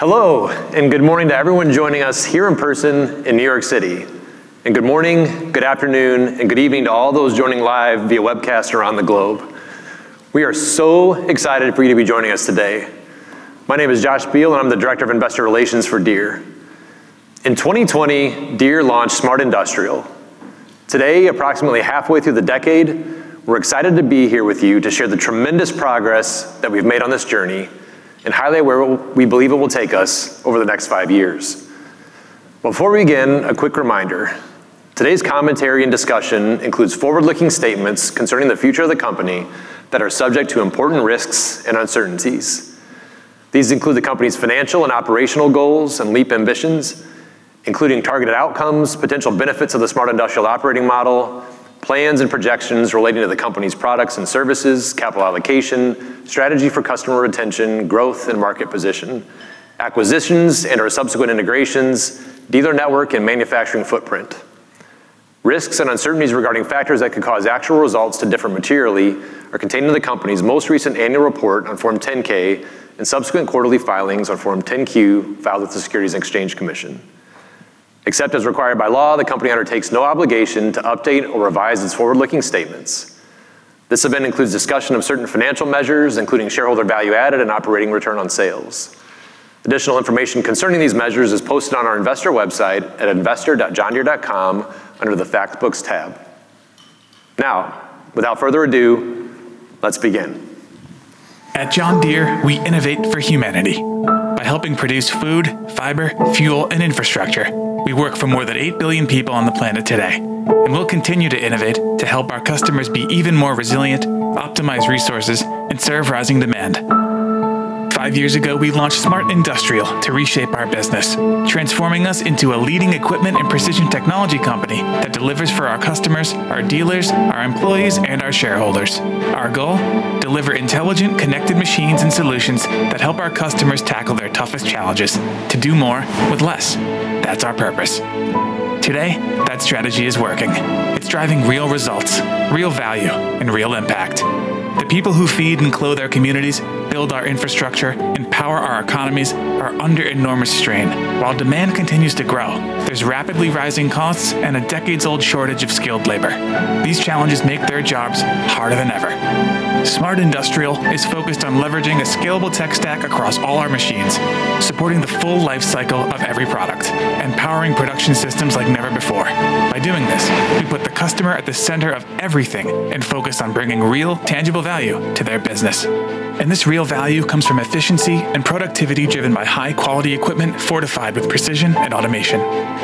Hello, and good morning to everyone joining us here in person in New York City, and good morning, good afternoon, and good evening to all those joining live via webcast or on the globe. We are so excited for you to be joining us today. My name is Josh Beal, and I'm the Director of Investor Relations for Deere. In 2020, Deere launched Smart Industrial. Today, approximately halfway through the decade, we're excited to be here with you to share the tremendous progress that we've made on this journey and highlight where we believe it will take us over the next five years. Before we begin, a quick reminder: today's commentary and discussion includes forward-looking statements concerning the future of the company that are subject to important risks and uncertainties. These include the company's financial and operational goals and LEAP Ambitions, including targeted outcomes, potential benefits of the Smart Industrial Operating Model, plans and projections relating to the company's products and services, capital allocation, strategy for customer retention, growth and market position, acquisitions and/or subsequent integrations, dealer network, and manufacturing footprint. Risks and uncertainties regarding factors that could cause actual results to differ materially are contained in the company's most recent annual report on Form 10-K and subsequent quarterly filings on Form 10-Q filed with the Securities and Exchange Commission. Except as required by law, the company undertakes no obligation to update or revise its forward-looking statements. This event includes discussion of certain financial measures, including shareholder value added and operating return on sales. Additional information concerning these measures is posted on our investor website at investor.deere.com under the Factbooks tab. Now, without further ado, let's begin. At John Deere, we innovate for humanity. By helping produce food, fiber, fuel, and infrastructure, we work for more than eight billion people on the planet today, and we'll continue to innovate to help our customers be even more resilient, optimize resources, and serve rising demand. Five years ago, we launched Smart Industrial to reshape our business, transforming us into a leading equipment and precision technology company that delivers for our customers, our dealers, our employees, and our shareholders. Our goal? Deliver intelligent, connected machines and solutions that help our customers tackle their toughest challenges to do more with less. That's our purpose. Today, that strategy is working. It's driving real results, real value, and real impact. The people who feed and clothe our communities, build our infrastructure, and power our economies are under enormous strain. While demand continues to grow, there's rapidly rising costs and a decades-old shortage of skilled labor. These challenges make their jobs harder than ever. Smart Industrial is focused on leveraging a scalable tech stack across all our machines, supporting the full lifecycle of every product, and powering production systems like never before. By doing this, we put the customer at the center of everything and focus on bringing real, tangible value to their business, and this real value comes from efficiency and productivity driven by high-quality equipment fortified with precision and automation,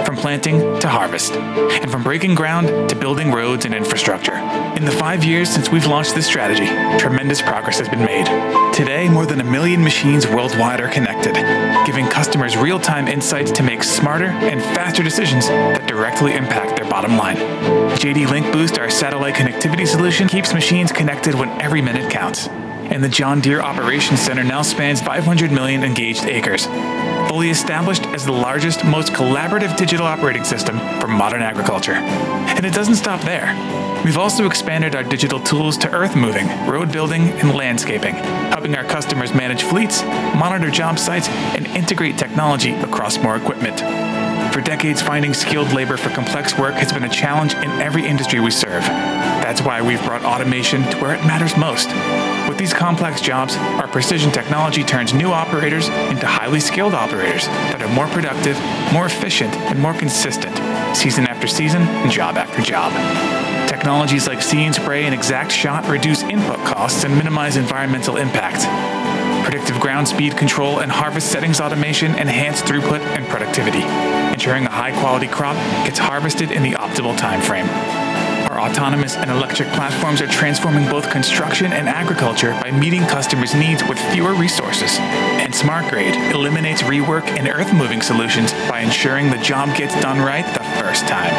from planting to harvest, and from breaking ground to building roads and infrastructure. In the five years since we've launched this strategy, tremendous progress has been made. Today, more than a million machines worldwide are connected, giving customers real-time insights to make smarter and faster decisions that directly impact their bottom line. JDLink Boost, our satellite connectivity solution, keeps machines connected when every minute counts. And the John Deere Operations Center now spans 500 million Engaged Acres, fully established as the largest, most collaborative digital operating system for modern agriculture. And it doesn't stop there. We've also expanded our digital tools to earth-moving, road building, and landscaping, helping our customers manage fleets, monitor job sites, and integrate technology across more equipment. For decades, finding skilled labor for complex work has been a challenge in every industry we serve. That's why we've brought automation to where it matters most. With these complex jobs, our precision technology turns new operators into highly skilled operators that are more productive, more efficient, and more consistent season after season and job after job. Technologies like See & Spray and ExactShot reduce input costs and minimize environmental impact. Predictive Ground Speed Automation and Harvest Settings Automation enhance throughput and productivity, ensuring a high-quality crop gets harvested in the optimal time frame. Our autonomous and electric platforms are transforming both construction and agriculture by meeting customers' needs with fewer resources. And SmartGrade eliminates rework and earth-moving solutions by ensuring the job gets done right the first time.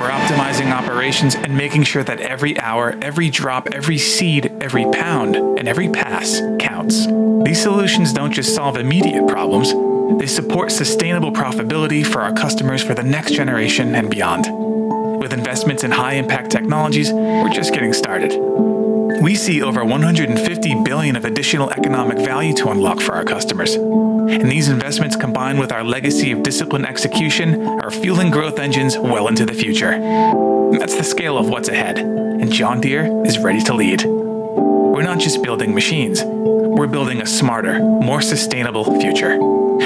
We're optimizing operations and making sure that every hour, every drop, every seed, every pound, and every pass counts. These solutions don't just solve immediate problems. They support sustainable profitability for our customers for the next generation and beyond. With investments in high-impact technologies, we're just getting started. We see over $150 billion of additional economic value to unlock for our customers. And these investments, combined with our legacy of disciplined execution, are fueling growth engines well into the future. That's the scale of what's ahead, and John Deere is ready to lead. We're not just building machines. We're building a smarter, more sustainable future,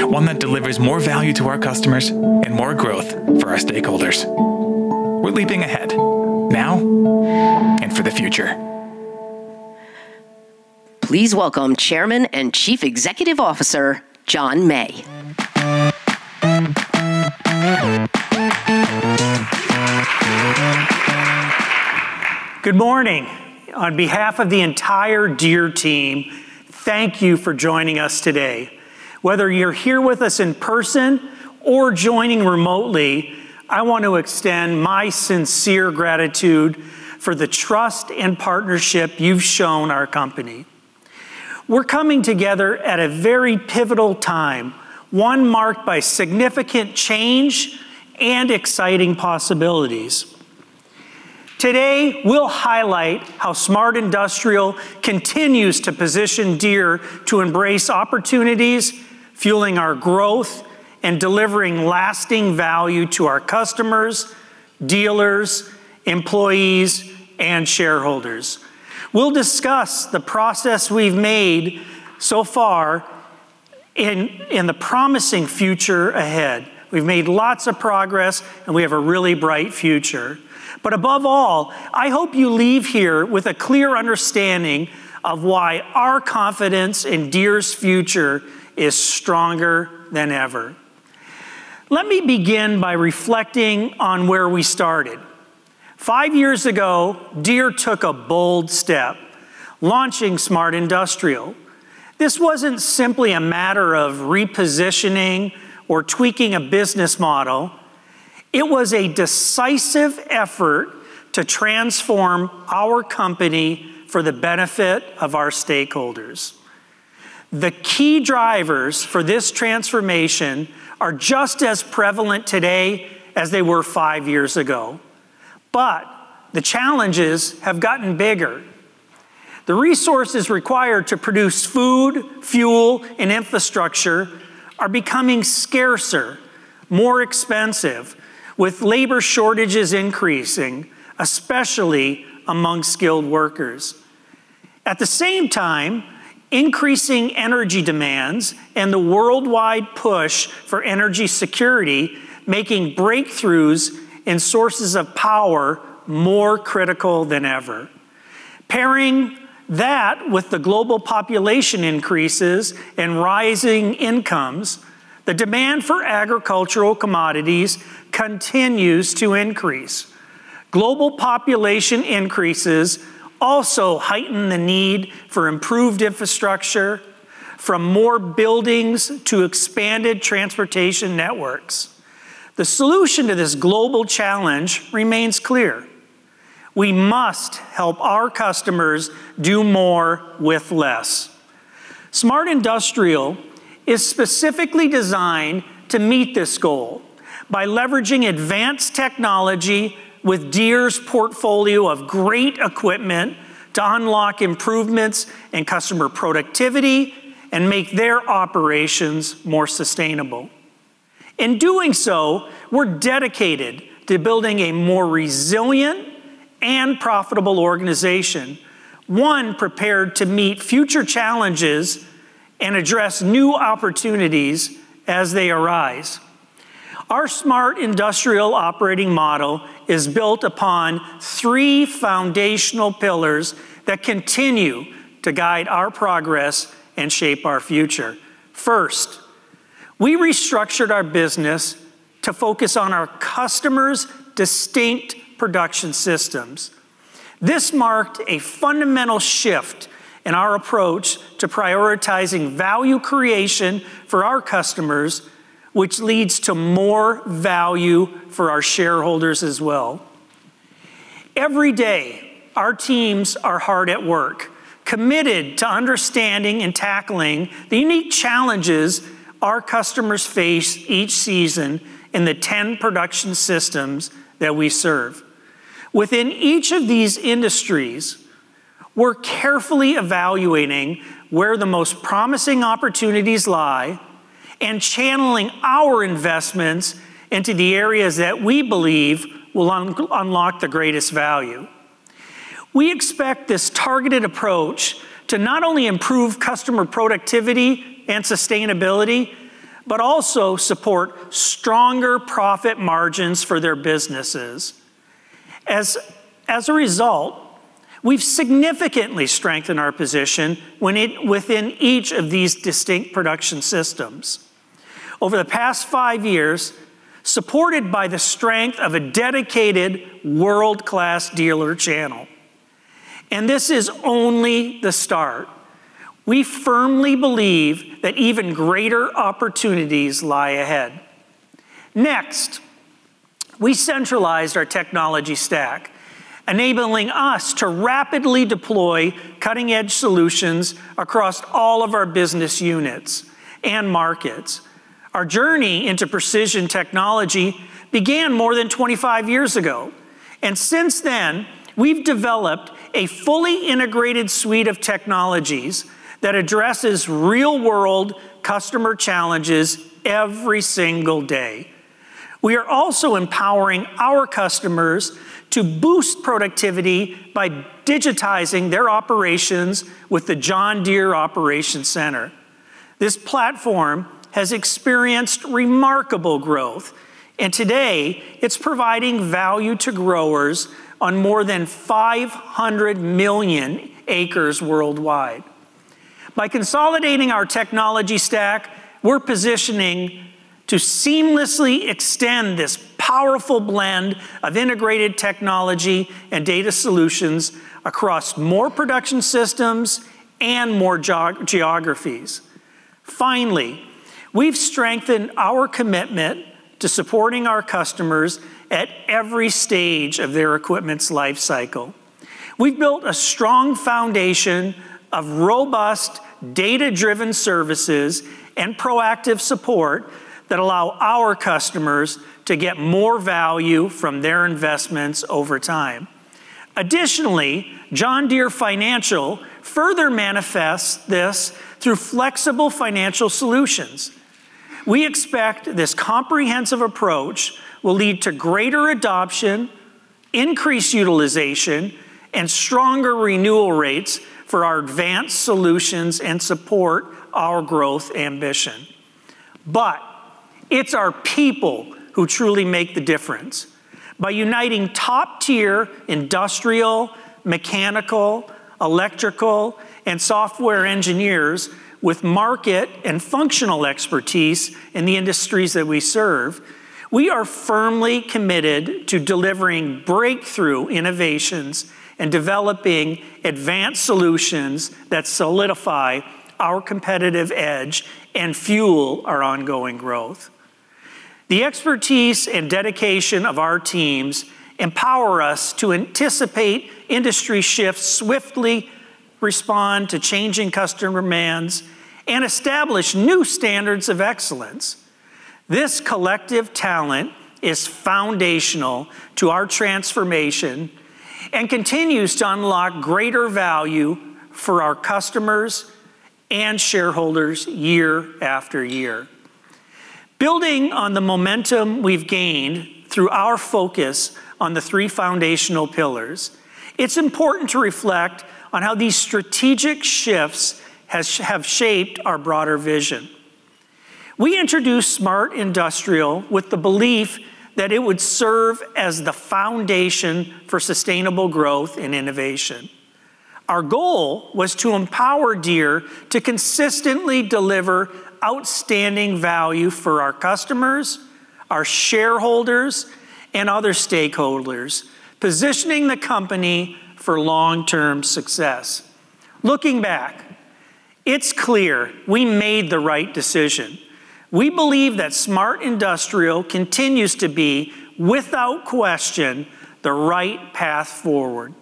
one that delivers more value to our customers and more growth for our stakeholders. We're leaping ahead now and for the future. Please welcome Chairman and Chief Executive Officer John May. Good morning. On behalf of the entire Deere team, thank you for joining us today. Whether you're here with us in person or joining remotely, I want to extend my sincere gratitude for the trust and partnership you've shown our company. We're coming together at a very pivotal time, one marked by significant change and exciting possibilities. Today, we'll highlight how Smart Industrial continues to position Deere to embrace opportunities, fueling our growth, and delivering lasting value to our customers, dealers, employees, and shareholders. We'll discuss the progress we've made so far and the promising future ahead. We've made lots of progress, and we have a really bright future. But above all, I hope you leave here with a clear understanding of why our confidence in Deere's future is stronger than ever. Let me begin by reflecting on where we started. Five years ago, Deere took a bold step launching Smart Industrial. This wasn't simply a matter of repositioning or tweaking a business model. It was a decisive effort to transform our company for the benefit of our stakeholders. The key drivers for this transformation are just as prevalent today as they were five years ago. But the challenges have gotten bigger. The resources required to produce food, fuel, and infrastructure are becoming scarcer, more expensive, with labor shortages increasing, especially among skilled workers. At the same time, increasing energy demands and the worldwide push for energy security are making breakthroughs in sources of power more critical than ever. Pairing that with the global population increases and rising incomes, the demand for agricultural commodities continues to increase. Global population increases also heighten the need for improved infrastructure, from more buildings to expanded transportation networks. The solution to this global challenge remains clear: we must help our customers do more with less. Smart Industrial is specifically designed to meet this goal by leveraging advanced technology with Deere's portfolio of great equipment to unlock improvements in customer productivity and make their operations more sustainable. In doing so, we're dedicated to building a more resilient and profitable organization, one prepared to meet future challenges and address new opportunities as they arise. Our Smart Industrial operating model is built upon three foundational pillars that continue to guide our progress and shape our future. First, we restructured our business to focus on our customers' distinct production systems. This marked a fundamental shift in our approach to prioritizing value creation for our customers, which leads to more value for our shareholders as well. Every day, our teams are hard at work, committed to understanding and tackling the unique challenges our customers face each season in the 10 production systems that we serve. Within each of these industries, we're carefully evaluating where the most promising opportunities lie and channeling our investments into the areas that we believe will unlock the greatest value. We expect this targeted approach to not only improve customer productivity and sustainability but also support stronger profit margins for their businesses. As a result, we've significantly strengthened our position within each of these distinct production systems over the past five years, supported by the strength of a dedicated world-class dealer channel, and this is only the start. We firmly believe that even greater opportunities lie ahead. Next, we centralized our technology stack, enabling us to rapidly deploy cutting-edge solutions across all of our business units and markets. Our journey into precision technology began more than 25 years ago, and since then, we've developed a fully integrated suite of technologies that addresses real-world customer challenges every single day. We are also empowering our customers to boost productivity by digitizing their operations with the John Deere Operations Center. This platform has experienced remarkable growth, and today, it's providing value to growers on more than 500 million acres worldwide. By consolidating our technology stack, we're positioning to seamlessly extend this powerful blend of integrated technology and data solutions across more production systems and more geographies. Finally, we've strengthened our commitment to supporting our customers at every stage of their equipment's lifecycle. We've built a strong foundation of robust data-driven services and proactive support that allow our customers to get more value from their investments over time. Additionally, John Deere Financial further manifests this through flexible financial solutions. We expect this comprehensive approach will lead to greater adoption, increased utilization, and stronger renewal rates for our advanced solutions and support our growth ambition. But it's our people who truly make the difference. By uniting top-tier industrial, mechanical, electrical, and software engineers with market and functional expertise in the industries that we serve, we are firmly committed to delivering breakthrough innovations and developing advanced solutions that solidify our competitive edge and fuel our ongoing growth. The expertise and dedication of our teams empower us to anticipate industry shifts swiftly, respond to changing customer demands, and establish new standards of excellence. This collective talent is foundational to our transformation and continues to unlock greater value for our customers and shareholders year after year. Building on the momentum we've gained through our focus on the three foundational pillars, it's important to reflect on how these strategic shifts have shaped our broader vision. We introduced Smart Industrial with the belief that it would serve as the foundation for sustainable growth and innovation. Our goal was to empower Deere to consistently deliver outstanding value for our customers, our shareholders, and other stakeholders, positioning the company for long-term success. Looking back, it's clear we made the right decision. We believe that Smart Industrial continues to be, without question, the right path forward.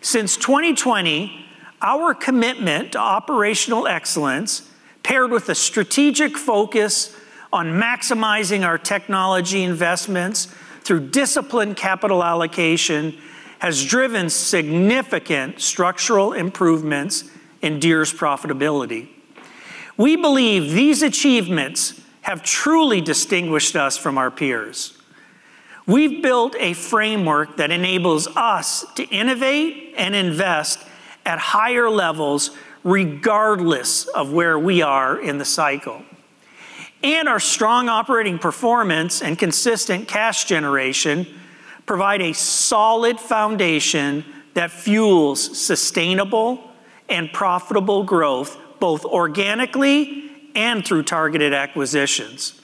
Since 2020, our commitment to operational excellence, paired with a strategic focus on maximizing our technology investments through disciplined capital allocation, has driven significant structural improvements in Deere's profitability. We believe these achievements have truly distinguished us from our peers. We've built a framework that enables us to innovate and invest at higher levels regardless of where we are in the cycle. And our strong operating performance and consistent cash generation provide a solid foundation that fuels sustainable and profitable growth both organically and through targeted acquisitions.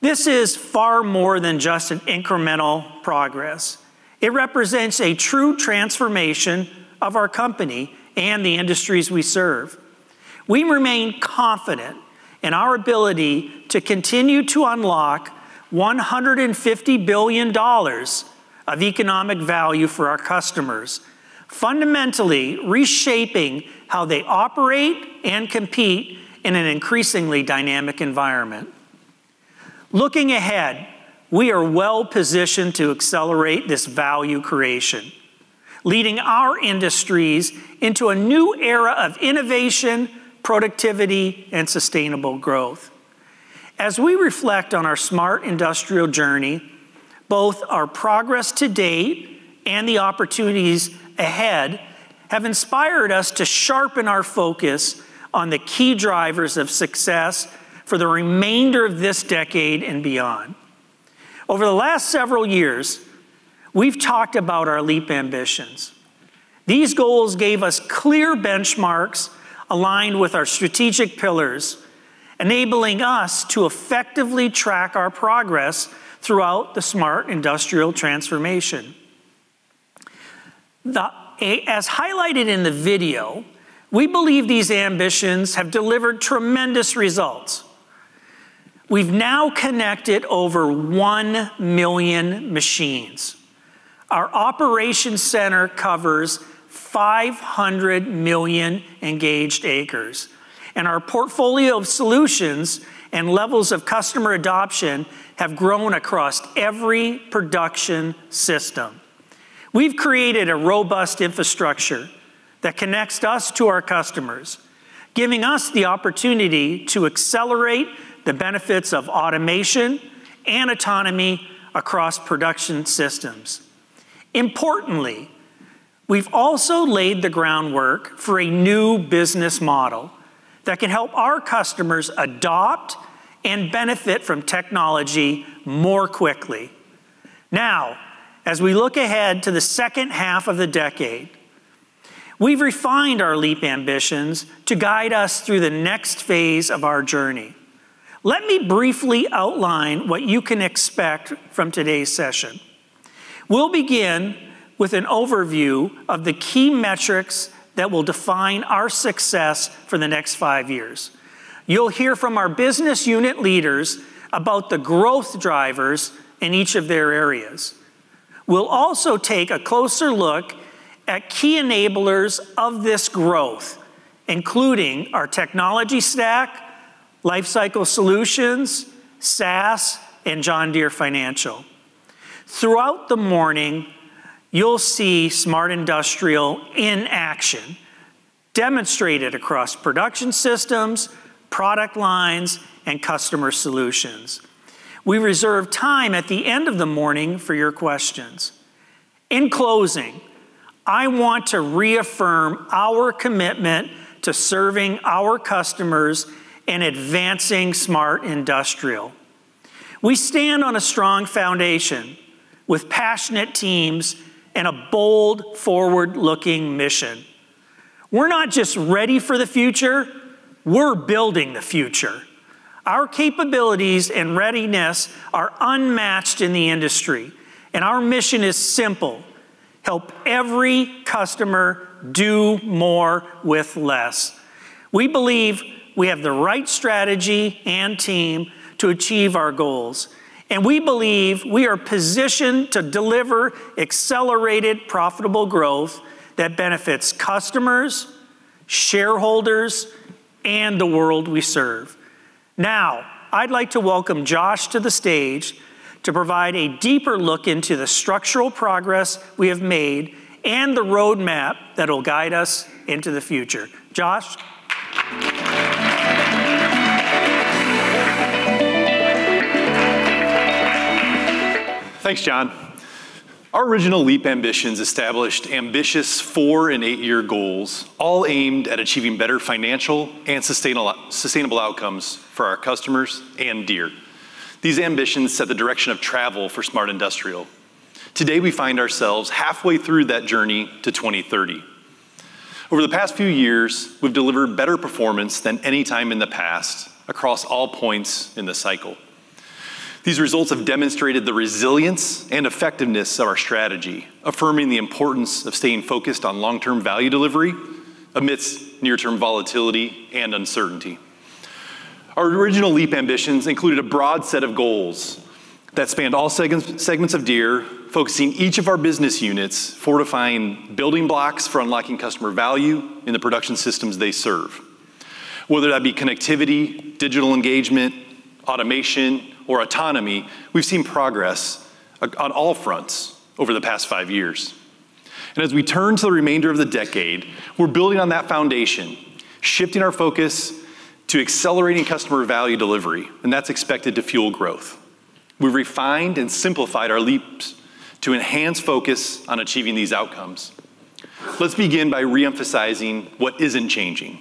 This is far more than just incremental progress. It represents a true transformation of our company and the industries we serve. We remain confident in our ability to continue to unlock $150 billion of economic value for our customers, fundamentally reshaping how they operate and compete in an increasingly dynamic environment. Looking ahead, we are well-positioned to accelerate this value creation, leading our industries into a new era of innovation, productivity, and sustainable growth. As we reflect on our Smart Industrial journey, both our progress to date and the opportunities ahead have inspired us to sharpen our focus on the key drivers of success for the remainder of this decade and beyond. Over the last several years, we've talked about our LEAP Ambitions. These goals gave us clear benchmarks aligned with our strategic pillars, enabling us to effectively track our progress throughout the Smart Industrial transformation. As highlighted in the video, we believe these ambitions have delivered tremendous results. We've now connected over 1 million machines. Our Operations Center covers 500 million Engaged Acres, and our portfolio of solutions and levels of customer adoption have grown across every Production System. We've created a robust infrastructure that connects us to our customers, giving us the opportunity to accelerate the benefits of automation and autonomy across Production Systems. Importantly, we've also laid the groundwork for a new business model that can help our customers adopt and benefit from technology more quickly. Now, as we look ahead to the second half of the decade, we've refined our LEAP Ambitions to guide us through the next phase of our journey. Let me briefly outline what you can expect from today's session. We'll begin with an overview of the key metrics that will define our success for the next five years. You'll hear from our business unit leaders about the growth drivers in each of their areas. We'll also take a closer look at key enablers of this growth, including our technology stack, Lifecycle Solutions, SaaS, and John Deere Financial. Throughout the morning, you'll see Smart Industrial in action, demonstrated across Production Systems, product lines, and customer solutions. We reserve time at the end of the morning for your questions. In closing, I want to reaffirm our commitment to serving our customers and advancing Smart Industrial. We stand on a strong foundation with passionate teams and a bold forward-looking mission. We're not just ready for the future. We're building the future. Our capabilities and readiness are unmatched in the industry, and our mission is simple: help every customer do more with less. We believe we have the right strategy and team to achieve our goals, and we believe we are positioned to deliver accelerated, profitable growth that benefits customers, shareholders, and the world we serve. Now, I'd like to welcome Josh to the stage to provide a deeper look into the structural progress we have made and the roadmap that will guide us into the future. Josh. Thanks, John. Our original LEAP Ambitions established ambitious four and eight-year goals, all aimed at achieving better financial and sustainable outcomes for our customers and Deere. These ambitions set the direction of travel for Smart Industrial. Today, we find ourselves halfway through that journey to 2030. Over the past few years, we've delivered better performance than any time in the past across all points in the cycle. These results have demonstrated the resilience and effectiveness of our strategy, affirming the importance of staying focused on long-term value delivery amidst near-term volatility and uncertainty. Our original LEAP Ambitions included a broad set of goals that spanned all segments of Deere, focusing on each of our business units, fortifying building blocks for unlocking customer value in the Production Systems they serve. Whether that be connectivity, digital engagement, automation, or autonomy, we've seen progress on all fronts over the past five years. And as we turn to the remainder of the decade, we're building on that foundation, shifting our focus to accelerating customer value delivery, and that's expected to fuel growth. We've refined and simplified our LEAPs to enhance focus on achieving these outcomes. Let's begin by reemphasizing what isn't changing.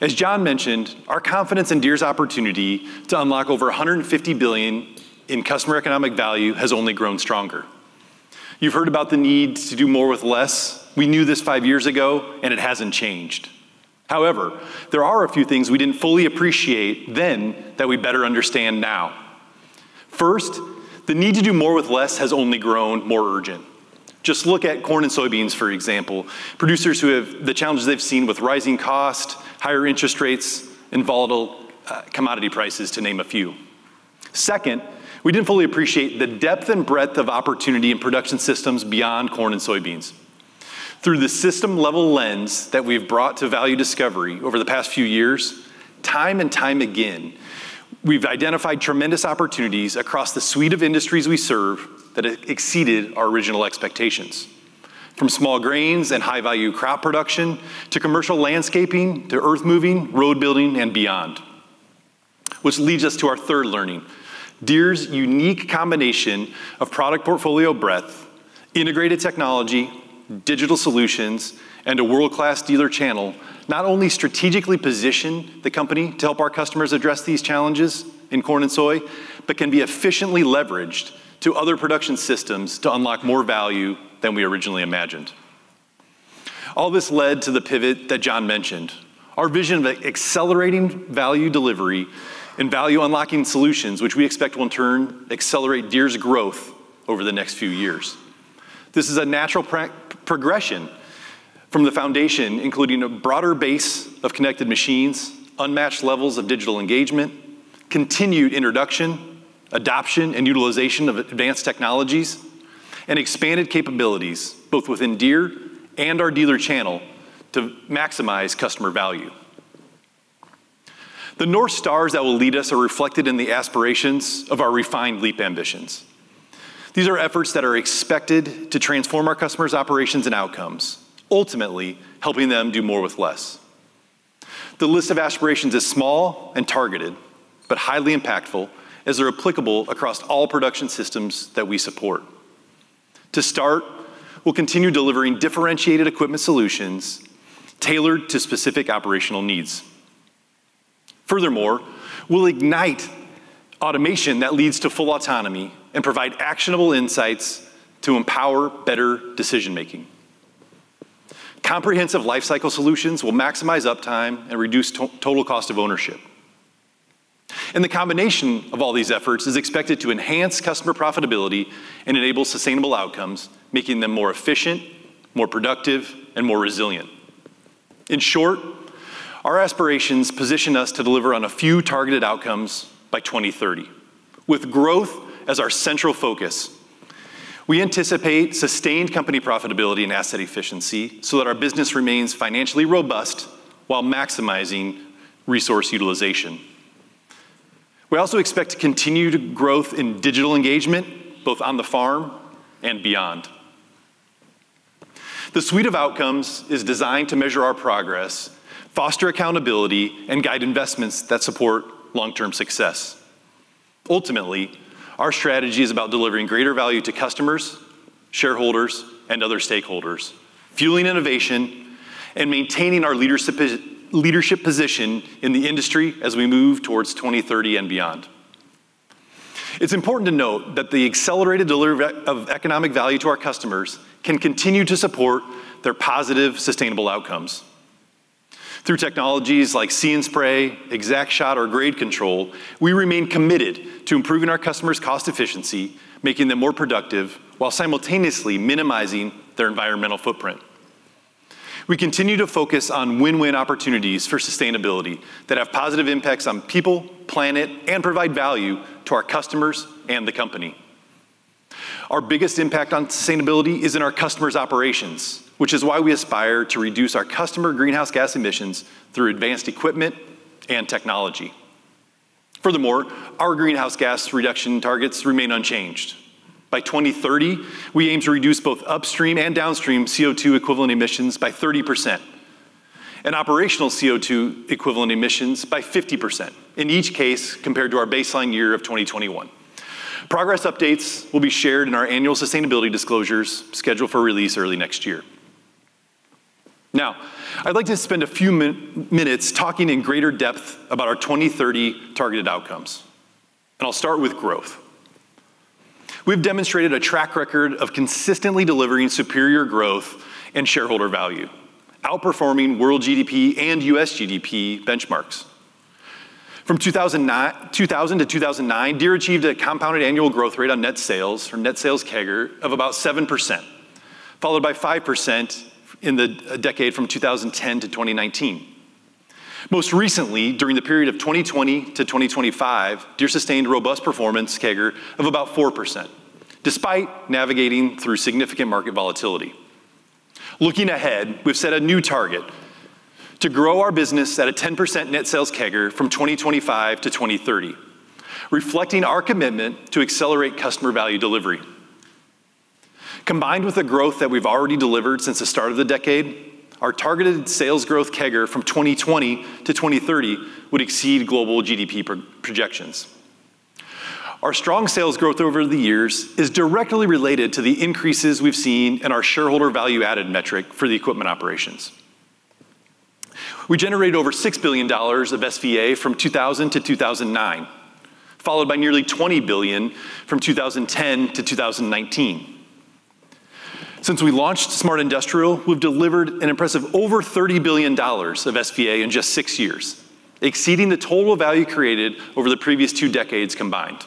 As John mentioned, our confidence in Deere's opportunity to unlock over $150 billion in customer economic value has only grown stronger. You've heard about the need to do more with less. We knew this five years ago, and it hasn't changed. However, there are a few things we didn't fully appreciate then that we better understand now. First, the need to do more with less has only grown more urgent. Just look at corn and soybeans, for example, producers who have the challenges they've seen with rising costs, higher interest rates, and volatile commodity prices, to name a few. Second, we didn't fully appreciate the depth and breadth of opportunity in production systems beyond corn and soybeans. Through the system-level lens that we've brought to value discovery over the past few years, time and time again, we've identified tremendous opportunities across the suite of industries we serve that exceeded our original expectations, from small grains and high-value crop production to commercial landscaping to earth-moving, road building, and beyond, which leads us to our third learning: Deere's unique combination of product portfolio breadth, integrated technology, digital solutions, and a world-class dealer channel not only strategically positions the company to help our customers address these challenges in corn and soy, but can be efficiently leveraged to other production systems to unlock more value than we originally imagined. All this led to the pivot that John mentioned, our vision of accelerating value delivery and value unlocking solutions, which we expect will in turn accelerate Deere's growth over the next few years. This is a natural progression from the foundation, including a broader base of connected machines, unmatched levels of digital engagement, continued introduction, adoption, and utilization of advanced technologies, and expanded capabilities both within Deere and our dealer channel to maximize customer value. The North Stars that will lead us are reflected in the aspirations of our refined LEAP Ambitions. These are efforts that are expected to transform our customers' operations and outcomes, ultimately helping them do more with less. The list of aspirations is small and targeted, but highly impactful as they're applicable across all Production Systems that we support. To start, we'll continue delivering differentiated equipment solutions tailored to specific operational needs. Furthermore, we'll ignite automation that leads to full autonomy and provide actionable insights to empower better decision-making. Comprehensive lifecycle solutions will maximize uptime and reduce total cost of ownership, and the combination of all these efforts is expected to enhance customer profitability and enable sustainable outcomes, making them more efficient, more productive, and more resilient. In short, our aspirations position us to deliver on a few targeted outcomes by 2030, with growth as our central focus. We anticipate sustained company profitability and asset efficiency so that our business remains financially robust while maximizing resource utilization. We also expect continued growth in digital engagement, both on the farm and beyond. The suite of outcomes is designed to measure our progress, foster accountability, and guide investments that support long-term success. Ultimately, our strategy is about delivering greater value to customers, shareholders, and other stakeholders, fueling innovation, and maintaining our leadership position in the industry as we move towards 2030 and beyond. It's important to note that the accelerated delivery of economic value to our customers can continue to support their positive, sustainable outcomes. Through technologies like See & Spray, ExactShot, or grade control, we remain committed to improving our customers' cost efficiency, making them more productive, while simultaneously minimizing their environmental footprint. We continue to focus on win-win opportunities for sustainability that have positive impacts on people, planet, and provide value to our customers and the company. Our biggest impact on sustainability is in our customers' operations, which is why we aspire to reduce our customer greenhouse gas emissions through advanced equipment and technology. Furthermore, our greenhouse gas reduction targets remain unchanged. By 2030, we aim to reduce both upstream and downstream CO2 equivalent emissions by 30% and operational CO2 equivalent emissions by 50%, in each case compared to our baseline year of 2021. Progress updates will be shared in our annual sustainability disclosures scheduled for release early next year. Now, I'd like to spend a few minutes talking in greater depth about our 2030 targeted outcomes, and I'll start with growth. We've demonstrated a track record of consistently delivering superior growth and shareholder value, outperforming world GDP and U.S. GDP benchmarks. From 2000 to 2009, Deere achieved a compounded annual growth rate on net sales, or net sales CAGR, of about 7%, followed by 5% in the decade from 2010 to 2019. Most recently, during the period of 2020 to 2025, Deere sustained robust performance CAGR of about 4%, despite navigating through significant market volatility. Looking ahead, we've set a new target to grow our business at a 10% net sales CAGR from 2025 to 2030, reflecting our commitment to accelerate customer value delivery. Combined with the growth that we've already delivered since the start of the decade, our targeted sales growth CAGR from 2020 to 2030 would exceed global GDP projections. Our strong sales growth over the years is directly related to the increases we've seen in our shareholder value-added metric for the equipment operations. We generated over $6 billion of SVA from 2000 to 2009, followed by nearly $20 billion from 2010 to 2019. Since we launched Smart Industrial, we've delivered an impressive over $30 billion of SVA in just six years, exceeding the total value created over the previous two decades combined.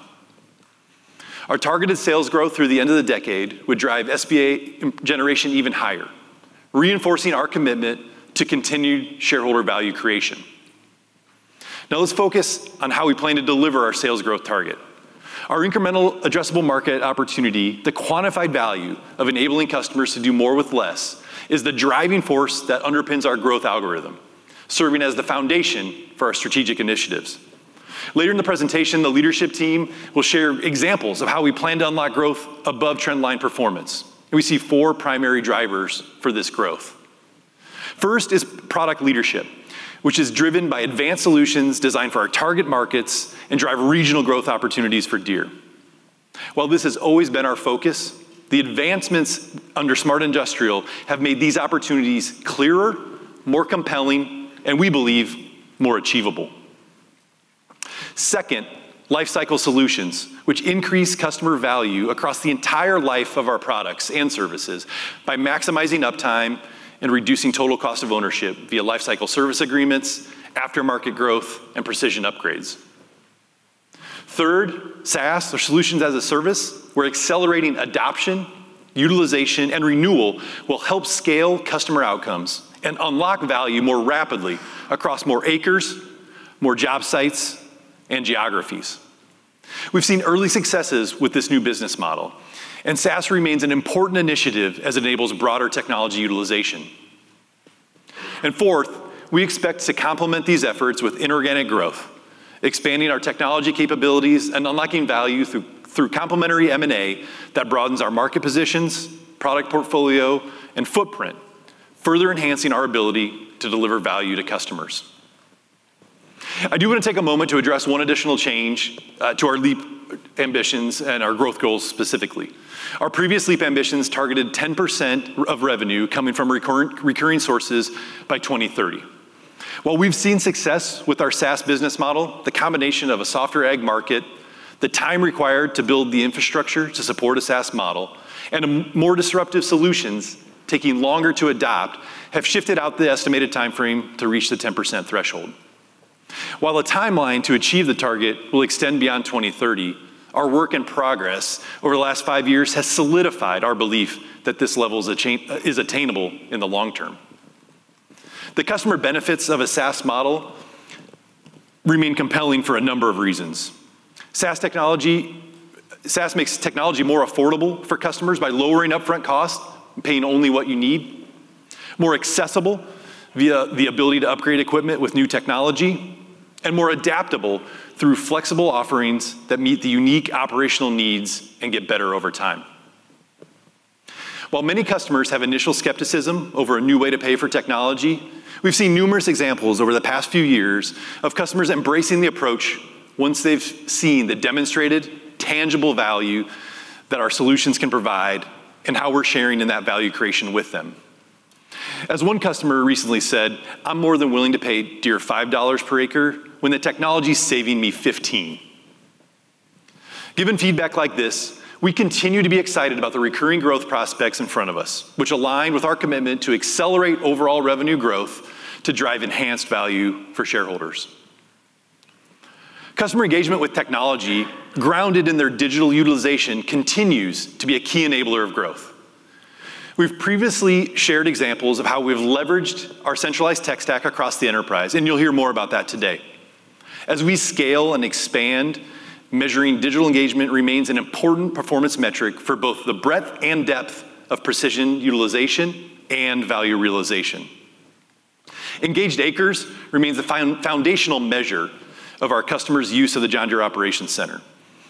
Our targeted sales growth through the end of the decade would drive SVA generation even higher, reinforcing our commitment to continued shareholder value creation. Now, let's focus on how we plan to deliver our sales growth target. Our incremental addressable market opportunity, the quantified value of enabling customers to do more with less, is the driving force that underpins our growth algorithm, serving as the foundation for our strategic initiatives. Later in the presentation, the leadership team will share examples of how we plan to unlock growth above trendline performance, and we see four primary drivers for this growth. First is product leadership, which is driven by advanced solutions designed for our target markets and drive regional growth opportunities for Deere. While this has always been our focus, the advancements under Smart Industrial have made these opportunities clearer, more compelling, and we believe more achievable. Second, Lifecycle Solutions, which increase customer value across the entire life of our products and services by maximizing uptime and reducing total cost of ownership via lifecycle service agreements, aftermarket growth, and precision upgrades. Third, SaaS or solutions as a service, where accelerating adoption, utilization, and renewal will help scale customer outcomes and unlock value more rapidly across more acres, more job sites, and geographies. We've seen early successes with this new business model, and SaaS remains an important initiative as it enables broader technology utilization. Fourth, we expect to complement these efforts with inorganic growth, expanding our technology capabilities and unlocking value through complementary M&A that broadens our market positions, product portfolio, and footprint, further enhancing our ability to deliver value to customers. I do want to take a moment to address one additional change to our LEAP Ambitions and our growth goals specifically. Our previous LEAP Ambitions targeted 10% of revenue coming from recurring sources by 2030. While we've seen success with our SaaS business model, the combination of a softer ag market, the time required to build the infrastructure to support a SaaS model, and more disruptive solutions taking longer to adopt have shifted out the estimated timeframe to reach the 10% threshold. While a timeline to achieve the target will extend beyond 2030, our work in progress over the last five years has solidified our belief that this level is attainable in the long term. The customer benefits of a SaaS model remain compelling for a number of reasons. SaaS makes technology more affordable for customers by lowering upfront costs, paying only what you need, more accessible via the ability to upgrade equipment with new technology, and more adaptable through flexible offerings that meet the unique operational needs and get better over time. While many customers have initial skepticism over a new way to pay for technology, we've seen numerous examples over the past few years of customers embracing the approach once they've seen the demonstrated tangible value that our solutions can provide and how we're sharing in that value creation with them. As one customer recently said, "I'm more than willing to pay Deere $5 per acre when the technology's saving me $15." Given feedback like this, we continue to be excited about the recurring growth prospects in front of us, which align with our commitment to accelerate overall revenue growth to drive enhanced value for shareholders. Customer engagement with technology, grounded in their digital utilization, continues to be a key enabler of growth. We've previously shared examples of how we've leveraged our centralized Tech Stack across the enterprise, and you'll hear more about that today. As we scale and expand, measuring digital engagement remains an important performance metric for both the breadth and depth of precision utilization and value realization. Engaged Acres remain the foundational measure of our customers' use of the John Deere Operations Center.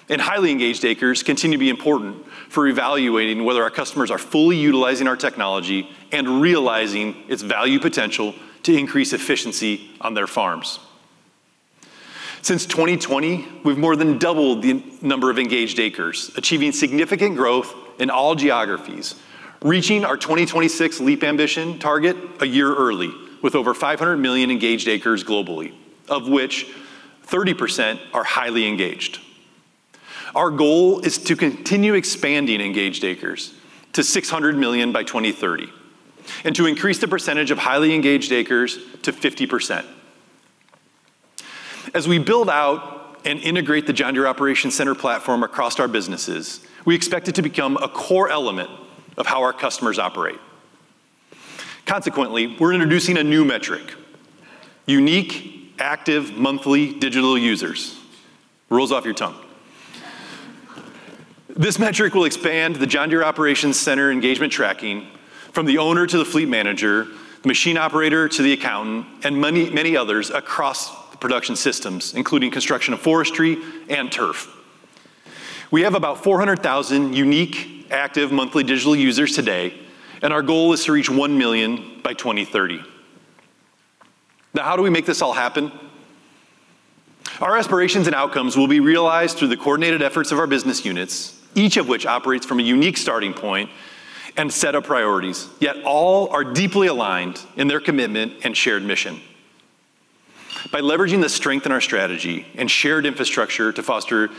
And Highly Engaged Acres continue to be important for evaluating whether our customers are fully utilizing our technology and realizing its value potential to increase efficiency on their farms. Since 2020, we've more than doubled the number of Engaged Acres, achieving significant growth in all geographies, reaching our 2026 LEAP Ambitions target a year early with over 500 million Engaged Acres globally, of which 30% are Highly Engaged. Our goal is to continue expanding engaged acres to 600 million by 2030 and to increase the percentage of highly engaged acres to 50%. As we build out and integrate the John Deere Operations Center platform across our businesses, we expect it to become a core element of how our customers operate. Consequently, we're introducing a new metric: unique active monthly digital users. Rolls off your tongue. This metric will expand the John Deere Operations Center engagement tracking from the owner to the fleet manager, the machine operator to the accountant, and many others across production systems, including construction, forestry, and turf. We have about 400,000 unique active monthly digital users today, and our goal is to reach 1 million by 2030. Now, how do we make this all happen? Our aspirations and outcomes will be realized through the coordinated efforts of our business units, each of which operates from a unique starting point and set of priorities, yet all are deeply aligned in their commitment and shared mission. By leveraging the strength in our strategy and shared infrastructure to foster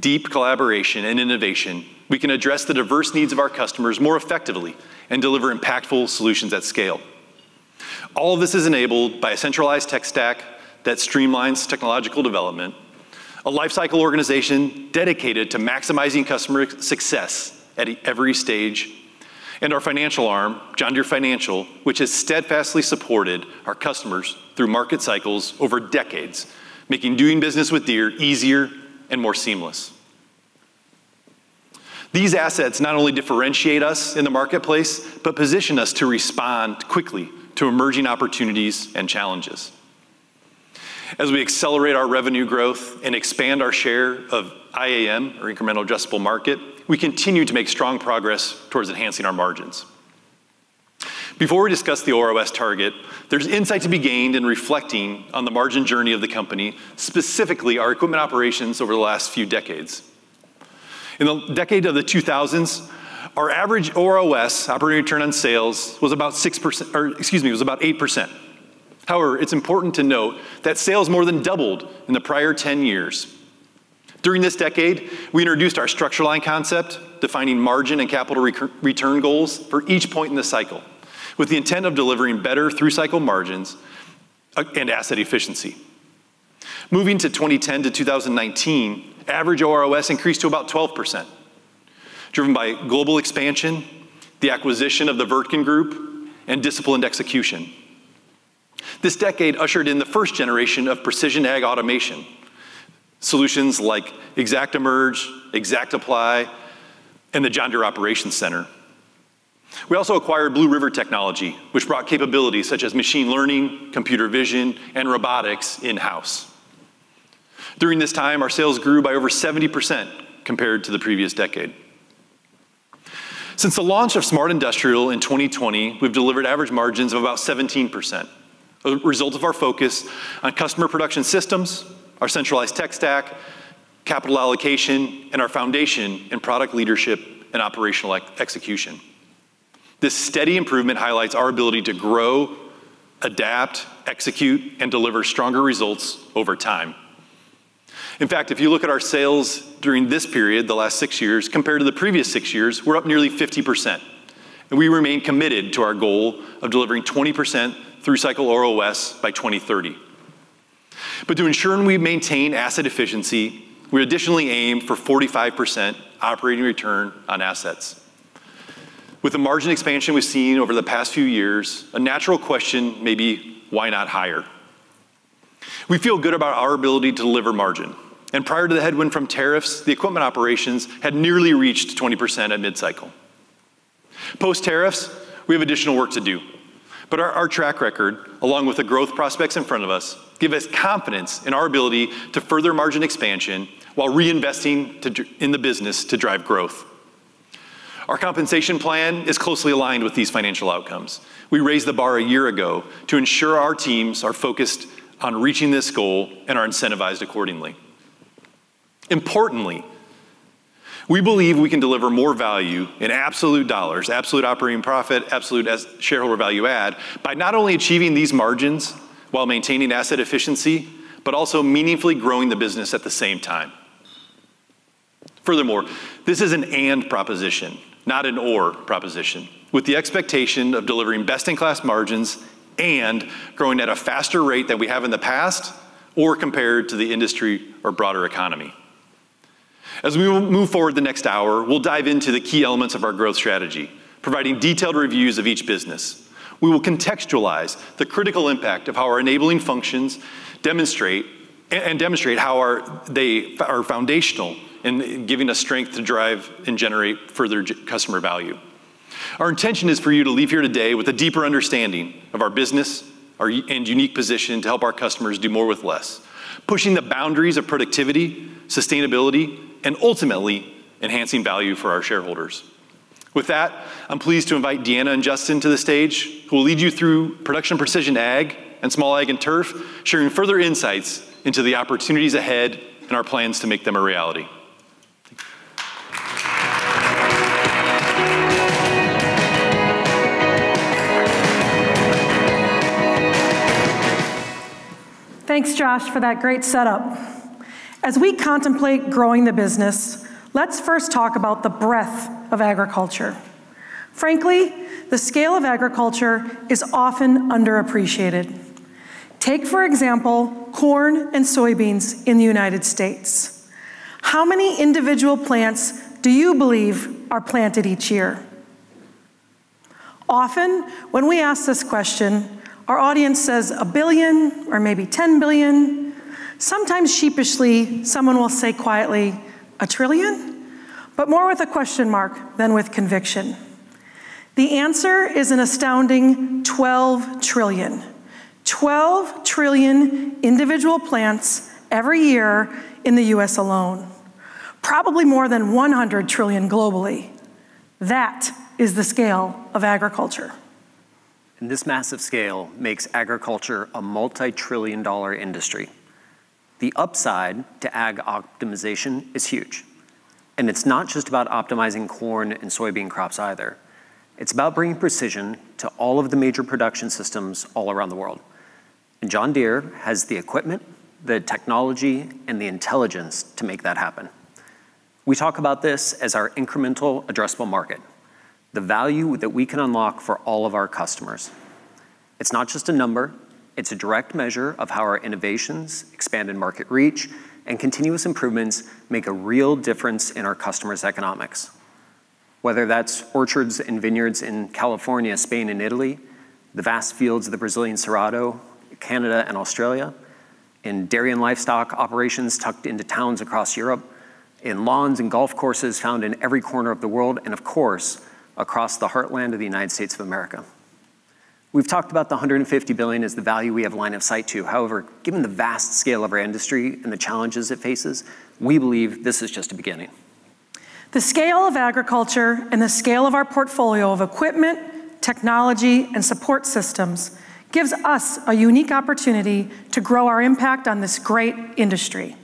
deep collaboration and innovation, we can address the diverse needs of our customers more effectively and deliver impactful solutions at scale. All of this is enabled by a centralized tech stack that streamlines technological development, a lifecycle organization dedicated to maximizing customer success at every stage, and our financial arm, John Deere Financial, which has steadfastly supported our customers through market cycles over decades, making doing business with Deere easier and more seamless. These assets not only differentiate us in the marketplace, but position us to respond quickly to emerging opportunities and challenges. As we accelerate our revenue growth and expand our share of IAM, or incremental addressable market, we continue to make strong progress towards enhancing our margins. Before we discuss the OROS target, there's insight to be gained in reflecting on the margin journey of the company, specifically our equipment operations over the last few decades. In the decade of the 2000s, our average OROS, operating return on sales, was about 6%, or excuse me, was about 8%. However, it's important to note that sales more than doubled in the prior 10 years. During this decade, we introduced our stretch line concept, defining margin and capital return goals for each point in the cycle, with the intent of delivering better through cycle margins and asset efficiency. Moving to 2010 to 2019, average OROS increased to about 12%, driven by global expansion, the acquisition of the Wirtgen Group, and disciplined execution. This decade ushered in the first generation of precision ag automation solutions like ExactEmerge, ExactApply, and the John Deere Operations Center. We also acquired Blue River Technology, which brought capabilities such as machine learning, computer vision, and robotics in-house. During this time, our sales grew by over 70% compared to the previous decade. Since the launch of Smart Industrial in 2020, we've delivered average margins of about 17%, a result of our focus on customer production systems, our centralized tech stack, capital allocation, and our foundation in product leadership and operational execution. This steady improvement highlights our ability to grow, adapt, execute, and deliver stronger results over time. In fact, if you look at our sales during this period, the last six years, compared to the previous six years, we're up nearly 50%, and we remain committed to our goal of delivering 20% through cycle OROS by 2030. But to ensure we maintain asset efficiency, we additionally aim for 45% operating return on assets. With the margin expansion we've seen over the past few years, a natural question may be, why not higher? We feel good about our ability to deliver margin, and prior to the headwind from tariffs, the equipment operations had nearly reached 20% at mid-cycle. Post-tariffs, we have additional work to do, but our track record, along with the growth prospects in front of us, gives us confidence in our ability to further margin expansion while reinvesting in the business to drive growth. Our compensation plan is closely aligned with these financial outcomes. We raised the bar a year ago to ensure our teams are focused on reaching this goal and are incentivized accordingly. Importantly, we believe we can deliver more value in absolute dollars, absolute operating profit, absolute Shareholder Value Added, by not only achieving these margins while maintaining asset efficiency, but also meaningfully growing the business at the same time. Furthermore, this is an and proposition, not an or proposition, with the expectation of delivering best-in-class margins and growing at a faster rate than we have in the past or compared to the industry or broader economy. As we move forward the next hour, we'll dive into the key elements of our growth strategy, providing detailed reviews of each business. We will contextualize the critical impact of how our enabling functions demonstrate how they are foundational in giving us strength to drive and generate further customer value. Our intention is for you to leave here today with a deeper understanding of our business and unique position to help our customers do more with less, pushing the boundaries of productivity, sustainability, and ultimately enhancing value for our shareholders. With that, I'm pleased to invite Deanna and Justin to the stage, who will lead you through Production and Precision Ag and Small Ag and Turf, sharing further insights into the opportunities ahead and our plans to make them a reality. Thanks, Josh, for that great setup. As we contemplate growing the business, let's first talk about the breadth of agriculture. Frankly, the scale of agriculture is often underappreciated. Take, for example, corn and soybeans in the United States. How many individual plants do you believe are planted each year? Often, when we ask this question, our audience says a billion or maybe 10 billion. Sometimes sheepishly, someone will say quietly a trillion, but more with a question mark than with conviction. The answer is an astounding 12 trillion. 12 trillion individual plants every year in the U.S. alone, probably more than 100 trillion globally. That is the scale of agriculture. This massive scale makes agriculture a multi-trillion-dollar industry. The upside to ag optimization is huge, and it's not just about optimizing corn and soybean crops either. It's about bringing precision to all of the major production systems all around the world. John Deere has the equipment, the technology, and the intelligence to make that happen. We talk about this as our incremental addressable market, the value that we can unlock for all of our customers. It's not just a number. It's a direct measure of how our innovations, expanded market reach, and continuous improvements make a real difference in our customers' economics. Whether that's orchards and vineyards in California, Spain, and Italy, the vast fields of the Brazilian Cerrado, Canada and Australia, and dairy and livestock operations tucked into towns across Europe, and lawns and golf courses found in every corner of the world, and of course, across the heartland of the United States of America. We've talked about the $150 billion as the value we have a line of sight to. However, given the vast scale of our industry and the challenges it faces, we believe this is just the beginning. The scale of agriculture and the scale of our portfolio of equipment, technology, and support systems gives us a unique opportunity to grow our impact on this great industry.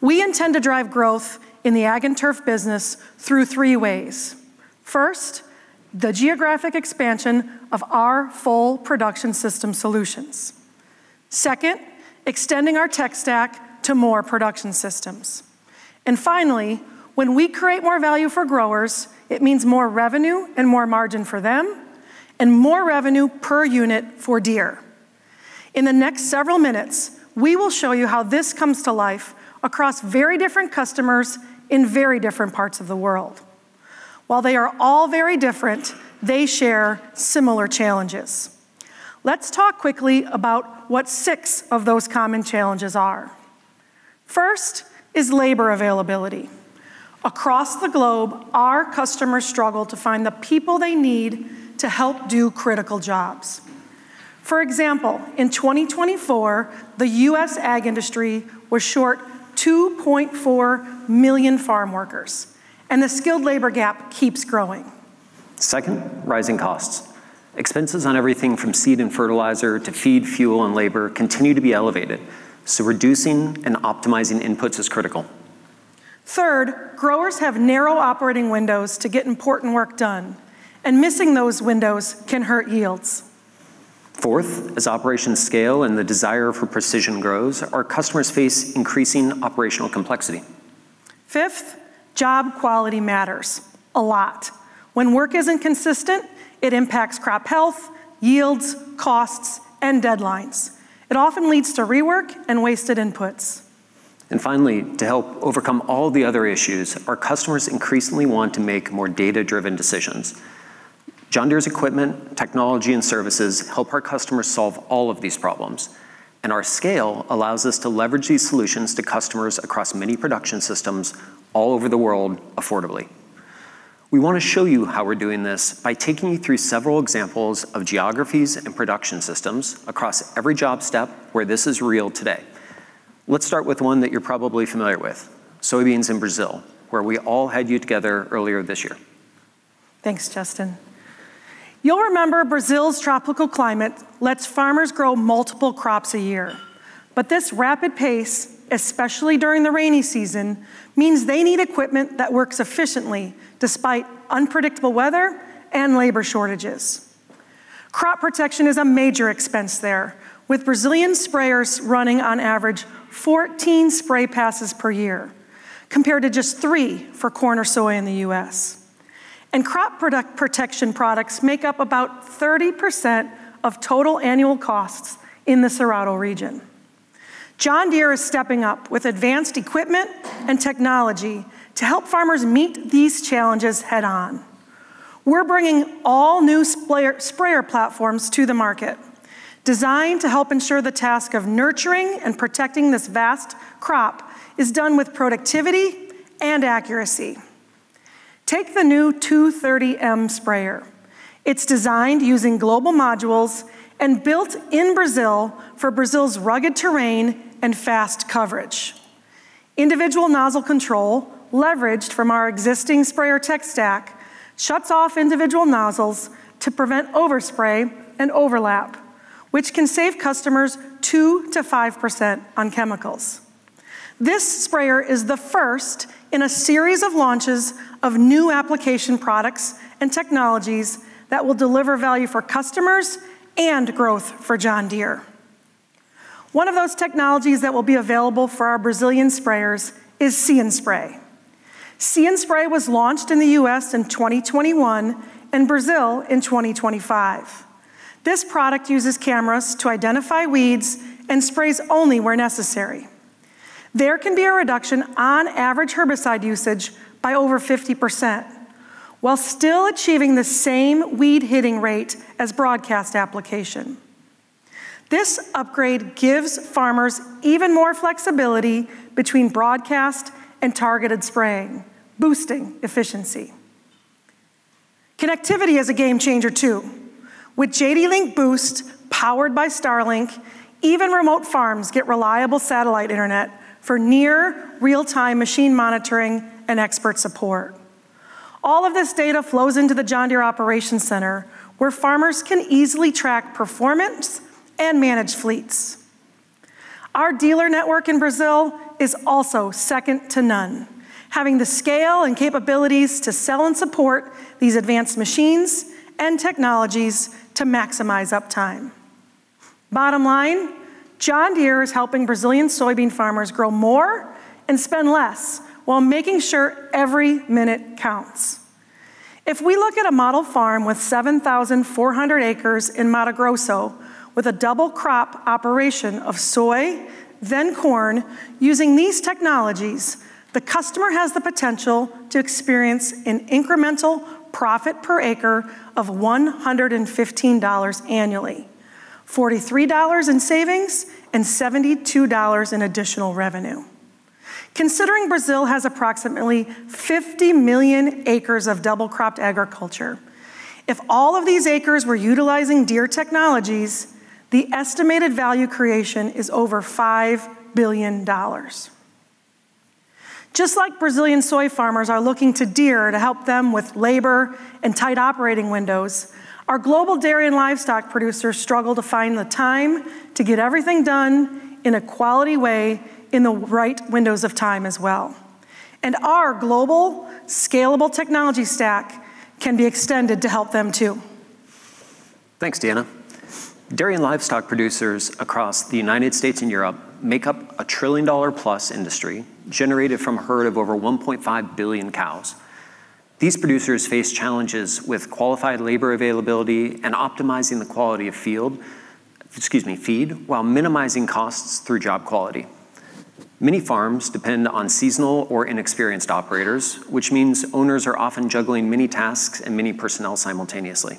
We intend to drive growth in the ag and turf business through three ways. First, the geographic expansion of our full production system solutions. Second, extending our tech stack to more production systems. And finally, when we create more value for growers, it means more revenue and more margin for them and more revenue per unit for Deere. In the next several minutes, we will show you how this comes to life across very different customers in very different parts of the world. While they are all very different, they share similar challenges. Let's talk quickly about what six of those common challenges are. First is labor availability. Across the globe, our customers struggle to find the people they need to help do critical jobs. For example, in 2024, the U.S. ag industry was short 2.4 million farm workers, and the skilled labor gap keeps growing. Second, rising costs. Expenses on everything from seed and fertilizer to feed, fuel, and labor continue to be elevated, so reducing and optimizing inputs is critical. Third, growers have narrow operating windows to get important work done, and missing those windows can hurt yields. Fourth, as operations scale and the desire for precision grows, our customers face increasing operational complexity. Fifth, job quality matters a lot. When work isn't consistent, it impacts crop health, yields, costs, and deadlines. It often leads to rework and wasted inputs. And finally, to help overcome all the other issues, our customers increasingly want to make more data-driven decisions. John Deere's equipment, technology, and services help our customers solve all of these problems, and our scale allows us to leverage these solutions to customers across many production systems all over the world affordably. We want to show you how we're doing this by taking you through several examples of geographies and production systems across every job step where this is real today. Let's start with one that you're probably familiar with, soybeans in Brazil, where we all had you together earlier this year. Thanks, Justin. You'll remember Brazil's tropical climate lets farmers grow multiple crops a year. But this rapid pace, especially during the rainy season, means they need equipment that works efficiently despite unpredictable weather and labor shortages. Crop protection is a major expense there, with Brazilian sprayers running on average 14 spray passes per year, compared to just three for corn or soy in the U.S. And crop protection products make up about 30% of total annual costs in the Cerrado region. John Deere is stepping up with advanced equipment and technology to help farmers meet these challenges head-on. We're bringing all new sprayer platforms to the market, designed to help ensure the task of nurturing and protecting this vast crop is done with productivity and accuracy. Take the new 230M sprayer. It's designed using global modules and built in Brazil for Brazil's rugged terrain and fast coverage. Individual nozzle control, leveraged from our existing sprayer tech stack, shuts off individual nozzles to prevent overspray and overlap, which can save customers 2%-5% on chemicals. This sprayer is the first in a series of launches of new application products and technologies that will deliver value for customers and growth for John Deere. One of those technologies that will be available for our Brazilian sprayers is See & Spray. See & Spray was launched in the U.S. in 2021 and Brazil in 2025. This product uses cameras to identify weeds and sprays only where necessary. There can be a reduction on average herbicide usage by over 50%, while still achieving the same weed hitting rate as broadcast application. This upgrade gives farmers even more flexibility between broadcast and targeted spraying, boosting efficiency. Connectivity is a game changer too. With JDLink Boost powered by Starlink, even remote farms get reliable satellite internet for near real-time machine monitoring and expert support. All of this data flows into the John Deere Operations Center, where farmers can easily track performance and manage fleets. Our dealer network in Brazil is also second to none, having the scale and capabilities to sell and support these advanced machines and technologies to maximize uptime. Bottom line, John Deere is helping Brazilian soybean farmers grow more and spend less while making sure every minute counts. If we look at a model farm with 7,400 acres in Mato Grosso, with a double crop operation of soy, then corn, using these technologies, the customer has the potential to experience an incremental profit per acre of $115 annually, $43 in savings and $72 in additional revenue. Considering Brazil has approximately 50 million acres of double-cropped agriculture, if all of these acres were utilizing Deere technologies, the estimated value creation is over $5 billion. Just like Brazilian soy farmers are looking to Deere to help them with labor and tight operating windows, our global dairy and livestock producers struggle to find the time to get everything done in a quality way in the right windows of time as well. Our global scalable technology stack can be extended to help them too. Thanks, Deanna. Dairy and livestock producers across the United States and Europe make up a trillion-dollar-plus industry generated from a herd of over 1.5 billion cows. These producers face challenges with qualified labor availability and optimizing the quality of field, excuse me, feed, while minimizing costs through job quality. Many farms depend on seasonal or inexperienced operators, which means owners are often juggling many tasks and many personnel simultaneously.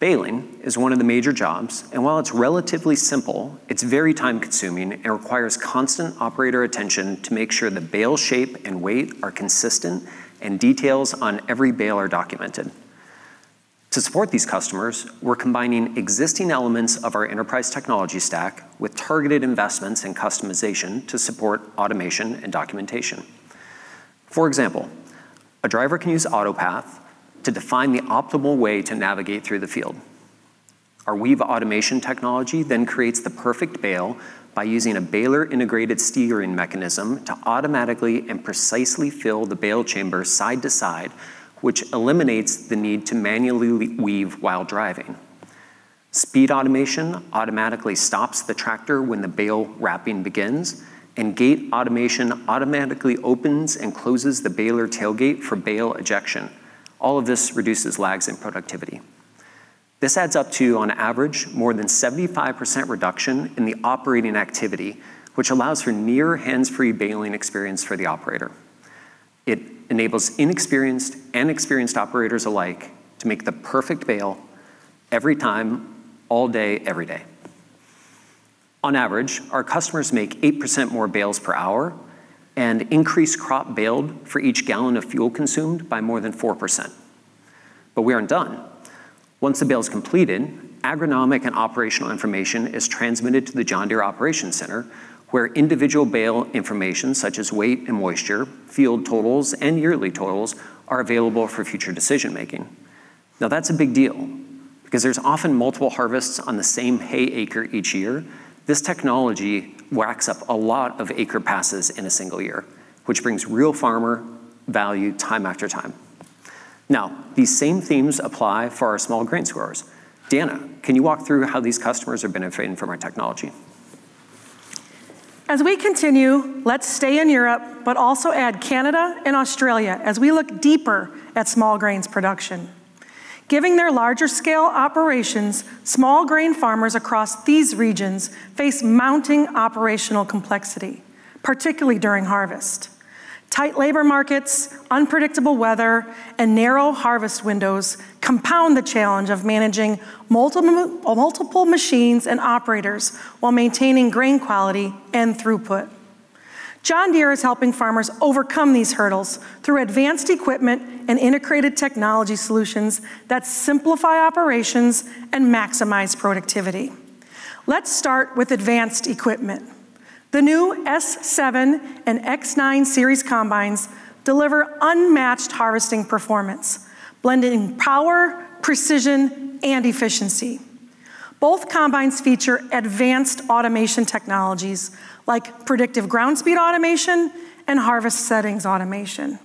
Baling is one of the major jobs, and while it's relatively simple, it's very time-consuming and requires constant operator attention to make sure the bale shape and weight are consistent and details on every bale are documented. To support these customers, we're combining existing elements of our enterprise technology stack with targeted investments and customization to support automation and documentation. For example, a driver can use AutoPath to define the optimal way to navigate through the field. Our weave automation technology then creates the perfect bale by using a baler-integrated steering mechanism to automatically and precisely fill the bale chamber side to side, which eliminates the need to manually weave while driving. Speed automation automatically stops the tractor when the bale wrapping begins, and gate automation automatically opens and closes the baler tailgate for bale ejection. All of this reduces lags in productivity. This adds up to, on average, more than 75% reduction in the operating activity, which allows for near hands-free baling experience for the operator. It enables inexperienced and experienced operators alike to make the perfect bale every time, all day, every day. On average, our customers make 8% more bales per hour and increase crop bale for each gallon of fuel consumed by more than 4%. But we aren't done. Once the bale is completed, agronomic and operational information is transmitted to the John Deere Operations Center, where individual bale information such as weight and moisture, field totals, and yearly totals are available for future decision-making. Now, that's a big deal because there's often multiple harvests on the same hay acre each year. This technology racks up a lot of acre passes in a single year, which brings real farmer value time after time. Now, these same themes apply for our small grain squares. Deanna, can you walk through how these customers are benefiting from our technology? As we continue, let's stay in Europe, but also add Canada and Australia as we look deeper at small grains production. Given their larger scale operations, small grain farmers across these regions face mounting operational complexity, particularly during harvest. Tight labor markets, unpredictable weather, and narrow harvest windows compound the challenge of managing multiple machines and operators while maintaining grain quality and throughput. John Deere is helping farmers overcome these hurdles through advanced equipment and integrated technology solutions that simplify operations and maximize productivity. Let's start with advanced equipment. The new S7 Series and X9 Series combines deliver unmatched harvesting performance, blending power, precision, and efficiency. Both combines feature advanced automation technologies like Predictive Ground Speed Automation and Harvest Settings Automation.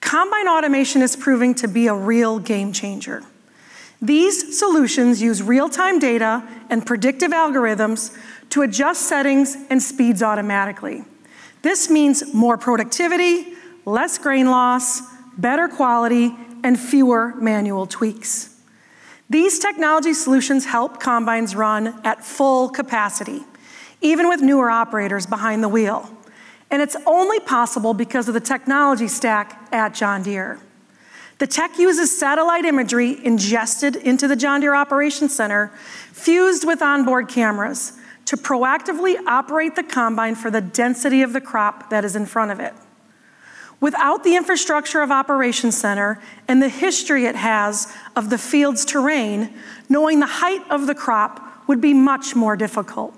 Combine automation is proving to be a real game changer. These solutions use real-time data and predictive algorithms to adjust settings and speeds automatically. This means more productivity, less grain loss, better quality, and fewer manual tweaks. These technology solutions help combines run at full capacity, even with newer operators behind the wheel, and it's only possible because of the technology stack at John Deere. The tech uses satellite imagery ingested into the John Deere Operations Center, fused with onboard cameras to proactively operate the combine for the density of the crop that is in front of it. Without the infrastructure of Operations Center and the history it has of the field's terrain, knowing the height of the crop would be much more difficult.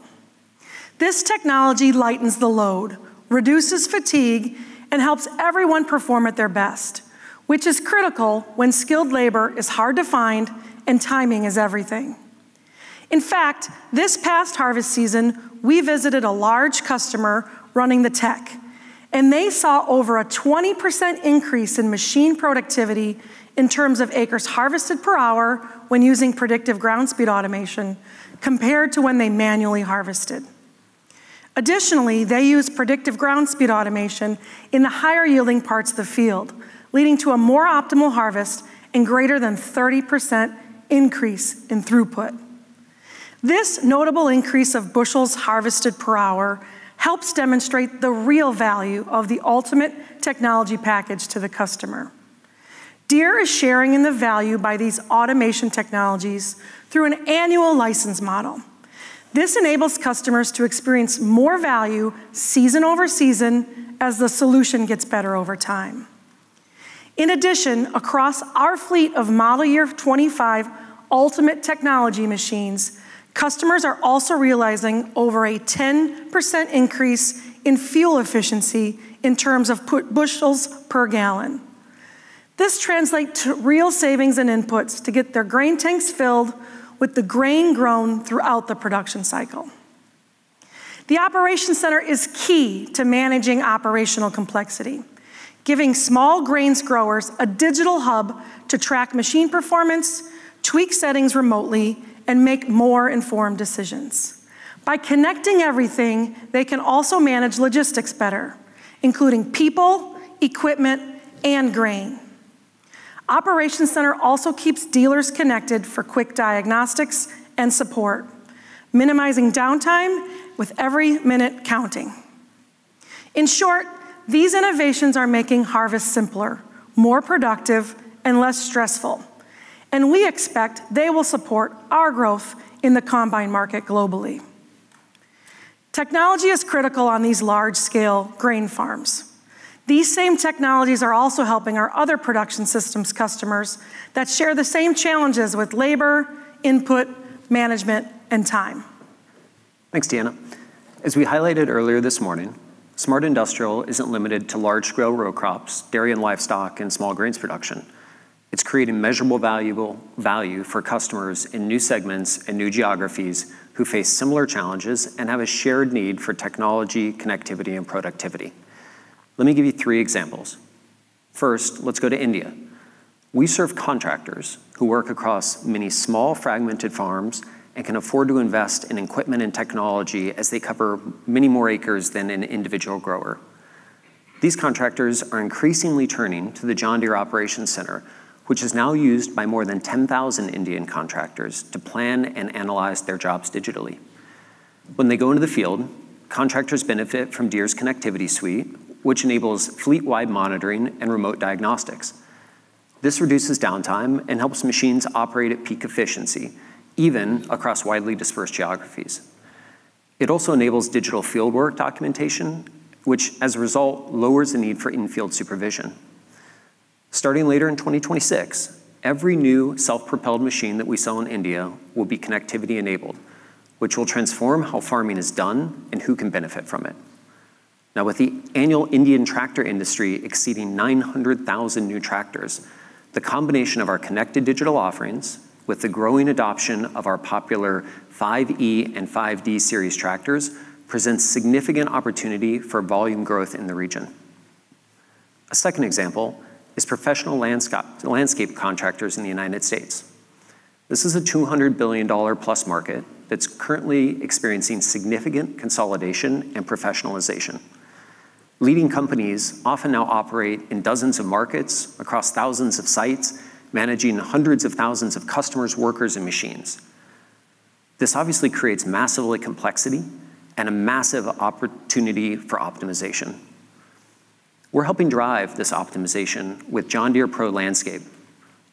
This technology lightens the load, reduces fatigue, and helps everyone perform at their best, which is critical when skilled labor is hard to find and timing is everything. In fact, this past harvest season, we visited a large customer running the tech, and they saw over a 20% increase in machine productivity in terms of acres harvested per hour when using Predictive Ground Speed Automation compared to when they manually harvested. Additionally, they used Predictive Ground Speed Automation in the higher yielding parts of the field, leading to a more optimal harvest and greater than 30% increase in throughput. This notable increase of bushels harvested per hour helps demonstrate the real value of the ultimate technology package to the customer. Deere is sharing in the value by these automation technologies through an annual license model. This enables customers to experience more value season over season as the solution gets better over time. In addition, across our fleet of Model Year 25 Ultimate Technology machines, customers are also realizing over a 10% increase in fuel efficiency in terms of bushels per gallon. This translates to real savings in inputs to get their grain tanks filled with the grain grown throughout the production cycle. The Operations Center is key to managing operational complexity, giving small grains growers a digital hub to track machine performance, tweak settings remotely, and make more informed decisions. By connecting everything, they can also manage logistics better, including people, equipment, and grain. Operations Center also keeps dealers connected for quick diagnostics and support, minimizing downtime with every minute counting. In short, these innovations are making harvest simpler, more productive, and less stressful, and we expect they will support our growth in the combine market globally. Technology is critical on these large-scale grain farms. These same technologies are also helping our other Production Systems customers that share the same challenges with labor, input, management, and time. Thanks, Deanna. As we highlighted earlier this morning, Smart Industrial isn't limited to large-scale row crops, dairy and livestock, and small grains production. It's creating measurable value for customers in new segments and new geographies who face similar challenges and have a shared need for technology, connectivity, and productivity. Let me give you three examples. First, let's go to India. We serve contractors who work across many small fragmented farms and can afford to invest in equipment and technology as they cover many more acres than an individual grower. These contractors are increasingly turning to the John Deere Operations Center, which is now used by more than 10,000 Indian contractors to plan and analyze their jobs digitally. When they go into the field, contractors benefit from Deere's connectivity suite, which enables fleet-wide monitoring and remote diagnostics. This reduces downtime and helps machines operate at peak efficiency, even across widely dispersed geographies. It also enables digital fieldwork documentation, which, as a result, lowers the need for in-field supervision. Starting later in 2026, every new self-propelled machine that we sell in India will be connectivity-enabled, which will transform how farming is done and who can benefit from it. Now, with the annual Indian tractor industry exceeding 900,000 new tractors, the combination of our connected digital offerings with the growing adoption of our popular 5E Series and 5D Series tractors presents significant opportunity for volume growth in the region. A second example is professional landscape contractors in the United States. This is a $200 billion-plus market that's currently experiencing significant consolidation and professionalization. Leading companies often now operate in dozens of markets across thousands of sites, managing hundreds of thousands of customers, workers, and machines. This obviously creates massive complexity and a massive opportunity for optimization. We're helping drive this optimization with the ProLandscape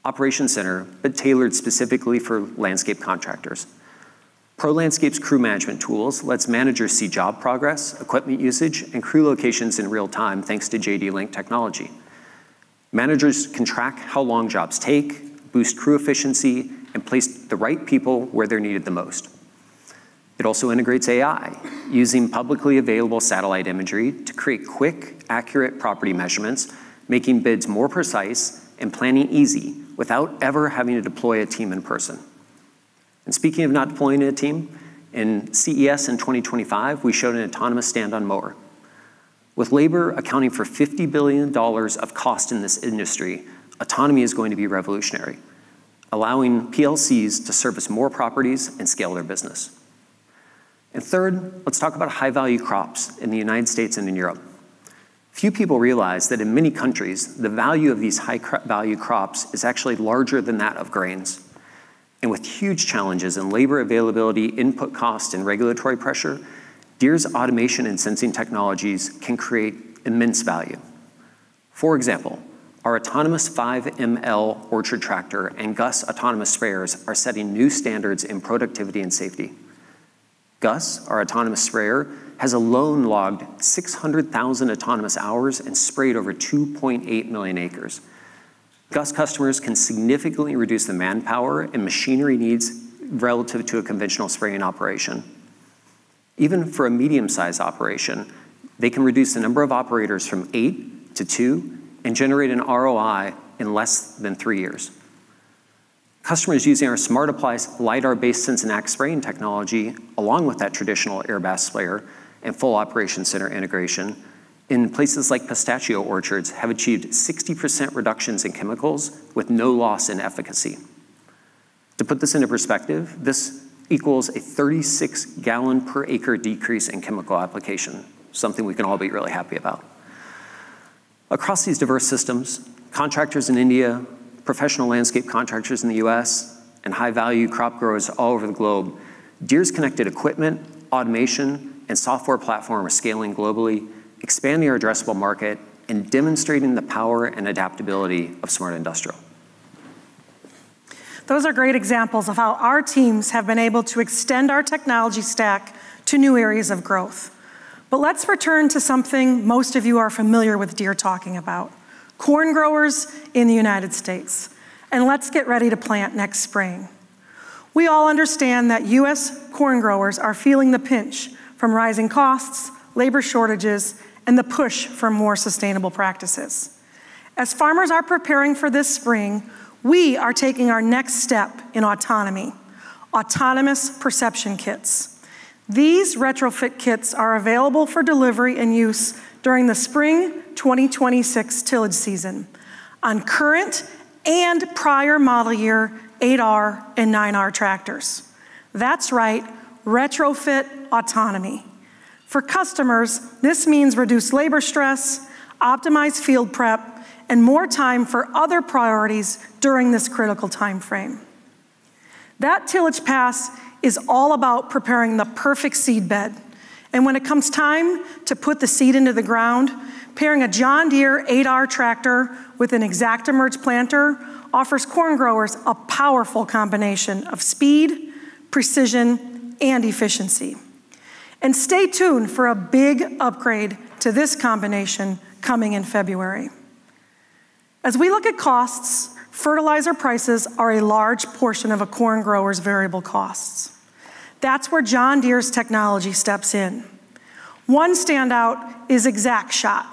Operations Center, but tailored specifically for landscape contractors. ProLandscape's crew management tools let managers see job progress, equipment usage, and crew locations in real time, thanks to JDLink technology. Managers can track how long jobs take, boost crew efficiency, and place the right people where they're needed the most. It also integrates AI, using publicly available satellite imagery to create quick, accurate property measurements, making bids more precise and planning easy without ever having to deploy a team in person, and speaking of not deploying a team, in CES in 2025, we showed an autonomous stand-on mower. With labor accounting for $50 billion of cost in this industry, autonomy is going to be revolutionary, allowing PLCs to service more properties and scale their business. Third, let's talk about high-value crops in the United States and in Europe. Few people realize that in many countries, the value of these high-value crops is actually larger than that of grains. With huge challenges in labor availability, input cost, and regulatory pressure, Deere's automation and sensing technologies can create immense value. For example, our autonomous 5ML Orchard Tractor and GUSS autonomous sprayers are setting new standards in productivity and safety. GUSS, our autonomous sprayer, has alone logged 600,000 autonomous hours and sprayed over 2.8 million acres. GUSS customers can significantly reduce the manpower and machinery needs relative to a conventional spraying operation. Even for a medium-sized operation, they can reduce the number of operators from eight to two and generate an ROI in less than three years. Customers using our SmartApply LiDAR-based Sense and Act spraying technology, along with that traditional airblast sprayer and full Operations Center integration in places like pistachio orchards, have achieved 60% reductions in chemicals with no loss in efficacy. To put this into perspective, this equals a 36-gallon-per-acre decrease in chemical application, something we can all be really happy about. Across these diverse systems, contractors in India, professional landscape contractors in the U.S., and high-value crop growers all over the globe, Deere's connected equipment, automation, and software platform are scaling globally, expanding our addressable market and demonstrating the power and adaptability of Smart Industrial. Those are great examples of how our teams have been able to extend our technology stack to new areas of growth. But let's return to something most of you are familiar with Deere talking about: corn growers in the United States. And let's get ready to plant next spring. We all understand that U.S. corn growers are feeling the pinch from rising costs, labor shortages, and the push for more sustainable practices. As farmers are preparing for this spring, we are taking our next step in autonomy: autonomous perception kits. These retrofit kits are available for delivery and use during the spring 2026 tillage season on current and prior model year 8R and 9R tractors. That's right, retrofit autonomy. For customers, this means reduced labor stress, optimized field prep, and more time for other priorities during this critical timeframe. That tillage pass is all about preparing the perfect seed bed. When it comes time to put the seed into the ground, pairing a John Deere 8R tractor with an ExactEmerge planter offers corn growers a powerful combination of speed, precision, and efficiency. Stay tuned for a big upgrade to this combination coming in February. As we look at costs, fertilizer prices are a large portion of a corn grower's variable costs. That's where John Deere's technology steps in. One standout is ExactShot,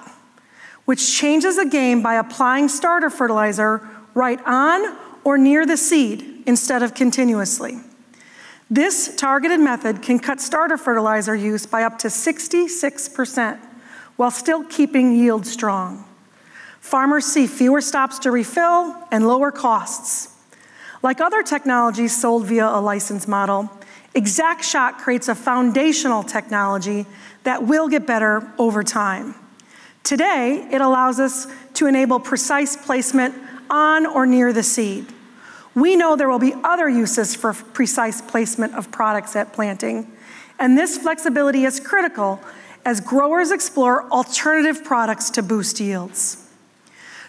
which changes the game by applying starter fertilizer right on or near the seed instead of continuously. This targeted method can cut starter fertilizer use by up to 66% while still keeping yields strong. Farmers see fewer stops to refill and lower costs. Like other technologies sold via a license model, ExactShot creates a foundational technology that will get better over time. Today, it allows us to enable precise placement on or near the seed. We know there will be other uses for precise placement of products at planting, and this flexibility is critical as growers explore alternative products to boost yields.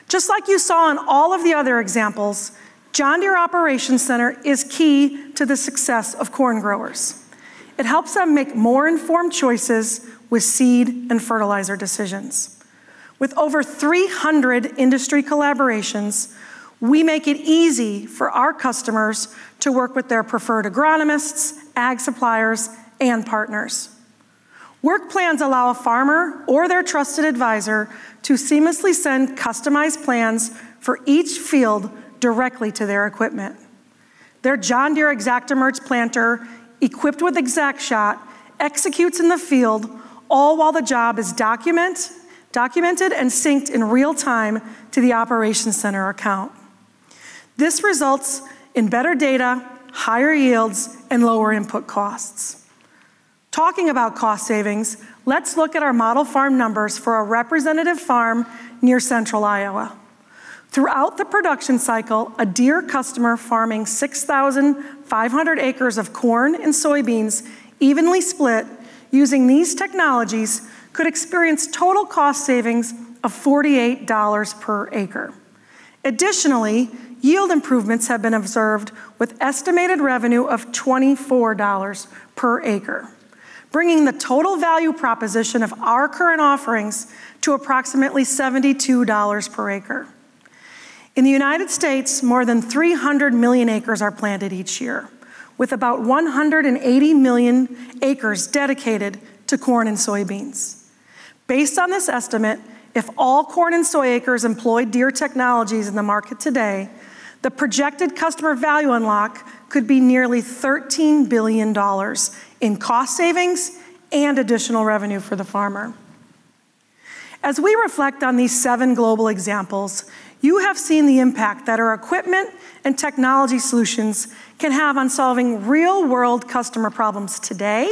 Just like you saw in all of the other examples, John Deere Operations Center is key to the success of corn growers. It helps them make more informed choices with seed and fertilizer decisions. With over 300 industry collaborations, we make it easy for our customers to work with their preferred agronomists, ag suppliers, and partners. Work plans allow a farmer or their trusted advisor to seamlessly send customized plans for each field directly to their equipment. Their John Deere ExactEmerge planter, equipped with ExactShot, executes in the field, all while the job is documented and synced in real time to the Operations Center account. This results in better data, higher yields, and lower input costs. Talking about cost savings, let's look at our model farm numbers for a representative farm near Central Iowa. Throughout the production cycle, a Deere customer farming 6,500 acres of corn and soybeans evenly split using these technologies could experience total cost savings of $48 per acre. Additionally, yield improvements have been observed with estimated revenue of $24 per acre, bringing the total value proposition of our current offerings to approximately $72 per acre. In the United States, more than 300 million acres are planted each year, with about 180 million acres dedicated to corn and soybeans. Based on this estimate, if all corn and soy acres employ Deere technologies in the market today, the projected customer value unlock could be nearly $13 billion in cost savings and additional revenue for the farmer. As we reflect on these seven global examples, you have seen the impact that our equipment and technology solutions can have on solving real-world customer problems today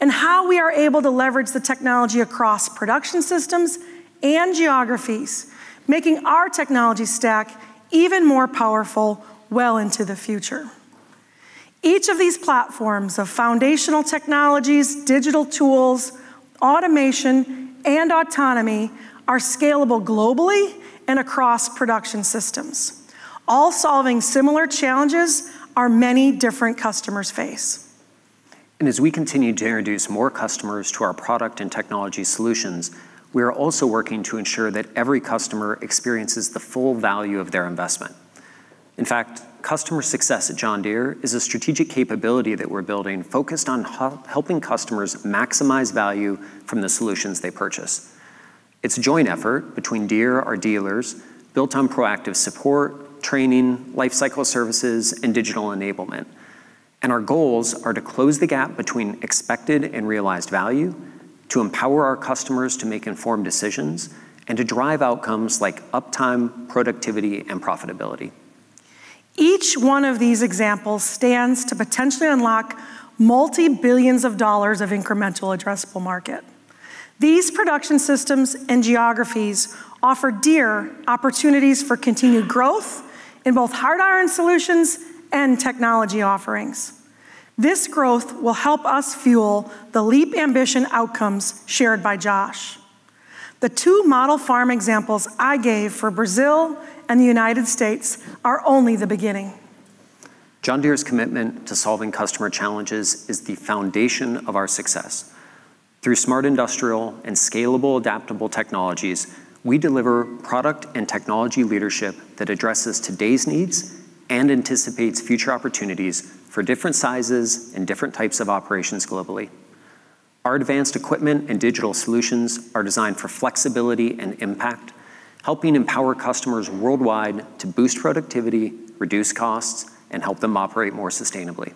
and how we are able to leverage the technology across production systems and geographies, making our technology stack even more powerful well into the future. Each of these platforms of foundational technologies, digital tools, automation, and autonomy are scalable globally and across production systems, all solving similar challenges our many different customers face. And as we continue to introduce more customers to our product and technology solutions, we are also working to ensure that every customer experiences the full value of their investment. In fact, customer success at John Deere is a strategic capability that we're building focused on helping customers maximize value from the solutions they purchase. It's a joint effort between Deere, our dealers, built on proactive support, training, lifecycle services, and digital enablement. And our goals are to close the gap between expected and realized value, to empower our customers to make informed decisions, and to drive outcomes like uptime, productivity, and profitability. Each one of these examples stands to potentially unlock multi-billions of dollars of incremental addressable market. These production systems and geographies offer Deere opportunities for continued growth in both hard iron solutions and technology offerings. This growth will help us fuel the LEAP Ambitions outcomes shared by Josh. The two model farm examples I gave for Brazil and the United States are only the beginning. John Deere's commitment to solving customer challenges is the foundation of our success. Through Smart Industrial and scalable adaptable technologies, we deliver product and technology leadership that addresses today's needs and anticipates future opportunities for different sizes and different types of operations globally. Our advanced equipment and digital solutions are designed for flexibility and impact, helping empower customers worldwide to boost productivity, reduce costs, and help them operate more sustainably,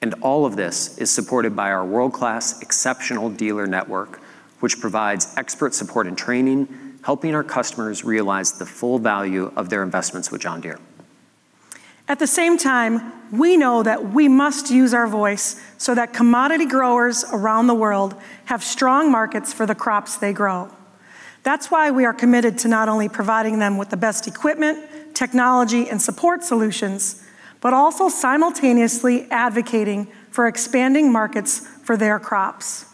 and all of this is supported by our world-class exceptional dealer network, which provides expert support and training, helping our customers realize the full value of their investments with John Deere. At the same time, we know that we must use our voice so that commodity growers around the world have strong markets for the crops they grow. That's why we are committed to not only providing them with the best equipment, technology, and support solutions, but also simultaneously advocating for expanding markets for their crops.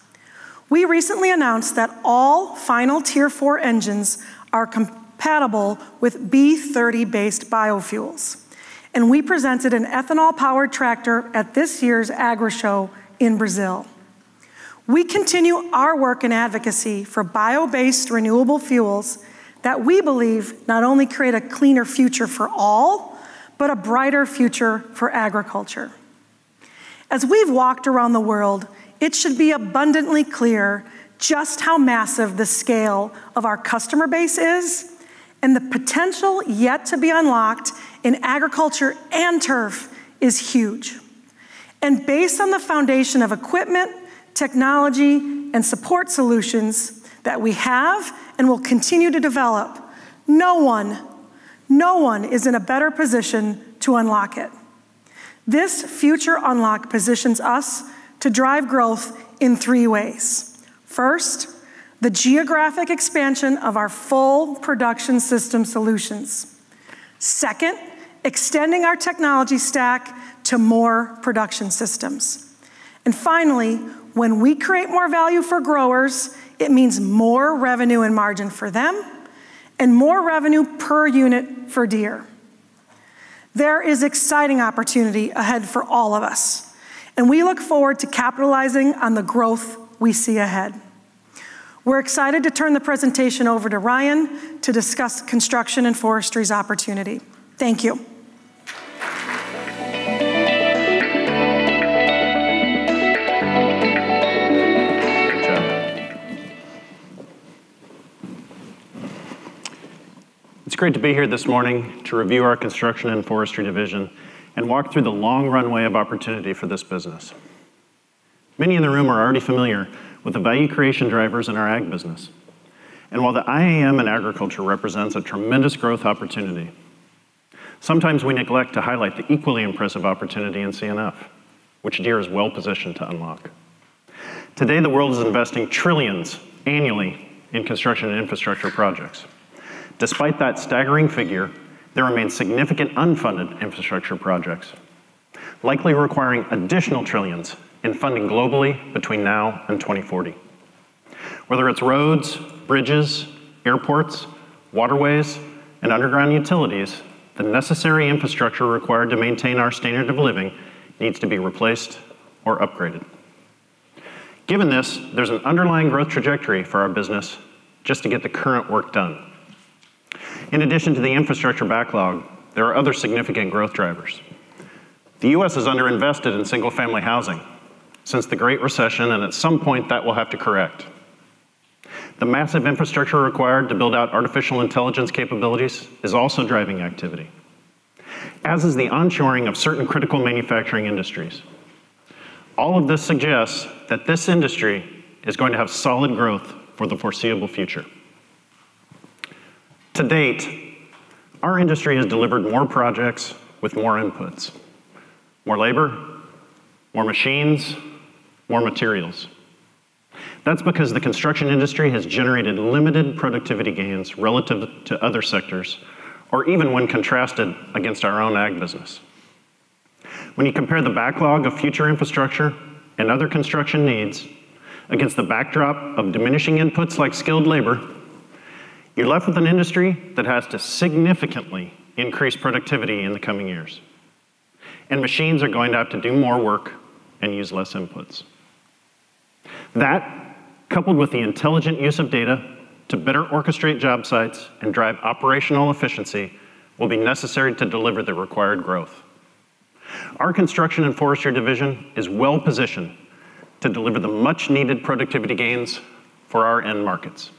We recently announced that all final Tier 4 engines are compatible with B30-based biofuels, and we presented an ethanol-powered tractor at this year's Agrishow in Brazil. We continue our work in advocacy for bio-based renewable fuels that we believe not only create a cleaner future for all, but a brighter future for agriculture. As we've walked around the world, it should be abundantly clear just how massive the scale of our customer base is, and the potential yet to be unlocked in agriculture and turf is huge. Based on the foundation of equipment, technology, and support solutions that we have and will continue to develop, no one, no one is in a better position to unlock it. This future unlock positions us to drive growth in three ways. First, the geographic expansion of our full production system solutions. Second, extending our technology stack to more production systems. And finally, when we create more value for growers, it means more revenue and margin for them and more revenue per unit for Deere. There is exciting opportunity ahead for all of us, and we look forward to capitalizing on the growth we see ahead. We're excited to turn the presentation over to Ryan to discuss construction and forestry's opportunity. Thank you. It's great to be here this morning to review our construction and forestry division and walk through the long runway of opportunity for this business. Many in the room are already familiar with the value creation drivers in our ag business. And while the IAM in agriculture represents a tremendous growth opportunity, sometimes we neglect to highlight the equally impressive opportunity in C&F, which Deere is well-positioned to unlock. Today, the world is investing trillions annually in construction and infrastructure projects. Despite that staggering figure, there remain significant unfunded infrastructure projects, likely requiring additional trillions in funding globally between now and 2040. Whether it's roads, bridges, airports, waterways, and underground utilities, the necessary infrastructure required to maintain our standard of living needs to be replaced or upgraded. Given this, there's an underlying growth trajectory for our business just to get the current work done. In addition to the infrastructure backlog, there are other significant growth drivers. The U.S. is underinvested in single-family housing since the Great Recession, and at some point, that will have to correct. The massive infrastructure required to build out artificial intelligence capabilities is also driving activity, as is the onshoring of certain critical manufacturing industries. All of this suggests that this industry is going to have solid growth for the foreseeable future. To date, our industry has delivered more projects with more inputs: more labor, more machines, more materials. That's because the construction industry has generated limited productivity gains relative to other sectors, or even when contrasted against our own ag business. When you compare the backlog of future infrastructure and other construction needs against the backdrop of diminishing inputs like skilled labor, you're left with an industry that has to significantly increase productivity in the coming years. Machines are going to have to do more work and use less inputs. That, coupled with the intelligent use of data to better orchestrate job sites and drive operational efficiency, will be necessary to deliver the required growth. Our construction and forestry division is well-positioned to deliver the much-needed productivity gains for our end markets.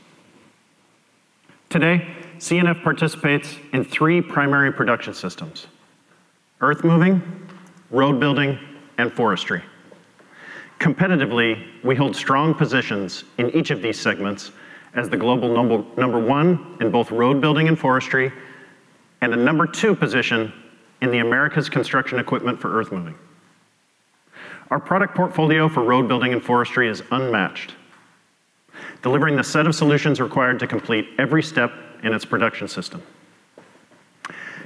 Today, C&F participates in three primary production systems: earth-moving, road building, and forestry. Competitively, we hold strong positions in each of these segments as the global number one in both road building and forestry and a number two position in the Americas construction equipment for earth-moving. Our product portfolio for road building and forestry is unmatched, delivering the set of solutions required to complete every step in its production system.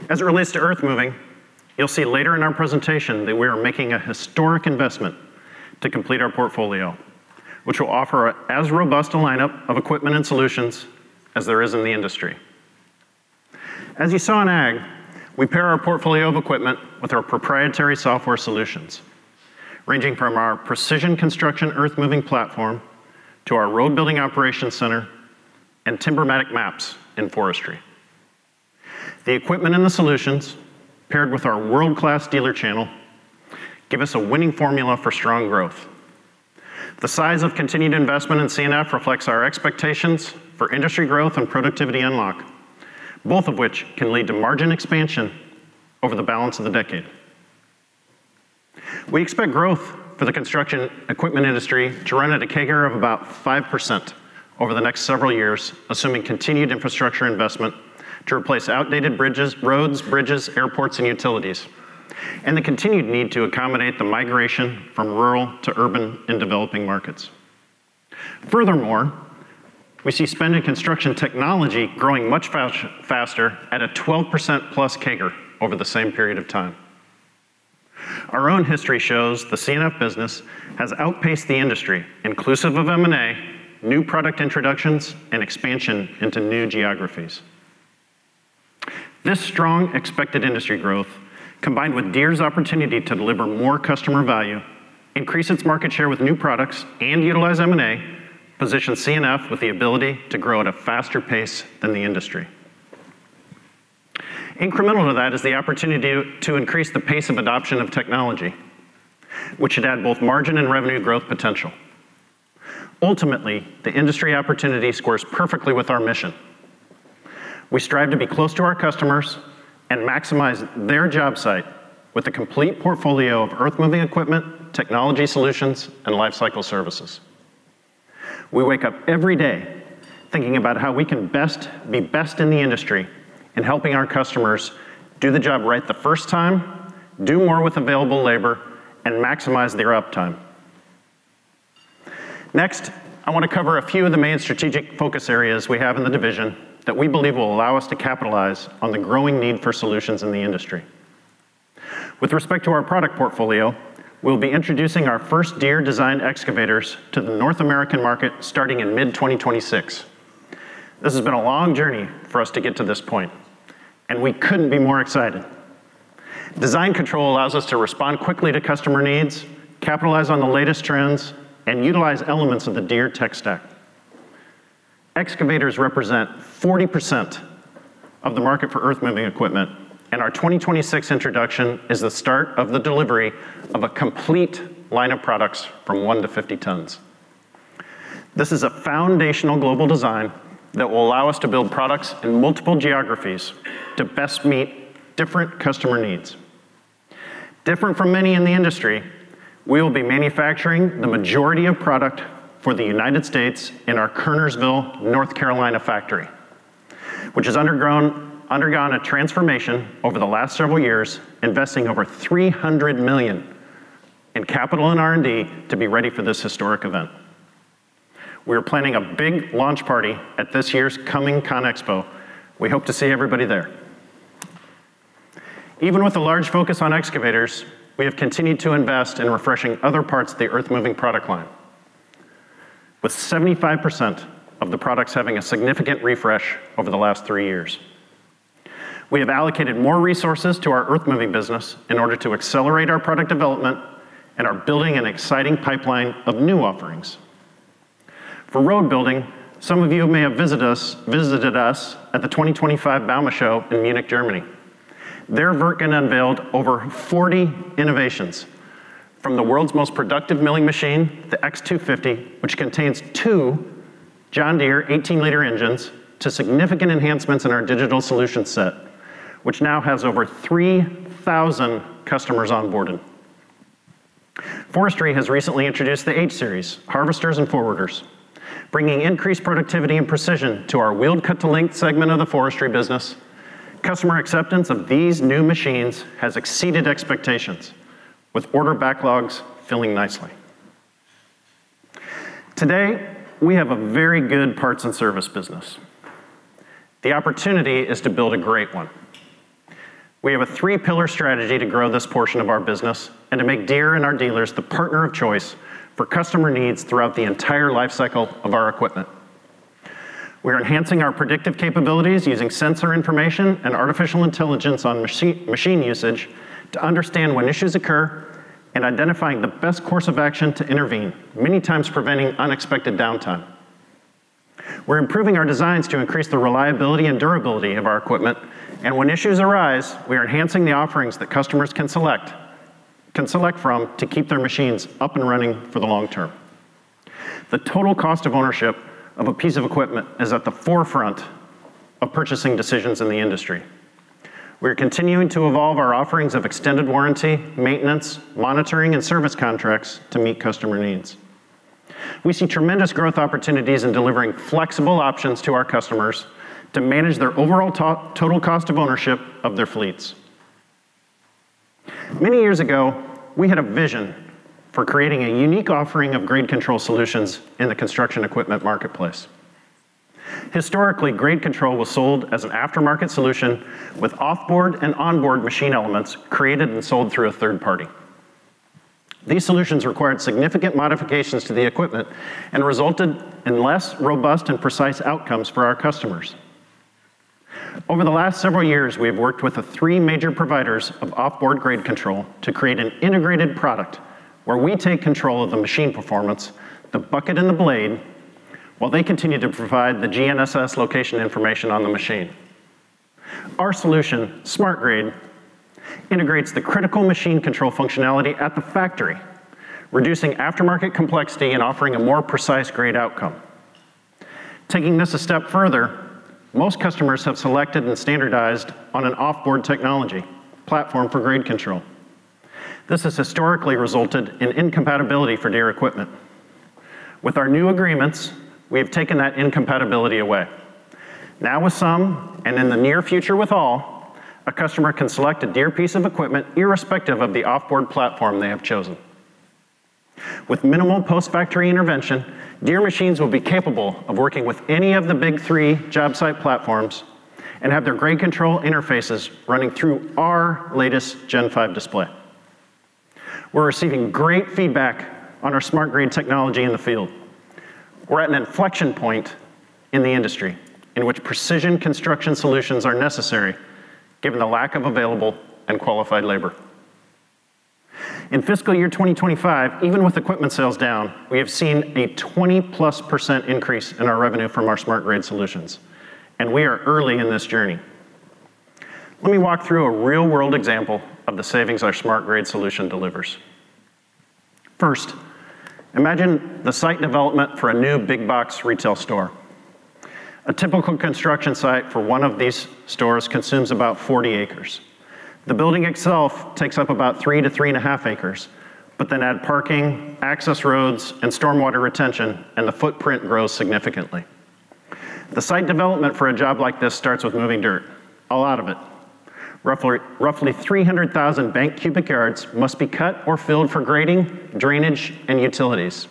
As it relates to earth-moving, you'll see later in our presentation that we are making a historic investment to complete our portfolio, which will offer as robust a lineup of equipment and solutions as there is in the industry. As you saw in ag, we pair our portfolio of equipment with our proprietary software solutions, ranging from our Precision Construction earth-moving platform to our road building operations center and TimberMatic Maps in forestry. The equipment and the solutions, paired with our world-class dealer channel, give us a winning formula for strong growth. The size of continued investment in C&F reflects our expectations for industry growth and productivity unlock, both of which can lead to margin expansion over the balance of the decade. We expect growth for the construction equipment industry to run at a CAGR of about 5% over the next several years, assuming continued infrastructure investment to replace outdated bridges, roads, airports, and utilities, and the continued need to accommodate the migration from rural to urban and developing markets. Furthermore, we see spend in construction technology growing much faster at a 12% plus CAGR over the same period of time. Our own history shows the C&F business has outpaced the industry, inclusive of M&A, new product introductions, and expansion into new geographies. This strong expected industry growth, combined with Deere's opportunity to deliver more customer value, increase its market share with new products, and utilize M&A, positions C&F with the ability to grow at a faster pace than the industry. Incremental to that is the opportunity to increase the pace of adoption of technology, which should add both margin and revenue growth potential. Ultimately, the industry opportunity scores perfectly with our mission. We strive to be close to our customers and maximize their job site with a complete portfolio of earth-moving equipment, technology solutions, and lifecycle services. We wake up every day thinking about how we can be best in the industry in helping our customers do the job right the first time, do more with available labor, and maximize their uptime. Next, I want to cover a few of the main strategic focus areas we have in the division that we believe will allow us to capitalize on the growing need for solutions in the industry. With respect to our product portfolio, we'll be introducing our first Deere design excavators to the North American market starting in mid-2026. This has been a long journey for us to get to this point, and we couldn't be more excited. Design control allows us to respond quickly to customer needs, capitalize on the latest trends, and utilize elements of the Deere Tech Stack. Excavators represent 40% of the market for earth-moving equipment, and our 2026 introduction is the start of the delivery of a complete line of products from one to 50 tons. This is a foundational global design that will allow us to build products in multiple geographies to best meet different customer needs. Different from many in the industry, we will be manufacturing the majority of product for the United States in our Kernersville, North Carolina factory, which has undergone a transformation over the last several years, investing over $300 million in capital and R&D to be ready for this historic event. We are planning a big launch party at this year's coming ConExpo. We hope to see everybody there. Even with a large focus on excavators, we have continued to invest in refreshing other parts of the earth-moving product line, with 75% of the products having a significant refresh over the last three years. We have allocated more resources to our earth-moving business in order to accelerate our product development and are building an exciting pipeline of new offerings. For road building, some of you may have visited us at the 2025 Bauma in Munich, Germany. There, Wirtgen unveiled over 40 innovations, from the world's most productive milling machine, the X250, which contains two John Deere 18-liter engines, to significant enhancements in our digital solution set, which now has over 3,000 customers onboarded. Forestry has recently introduced the H-Series, harvesters and forwarders, bringing increased productivity and precision to our wheeled cut-to-length segment of the forestry business. Customer acceptance of these new machines has exceeded expectations, with order backlogs filling nicely. Today, we have a very good parts and service business. The opportunity is to build a great one. We have a three-pillar strategy to grow this portion of our business and to make Deere and our dealers the partner of choice for customer needs throughout the entire lifecycle of our equipment. We are enhancing our predictive capabilities using sensor information and artificial intelligence on machine usage to understand when issues occur and identifying the best course of action to intervene, many times preventing unexpected downtime. We're improving our designs to increase the reliability and durability of our equipment, and when issues arise, we are enhancing the offerings that customers can select from to keep their machines up and running for the long term. The total cost of ownership of a piece of equipment is at the forefront of purchasing decisions in the industry. We are continuing to evolve our offerings of extended warranty, maintenance, monitoring, and service contracts to meet customer needs. We see tremendous growth opportunities in delivering flexible options to our customers to manage their overall total cost of ownership of their fleets. Many years ago, we had a vision for creating a unique offering of grade control solutions in the construction equipment marketplace. Historically, grade control was sold as an aftermarket solution with offboard and onboard machine elements created and sold through a third party. These solutions required significant modifications to the equipment and resulted in less robust and precise outcomes for our customers. Over the last several years, we have worked with three major providers of offboard grade control to create an integrated product where we take control of the machine performance, the bucket, and the blade while they continue to provide the GNSS location information on the machine. Our solution, SmartGrade, integrates the critical machine control functionality at the factory, reducing aftermarket complexity and offering a more precise grade outcome. Taking this a step further, most customers have selected and standardized on an offboard technology platform for grade control. This has historically resulted in incompatibility for Deere equipment. With our new agreements, we have taken that incompatibility away. Now with some, and in the near future with all, a customer can select a Deere piece of equipment irrespective of the offboard platform they have chosen. With minimal post-factory intervention, Deere machines will be capable of working with any of the big three job site platforms and have their grade control interfaces running through our latest G5 display. We're receiving great feedback on our SmartGrade technology in the field. We're at an inflection point in the industry in which precision construction solutions are necessary, given the lack of available and qualified labor. In fiscal year 2025, even with equipment sales down, we have seen a 20-plus% increase in our revenue from our SmartGrade solutions, and we are early in this journey. Let me walk through a real-world example of the savings our SmartGrade solution delivers. First, imagine the site development for a new big box retail store. A typical construction site for one of these stores consumes about 40 acres. The building itself takes up about three to three and a half acres, but then add parking, access roads, and stormwater retention, and the footprint grows significantly. The site development for a job like this starts with moving dirt, a lot of it. Roughly 300,000 Bank Cubic Yards must be cut or filled for grading, drainage, and utilities.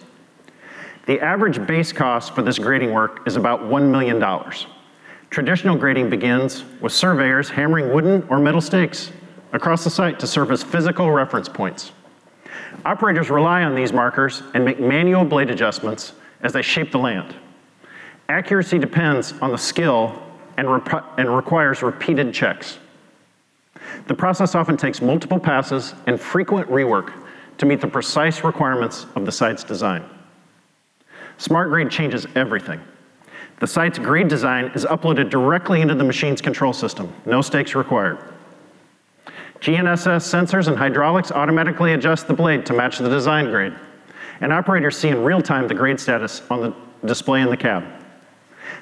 The average base cost for this grading work is about $1 million. Traditional grading begins with surveyors hammering wooden or metal stakes across the site to serve as physical reference points. Operators rely on these markers and make manual blade adjustments as they shape the land. Accuracy depends on the skill and requires repeated checks. The process often takes multiple passes and frequent rework to meet the precise requirements of the site's design. SmartGrade changes everything. The site's grade design is uploaded directly into the machine's control system. No stakes required. GNSS sensors and hydraulics automatically adjust the blade to match the design grade, and operators see in real time the grade status on the display in the cab.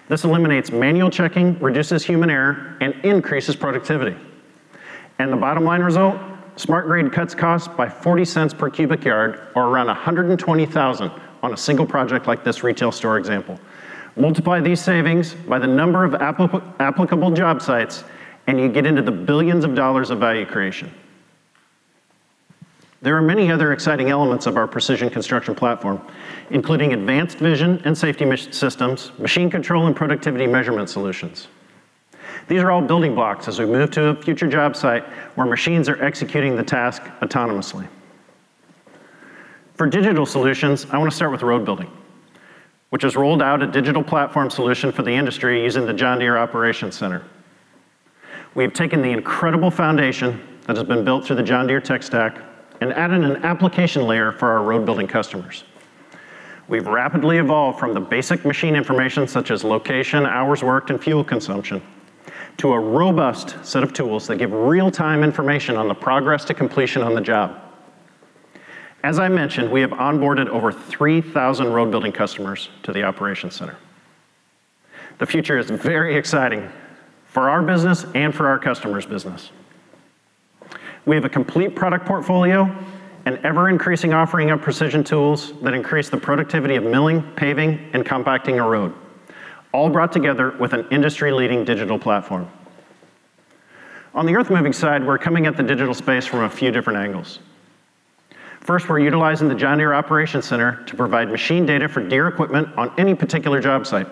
This eliminates manual checking, reduces human error, and increases productivity. And the bottom line result? SmartGrade cuts costs by $0.40 per cubic yard, or around $120,000 on a single project like this retail store example. Multiply these savings by the number of applicable job sites, and you get into the billions of dollars of value creation. There are many other exciting elements of our precision construction platform, including advanced vision and safety systems, machine control, and productivity measurement solutions. These are all building blocks as we move to a future job site where machines are executing the task autonomously. For digital solutions, I want to start with road building, which has rolled out a digital platform solution for the industry using the John Deere Operations Center. We have taken the incredible foundation that has been built through the John Deere tech stack and added an application layer for our road building customers. We've rapidly evolved from the basic machine information, such as location, hours worked, and fuel consumption, to a robust set of tools that give real-time information on the progress to completion on the job. As I mentioned, we have onboarded over 3,000 road building customers to the operations center. The future is very exciting for our business and for our customers' business. We have a complete product portfolio and ever-increasing offering of precision tools that increase the productivity of milling, paving, and compacting a road, all brought together with an industry-leading digital platform. On the earth-moving side, we're coming at the digital space from a few different angles. First, we're utilizing the John Deere Operations Center to provide machine data for Deere equipment on any particular job site.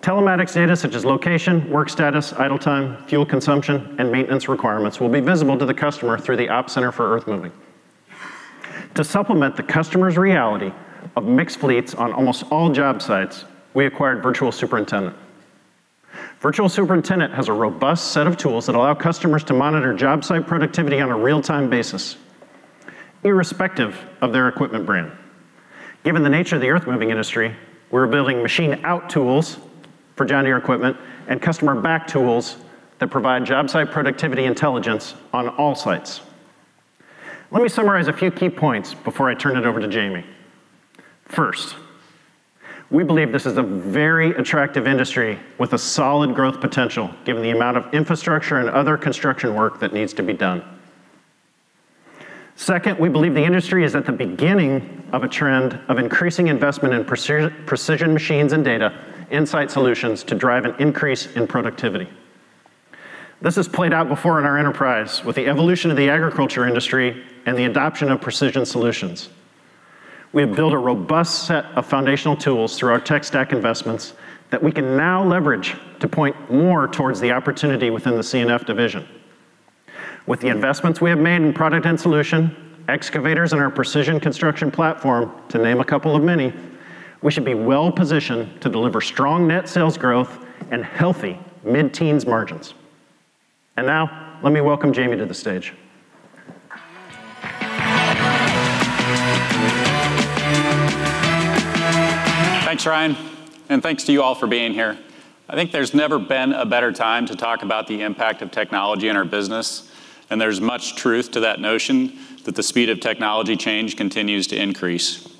Telematics data such as location, work status, idle time, fuel consumption, and maintenance requirements will be visible to the customer through the Ops Center for earth-moving. To supplement the customer's reality of mixed fleets on almost all job sites, we acquired Virtual Superintendent. Virtual Superintendent has a robust set of tools that allow customers to monitor job site productivity on a real-time basis, irrespective of their equipment brand. Given the nature of the earth-moving industry, we're building machine-out tools for John Deere equipment and customer-backed tools that provide job site productivity intelligence on all sites. Let me summarize a few key points before I turn it over to Jahmy. First, we believe this is a very attractive industry with a solid growth potential, given the amount of infrastructure and other construction work that needs to be done. Second, we believe the industry is at the beginning of a trend of increasing investment in precision machines and data insight solutions to drive an increase in productivity. This has played out before in our enterprise with the evolution of the agriculture industry and the adoption of precision solutions. We have built a robust set of foundational tools through our tech stack investments that we can now leverage to point more towards the opportunity within the C&F division. With the investments we have made in product and solution, excavators, and our Precision Construction platform, to name a couple of many, we should be well-positioned to deliver strong net sales growth and healthy mid-teens margins. And now, let me welcome Jahmy to the stage. Thanks, Ryan, and thanks to you all for being here. I think there's never been a better time to talk about the impact of technology in our business, and there's much truth to that notion that the speed of technology change continues to increase.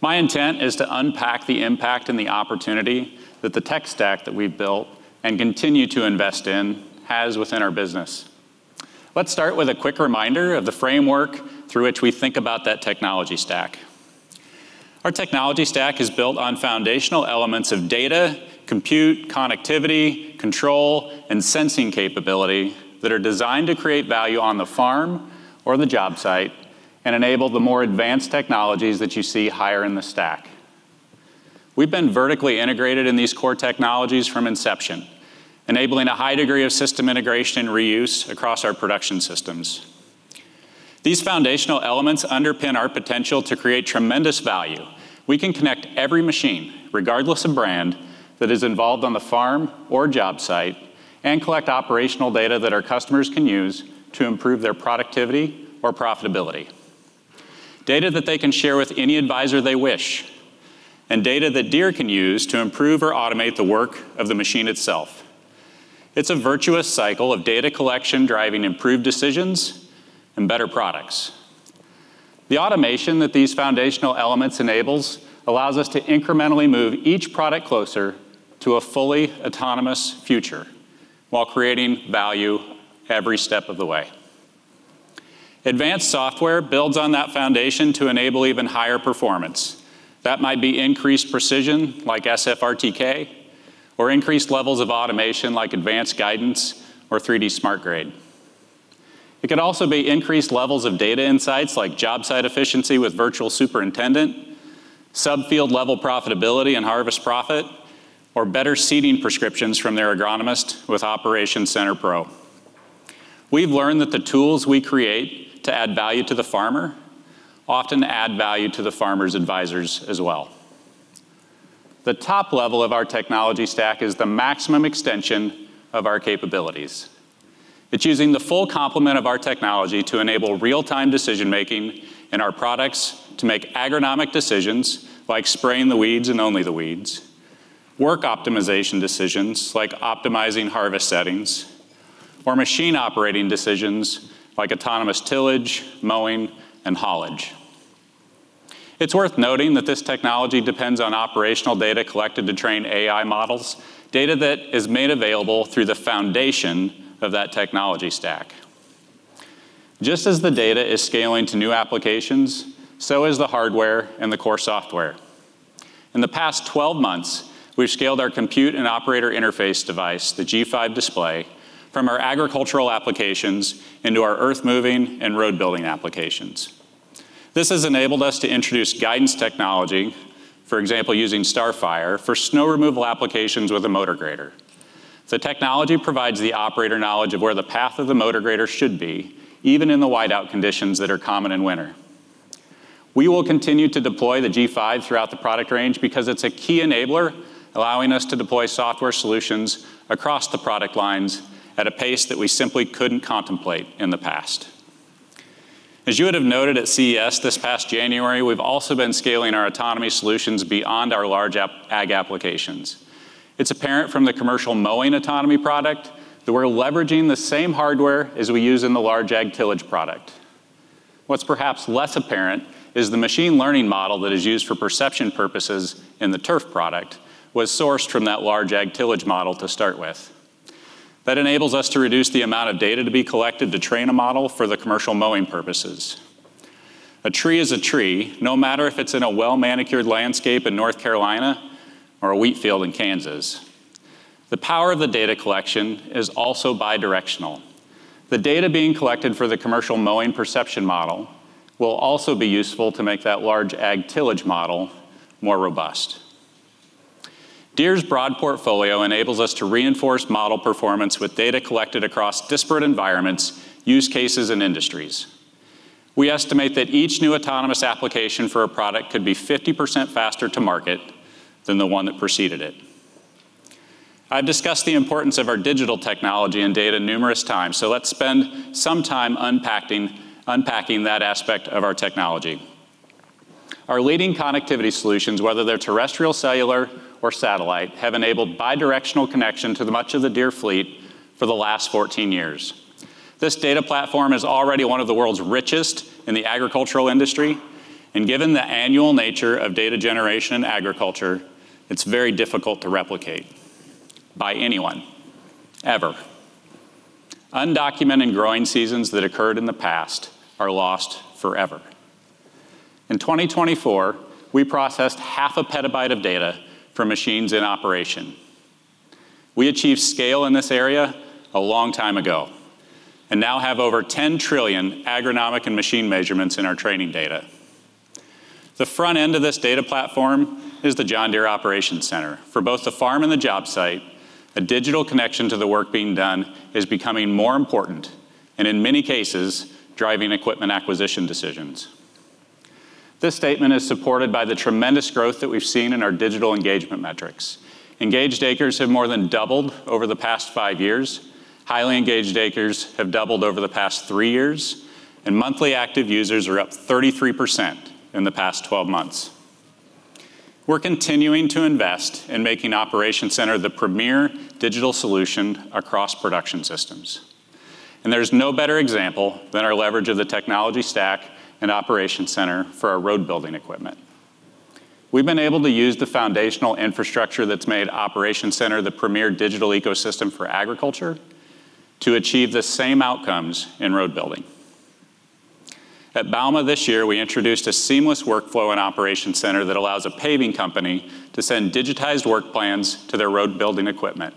My intent is to unpack the impact and the opportunity that the tech stack that we've built and continue to invest in has within our business. Let's start with a quick reminder of the framework through which we think about that technology stack. Our technology stack is built on foundational elements of data, compute, connectivity, control, and sensing capability that are designed to create value on the farm or the job site and enable the more advanced technologies that you see higher in the stack. We've been vertically integrated in these core technologies from inception, enabling a high degree of system integration and reuse across our production systems. These foundational elements underpin our potential to create tremendous value. We can connect every machine, regardless of brand, that is involved on the farm or job site, and collect operational data that our customers can use to improve their productivity or profitability. Data that they can share with any advisor they wish, and data that Deere can use to improve or automate the work of the machine itself. It's a virtuous cycle of data collection driving improved decisions and better products. The automation that these foundational elements enables allows us to incrementally move each product closer to a fully autonomous future while creating value every step of the way. Advanced software builds on that foundation to enable even higher performance. That might be increased precision like SFRTK or increased levels of automation like advanced guidance or 3D SmartGrade. It could also be increased levels of data insights like job site efficiency with Virtual Superintendent, subfield-level profitability and harvest profit, or better seeding prescriptions from their agronomist with Operations Center Pro. We've learned that the tools we create to add value to the farmer often add value to the farmer's advisors as well. The top level of our technology stack is the maximum extension of our capabilities. It's using the full complement of our technology to enable real-time decision-making in our products to make agronomic decisions like spraying the weeds and only the weeds, work optimization decisions like optimizing harvest settings, or machine operating decisions like autonomous tillage, mowing, and haulage. It's worth noting that this technology depends on operational data collected to train AI models, data that is made available through the foundation of that technology stack. Just as the data is scaling to new applications, so is the hardware and the core software. In the past 12 months, we've scaled our compute and operator interface device, the G5 Display, from our agricultural applications into our earth-moving and road building applications. This has enabled us to introduce guidance technology, for example, using StarFire for snow removal applications with a motor grader. The technology provides the operator knowledge of where the path of the motor grader should be, even in the whiteout conditions that are common in winter. We will continue to deploy the G5 throughout the product range because it's a key enabler, allowing us to deploy software solutions across the product lines at a pace that we simply couldn't contemplate in the past. As you would have noted at CES this past January, we've also been scaling our autonomy solutions beyond our large ag applications. It's apparent from the commercial mowing autonomy product that we're leveraging the same hardware as we use in the large ag tillage product. What's perhaps less apparent is the machine learning model that is used for perception purposes in the turf product was sourced from that large ag tillage model to start with. That enables us to reduce the amount of data to be collected to train a model for the commercial mowing purposes. A tree is a tree, no matter if it's in a well-manicured landscape in North Carolina or a wheat field in Kansas. The power of the data collection is also bidirectional. The data being collected for the commercial mowing perception model will also be useful to make that large ag tillage model more robust. Deere's broad portfolio enables us to reinforce model performance with data collected across disparate environments, use cases, and industries. We estimate that each new autonomous application for a product could be 50% faster to market than the one that preceded it. I've discussed the importance of our digital technology and data numerous times, so let's spend some time unpacking that aspect of our technology. Our leading connectivity solutions, whether they're terrestrial, cellular, or satellite, have enabled bidirectional connection to much of the Deere fleet for the last 14 years. This data platform is already one of the world's richest in the agricultural industry, and given the annual nature of data generation in agriculture, it's very difficult to replicate by anyone, ever. Undocumented growing seasons that occurred in the past are lost forever. In 2024, we processed half a petabyte of data from machines in operation. We achieved scale in this area a long time ago and now have over 10 trillion agronomic and machine measurements in our training data. The front end of this data platform is the John Deere Operations Center. For both the farm and the job site, a digital connection to the work being done is becoming more important and, in many cases, driving equipment acquisition decisions. This statement is supported by the tremendous growth that we've seen in our digital engagement metrics. Engaged Acres have more than doubled over the past five years. Highly Engaged Acres have doubled over the past three years, and monthly active users are up 33% in the past 12 months. We're continuing to invest in making Operations Center the premier digital solution across Production Systems, and there's no better example than our leverage of the technology stack and Operations Center for our road building equipment. We've been able to use the foundational infrastructure that's made Operations Center the premier digital ecosystem for agriculture to achieve the same outcomes in road building. At Bauma, this year, we introduced a seamless workflow in Operations Center that allows a paving company to send digitized work plans to their road building equipment.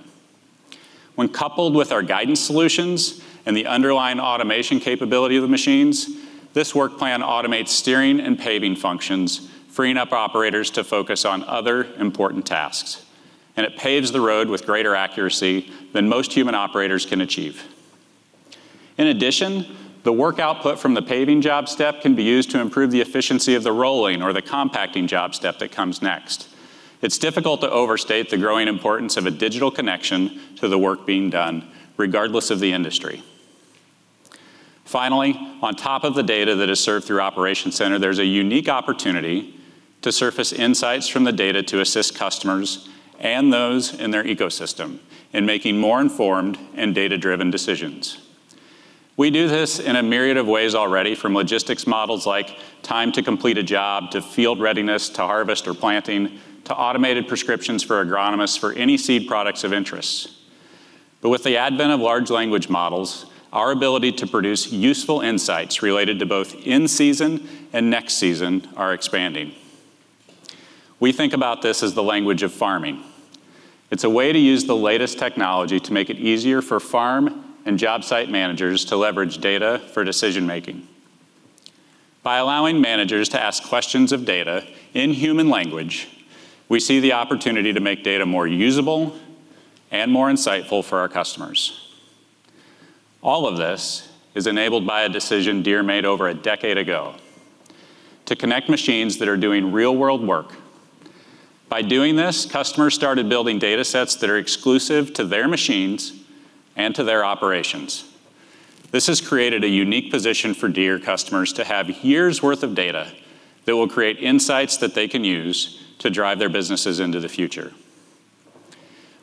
When coupled with our guidance solutions and the underlying automation capability of the machines, this work plan automates steering and paving functions, freeing up operators to focus on other important tasks, and it paves the road with greater accuracy than most human operators can achieve. In addition, the work output from the paving job step can be used to improve the efficiency of the rolling or the compacting job step that comes next. It's difficult to overstate the growing importance of a digital connection to the work being done, regardless of the industry. Finally, on top of the data that is served through Operations Center, there's a unique opportunity to surface insights from the data to assist customers and those in their ecosystem in making more informed and data-driven decisions. We do this in a myriad of ways already, from logistics models like time to complete a job to field readiness to harvest or planting to automated prescriptions for agronomists for any seed products of interest. But with the advent of large language models, our ability to produce useful insights related to both in-season and next season is expanding. We think about this as the language of farming. It's a way to use the latest technology to make it easier for farm and job site managers to leverage data for decision-making. By allowing managers to ask questions of data in human language, we see the opportunity to make data more usable and more insightful for our customers. All of this is enabled by a decision Deere made over a decade ago to connect machines that are doing real-world work. By doing this, customers started building data sets that are exclusive to their machines and to their operations. This has created a unique position for Deere customers to have years' worth of data that will create insights that they can use to drive their businesses into the future.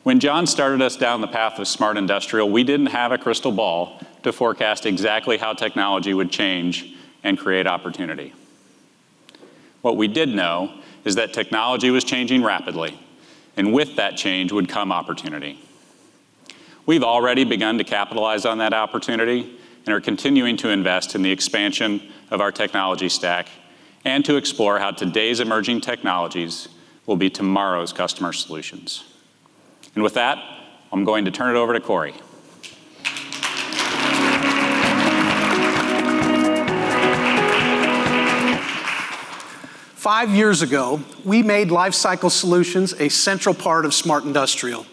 When John started us down the path of Smart Industrial, we didn't have a crystal ball to forecast exactly how technology would change and create opportunity. What we did know is that technology was changing rapidly, and with that change would come opportunity. We've already begun to capitalize on that opportunity and are continuing to invest in the expansion of our technology stack and to explore how today's emerging technologies will be tomorrow's customer solutions. And with that, I'm going to turn it over to Cory. Five years ago, we made Lifecycle Solutions a central part of Smart Industrial.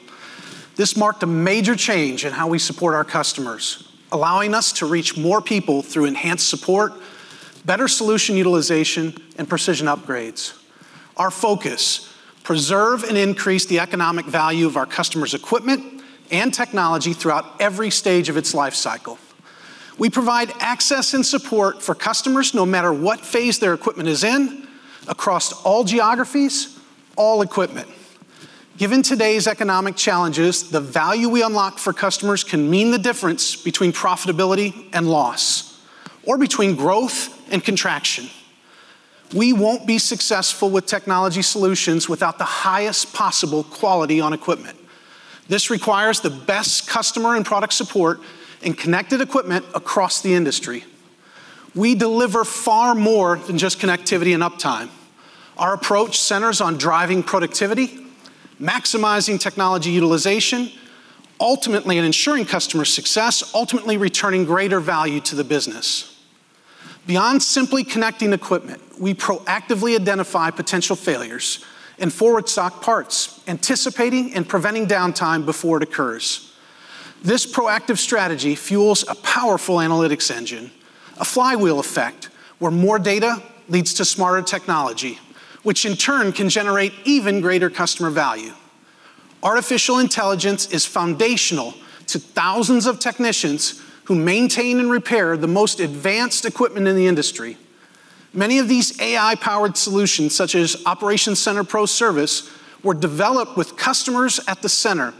This marked a major change in how we support our customers, allowing us to reach more people through enhanced support, better solution utilization, and precision upgrades. Our focus is to preserve and increase the economic value of our customers' equipment and technology throughout every stage of its lifecycle. We provide access and support for customers no matter what phase their equipment is in, across all geographies, all equipment. Given today's economic challenges, the value we unlock for customers can mean the difference between profitability and loss, or between growth and contraction. We won't be successful with technology solutions without the highest possible quality on equipment. This requires the best customer and product support and connected equipment across the industry. We deliver far more than just connectivity and uptime. Our approach centers on driving productivity, maximizing technology utilization, ultimately ensuring customer success, ultimately returning greater value to the business. Beyond simply connecting equipment, we proactively identify potential failures and forward stock parts, anticipating and preventing downtime before it occurs. This proactive strategy fuels a powerful analytics engine, a flywheel effect, where more data leads to smarter technology, which in turn can generate even greater customer value. Artificial intelligence is foundational to thousands of technicians who maintain and repair the most advanced equipment in the industry. Many of these AI-powered solutions, such as Operations Center Pro Service, were developed with customers at the center,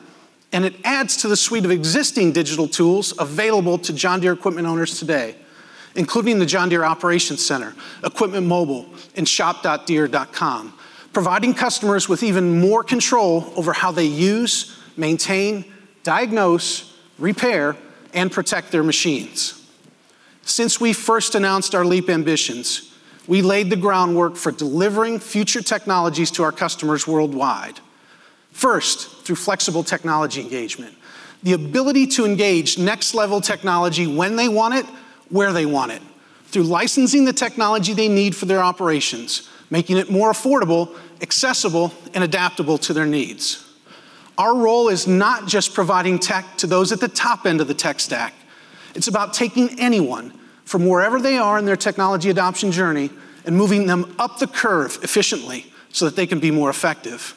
and it adds to the suite of existing digital tools available to John Deere equipment owners today, including the John Deere Operations Center, Equipment Mobile, and Shop.deere.com, providing customers with even more control over how they use, maintain, diagnose, repair, and protect their machines. Since we first announced our LEAP Ambitions, we laid the groundwork for delivering future technologies to our customers worldwide. First, through flexible technology engagement, the ability to engage next-level technology when they want it, where they want it, through licensing the technology they need for their operations, making it more affordable, accessible, and adaptable to their needs. Our role is not just providing tech to those at the top end of the tech stack. It's about taking anyone from wherever they are in their technology adoption journey and moving them up the curve efficiently so that they can be more effective.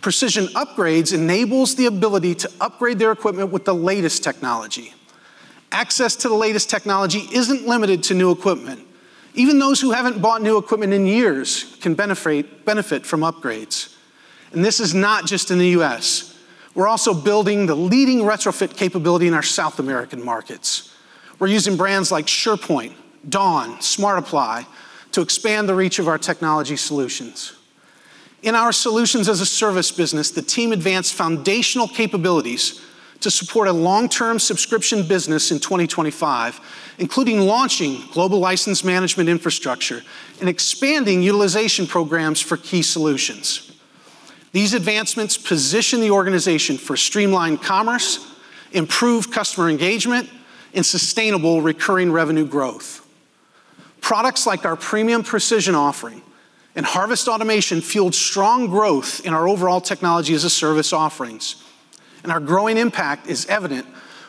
Precision upgrades enable the ability to upgrade their equipment with the latest technology. Access to the latest technology isn't limited to new equipment. Even those who haven't bought new equipment in years can benefit from upgrades, and this is not just in the U.S. We're also building the leading retrofit capability in our South American markets. We're using brands like SurePoint, Dawn, Smart Apply to expand the reach of our technology solutions. In our solutions as a service business, the team advanced foundational capabilities to support a long-term subscription business in 2025, including launching global license management infrastructure and expanding utilization programs for key solutions. These advancements position the organization for streamlined commerce, improved customer engagement, and sustainable recurring revenue growth. Products like our premium precision offering and harvest automation fueled strong growth in our overall technology as a service offerings. And our growing impact is evident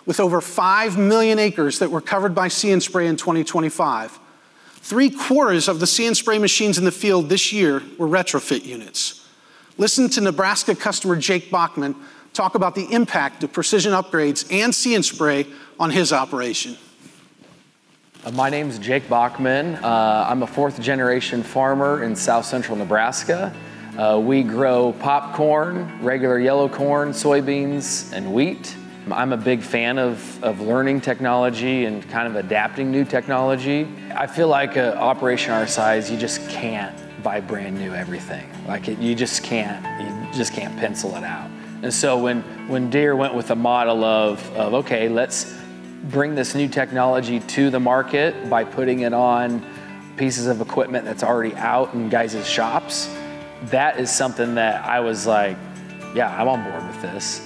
with over five million acres that were covered by See & Spray in 2025. Three quarters of the See & Spray machines in the field this year were retrofit units. Listen to Nebraska customer Jake Bachman talk about the impact of precision upgrades and See & Spray on his operation. My name is Jake Bachman. I'm a fourth-generation farmer in South Central Nebraska. We grow popcorn, regular yellow corn, soybeans, and wheat. I'm a big fan of learning technology and kind of adapting new technology. I feel like an operation our size, you just can't buy brand new everything. You just can't pencil it out. And so when Deere went with a model of, "Okay, let's bring this new technology to the market by putting it on pieces of equipment that's already out in guys' shops," that is something that I was like, "Yeah, I'm on board with this."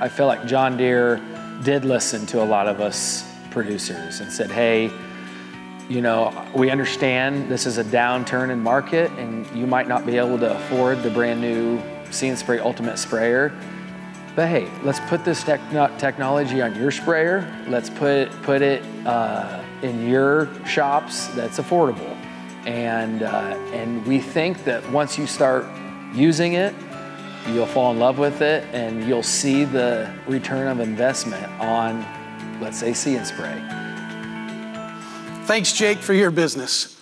I feel like John Deere did listen to a lot of us producers and said, "Hey, we understand this is a downturn in market, and you might not be able to afford the brand new See & Spray Ultimate Sprayer. But hey, let's put this technology on your sprayer. Let's put it in your shops, that's affordable," and we think that once you start using it, you'll fall in love with it, and you'll see the return of investment on, let's say, See & Spray. Thanks, Jake, for your business.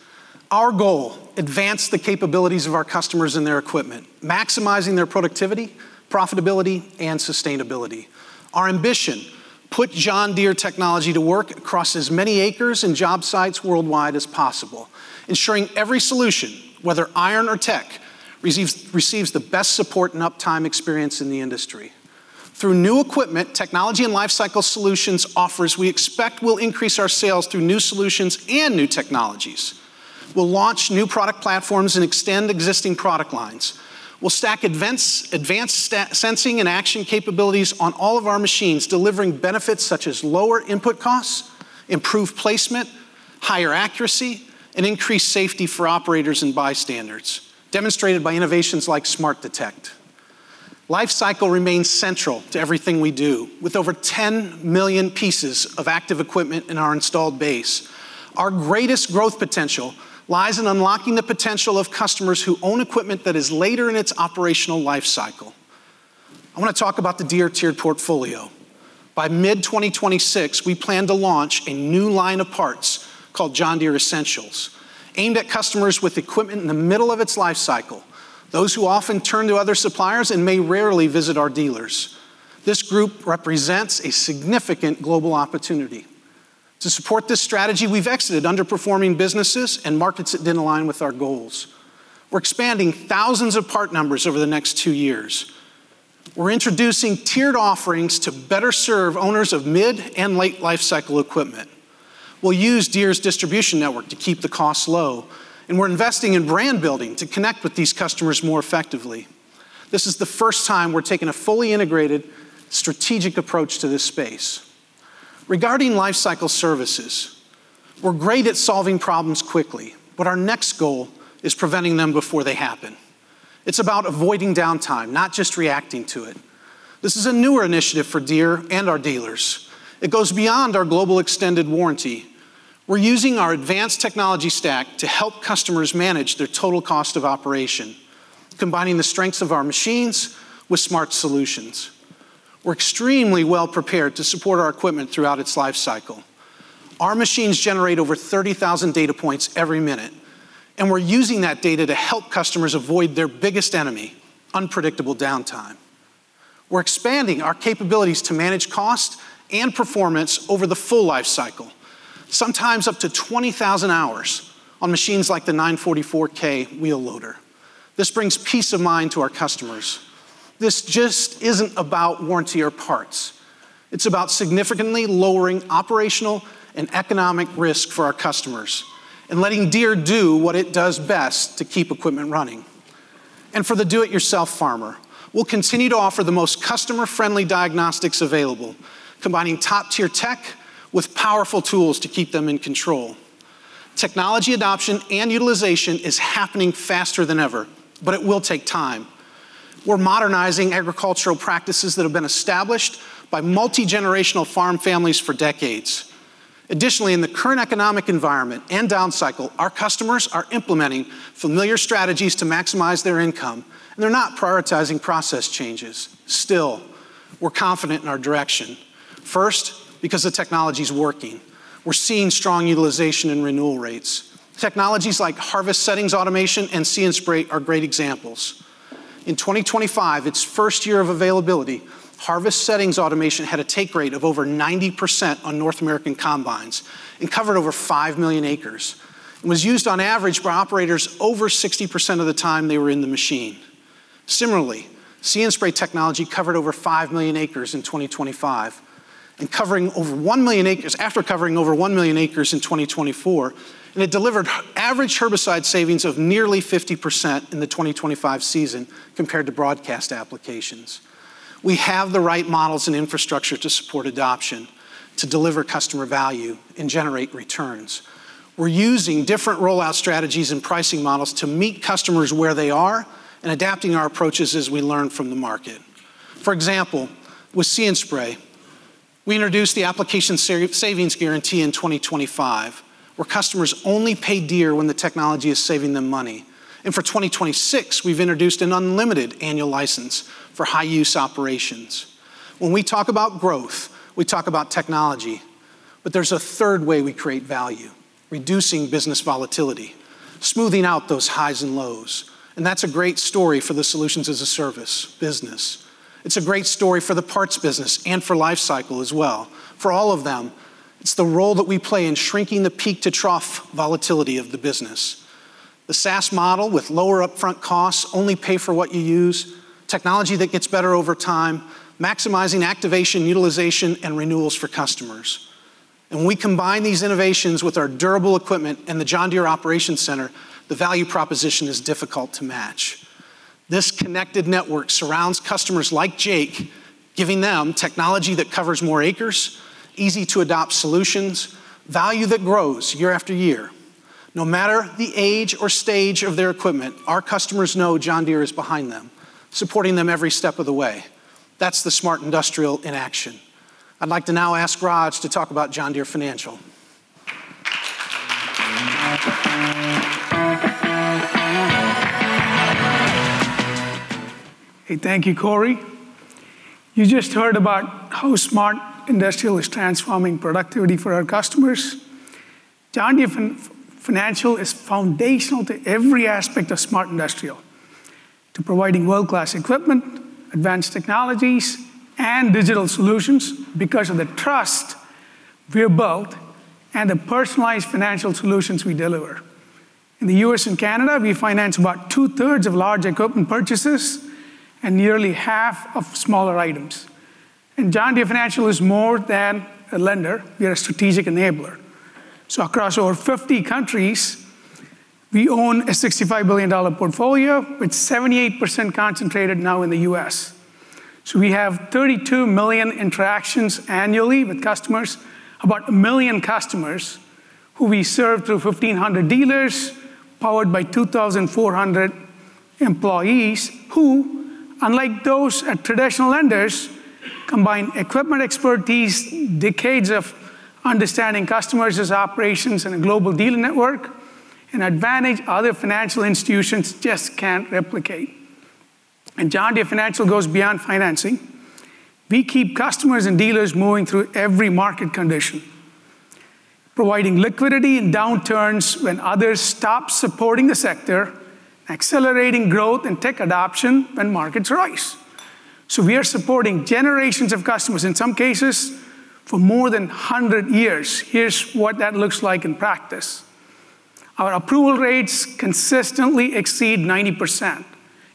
Our goal: advance the capabilities of our customers and their equipment, maximizing their productivity, profitability, and sustainability. Our ambition: put John Deere technology to work across as many acres and job sites worldwide as possible, ensuring every solution, whether iron or tech, receives the best support and uptime experience in the industry. Through new equipment, technology and lifecycle solutions offers we expect will increase our sales through new solutions and new technologies. We'll launch new product platforms and extend existing product lines. We'll stack advanced sensing and action capabilities on all of our machines, delivering benefits such as lower input costs, improved placement, higher accuracy, and increased safety for operators and bystanders, demonstrated by innovations like Smart Detect. Lifecycle remains central to everything we do, with over 10 million pieces of active equipment in our installed base. Our greatest growth potential lies in unlocking the potential of customers who own equipment that is later in its operational lifecycle. I want to talk about the Deere tiered portfolio. By mid-2026, we plan to launch a new line of parts called John Deere Essentials, aimed at customers with equipment in the middle of its lifecycle, those who often turn to other suppliers and may rarely visit our dealers. This group represents a significant global opportunity. To support this strategy, we've exited underperforming businesses and markets that didn't align with our goals. We're expanding thousands of part numbers over the next two years. We're introducing tiered offerings to better serve owners of mid and late lifecycle equipment. We'll use Deere's distribution network to keep the costs low, and we're investing in brand building to connect with these customers more effectively. This is the first time we're taking a fully integrated strategic approach to this space. Regarding lifecycle services, we're great at solving problems quickly, but our next goal is preventing them before they happen. It's about avoiding downtime, not just reacting to it. This is a newer initiative for Deere and our dealers. It goes beyond our global extended warranty. We're using our advanced technology stack to help customers manage their total cost of operation, combining the strengths of our machines with smart solutions. We're extremely well prepared to support our equipment throughout its lifecycle. Our machines generate over 30,000 data points every minute, and we're using that data to help customers avoid their biggest enemy, unpredictable downtime. We're expanding our capabilities to manage cost and performance over the full lifecycle, sometimes up to 20,000 hours on machines like the 944K wheel loader. This brings peace of mind to our customers. This just isn't about warranty or parts. It's about significantly lowering operational and economic risk for our customers and letting Deere do what it does best to keep equipment running. And for the do-it-yourself farmer, we'll continue to offer the most customer-friendly diagnostics available, combining top-tier tech with powerful tools to keep them in control. Technology adoption and utilization is happening faster than ever, but it will take time. We're modernizing agricultural practices that have been established by multi-generational farm families for decades. Additionally, in the current economic environment and downcycle, our customers are implementing familiar strategies to maximize their income, and they're not prioritizing process changes. Still, we're confident in our direction. First, because the technology is working. We're seeing strong utilization and renewal rates. Technologies like Harvest Settings Automation and See & Spray are great examples. In 2025, its first year of availability, Harvest Settings Automation had a take rate of over 90% on North American combines and covered over five million acres. It was used on average by operators over 60% of the time they were in the machine. Similarly, See & Spray technology covered over five million acres in 2025, covering over one million acres after covering over one million acres in 2024, and it delivered average herbicide savings of nearly 50% in the 2025 season compared to broadcast applications. We have the right models and infrastructure to support adoption, to deliver customer value, and generate returns. We're using different rollout strategies and pricing models to meet customers where they are and adapting our approaches as we learn from the market. For example, with See & Spray, we introduced the application savings guarantee in 2025, where customers only pay Deere when the technology is saving them money, and for 2026, we've introduced an unlimited annual license for high-use operations. When we talk about growth, we talk about technology, but there's a third way we create value: reducing business volatility, smoothing out those highs and lows, and that's a great story for the solutions as a service business. It's a great story for the parts business and for lifecycle as well. For all of them, it's the role that we play in shrinking the peak to trough volatility of the business. The SaaS model with lower upfront costs only pays for what you use, technology that gets better over time, maximizing activation, utilization, and renewals for customers. When we combine these innovations with our durable equipment and the John Deere Operations Center, the value proposition is difficult to match. This connected network surrounds customers like Jake, giving them technology that covers more acres, easy-to-adopt solutions, value that grows year after year. No matter the age or stage of their equipment, our customers know John Deere is behind them, supporting them every step of the way. That's the Smart Industrial in action. I'd like to now ask Raj to talk about John Deere Financial. Hey, thank you, Cory. You just heard about how Smart Industrial is transforming productivity for our customers. John Deere Financial is foundational to every aspect of Smart Industrial, to providing world-class equipment, advanced technologies, and digital solutions because of the trust we've built and the personalized financial solutions we deliver. In the U.S. and Canada, we finance about two-thirds of large equipment purchases and nearly half of smaller items. John Deere Financial is more than a lender. We are a strategic enabler. Across over 50 countries, we own a $65 billion portfolio, with 78% concentrated now in the U.S. We have 32 million interactions annually with customers, about a million customers who we serve through 1,500 dealers, powered by 2,400 employees who, unlike those at traditional lenders, combine equipment expertise, decades of understanding customers' operations and a global deal network, an advantage other financial institutions just can't replicate. John Deere Financial goes beyond financing. We keep customers and dealers moving through every market condition, providing liquidity in downturns when others stop supporting the sector, accelerating growth and tech adoption when markets rise. So we are supporting generations of customers, in some cases, for more than 100 years. Here's what that looks like in practice. Our approval rates consistently exceed 90%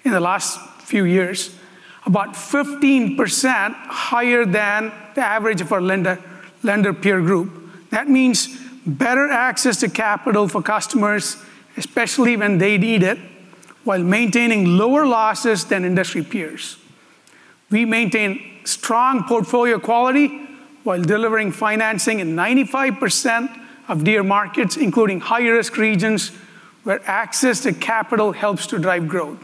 in the last few years, about 15% higher than the average of our lender peer group. That means better access to capital for customers, especially when they need it, while maintaining lower losses than industry peers. We maintain strong portfolio quality while delivering financing in 95% of Deere markets, including high-risk regions where access to capital helps to drive growth.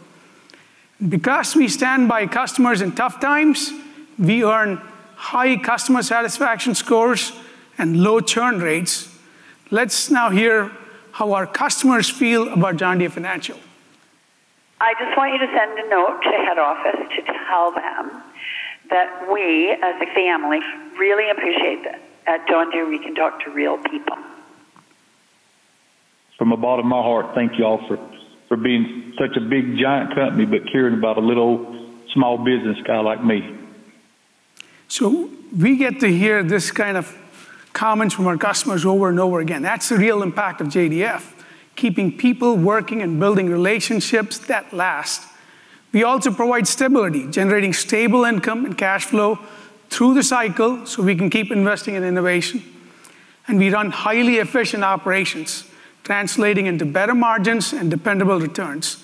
Because we stand by customers in tough times, we earn high customer satisfaction scores and low churn rates. Let's now hear how our customers feel about John Deere Financial. I just want you to send a note to head office to tell them that we, as a family, really appreciate that at John Deere we can talk to real people. From the bottom of my heart, thank you all for being such a big giant company, but caring about a little small business guy like me. So we get to hear this kind of comments from our customers over and over again. That's the real impact of JDF, keeping people working and building relationships that last. We also provide stability, generating stable income and cash flow through the cycle so we can keep investing in innovation. And we run highly efficient operations, translating into better margins and dependable returns.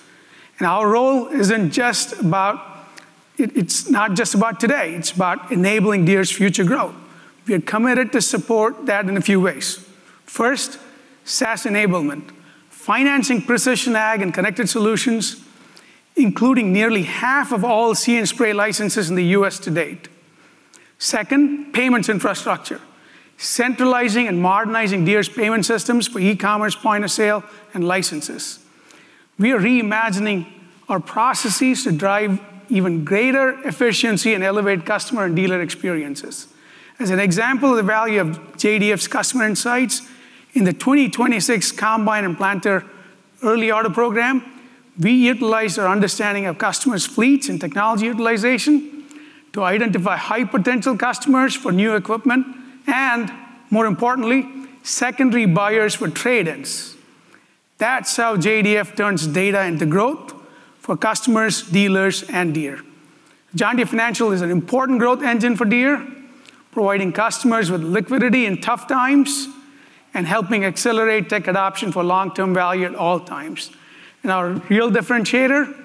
And our role isn't just about today. It's about enabling Deere's future growth. We are committed to support that in a few ways. First, SaaS enablement, financing precision ag and connected solutions, including nearly half of all See & Spray licenses in the U.S. to date. Second, payments infrastructure, centralizing and modernizing Deere's payment systems for e-commerce point of sale and licenses. We are reimagining our processes to drive even greater efficiency and elevate customer and dealer experiences. As an example of the value of JDF's customer insights, in the 2026 combine and planter early order program, we utilize our understanding of customers' fleets and technology utilization to identify high-potential customers for new equipment and, more importantly, secondary buyers for trade-ins. That's how JDF turns data into growth for customers, dealers, and Deere. John Deere Financial is an important growth engine for Deere, providing customers with liquidity in tough times and helping accelerate tech adoption for long-term value at all times. Our real differentiator,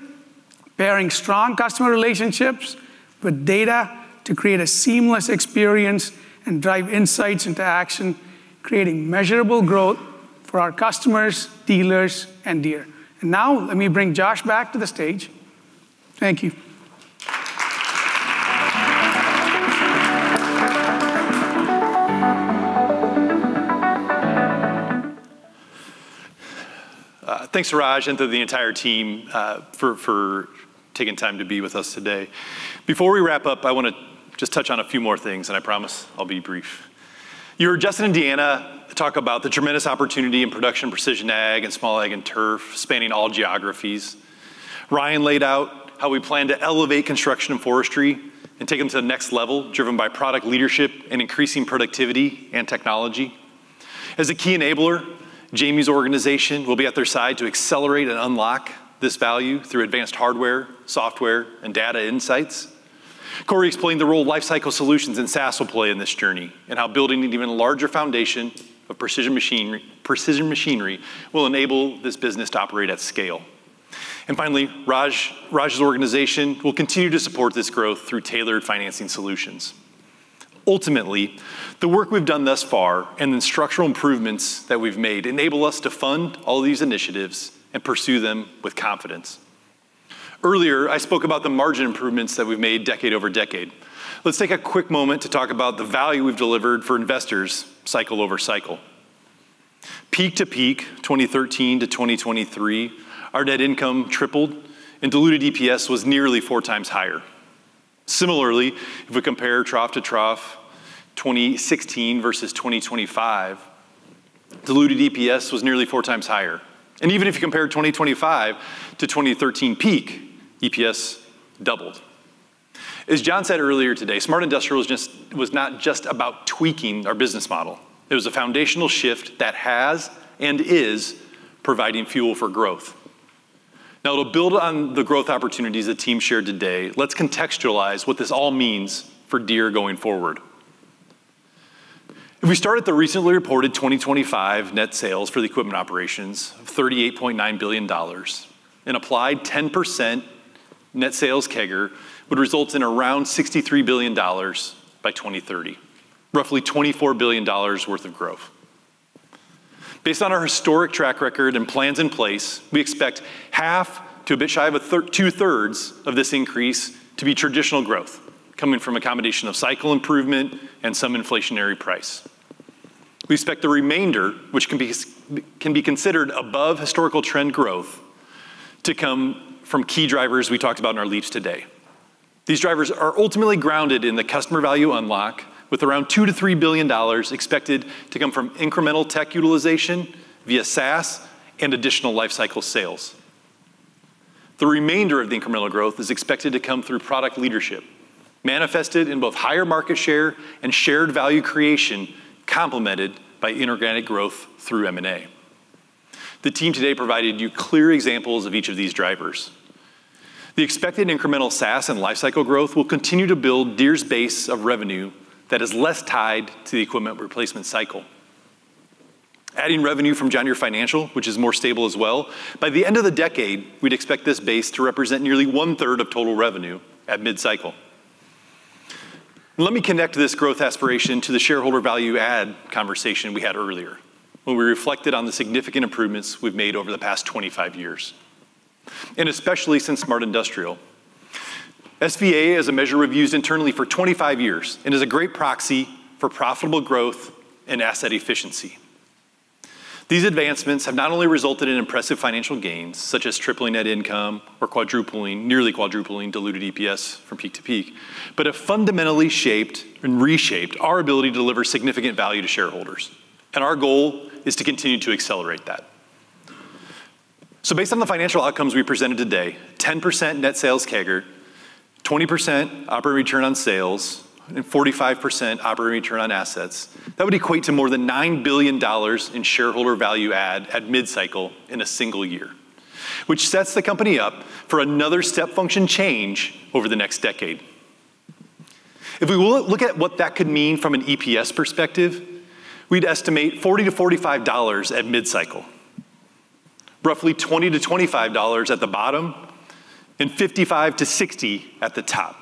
pairing strong customer relationships with data to create a seamless experience and drive insights into action, creating measurable growth for our customers, dealers, and Deere. And now let me bring Josh back to the stage. Thank you. Thanks to Raj and to the entire team for taking time to be with us today. Before we wrap up, I want to just touch on a few more things, and I promise I'll be brief. You heard Justin and Deanna talk about the tremendous opportunity in production precision ag and small ag and turf spanning all geographies. Ryan laid out how we plan to elevate construction and forestry and take them to the next level, driven by product leadership and increasing productivity and technology. As a key enabler, Jahmy's organization will be at their side to accelerate and unlock this value through advanced hardware, software, and data insights. Cory explained the role of Lifecycle Solutions and SaaS will play in this journey and how building an even larger foundation of precision machinery will enable this business to operate at scale, and finally, Raj's organization will continue to support this growth through tailored financing solutions. Ultimately, the work we've done thus far and the structural improvements that we've made enable us to fund all these initiatives and pursue them with confidence. Earlier, I spoke about the margin improvements that we've made decade over decade. Let's take a quick moment to talk about the value we've delivered for investors cycle over cycle. Peak to peak, 2013 to 2023, our net income tripled and diluted EPS was nearly four times higher. Similarly, if we compare trough to trough, 2016 versus 2025, diluted EPS was nearly four times higher, and even if you compare 2025 to 2013 peak, EPS doubled. As John said earlier today, Smart Industrial was not just about tweaking our business model. It was a foundational shift that has and is providing fuel for growth. Now, to build on the growth opportunities the team shared today, let's contextualize what this all means for Deere going forward. If we start at the recently reported 2025 net sales for the equipment operations of $38.9 billion, an applied 10% net sales CAGR would result in around $63 billion by 2030, roughly $24 billion worth of growth. Based on our historic track record and plans in place, we expect half to a bit shy of two-thirds of this increase to be traditional growth coming from a combination of cycle improvement and some inflationary price. We expect the remainder, which can be considered above historical trend growth, to come from key drivers we talked about in our LEAP today. These drivers are ultimately grounded in the customer value unlock, with around $2-$3 billion expected to come from incremental tech utilization via SaaS and additional lifecycle sales. The remainder of the incremental growth is expected to come through product leadership, manifested in both higher market share and shared value creation complemented by inorganic growth through M&A. The team today provided you clear examples of each of these drivers. The expected incremental SaaS and lifecycle growth will continue to build Deere's base of revenue that is less tied to the equipment replacement cycle. Adding revenue from John Deere Financial, which is more stable as well, by the end of the decade, we'd expect this base to represent nearly one-third of total revenue at mid-cycle. Let me connect this growth aspiration to the shareholder value added conversation we had earlier when we reflected on the significant improvements we've made over the past 25 years, and especially since Smart Industrial. SVA is a measure we've used internally for 25 years and is a great proxy for profitable growth and asset efficiency. These advancements have not only resulted in impressive financial gains, such as tripling net income or nearly quadrupling diluted EPS from peak to peak, but have fundamentally shaped and reshaped our ability to deliver significant value to shareholders, and our goal is to continue to accelerate that. Based on the financial outcomes we presented today, 10% net sales growth, 20% operating return on sales, and 45% operating return on assets, that would equate to more than $9 billion in shareholder value added at mid-cycle in a single year, which sets the company up for another step function change over the next decade. If we look at what that could mean from an EPS perspective, we'd estimate $40-$45 at mid-cycle, roughly $20-$25 at the bottom, and $55-$60 at the top.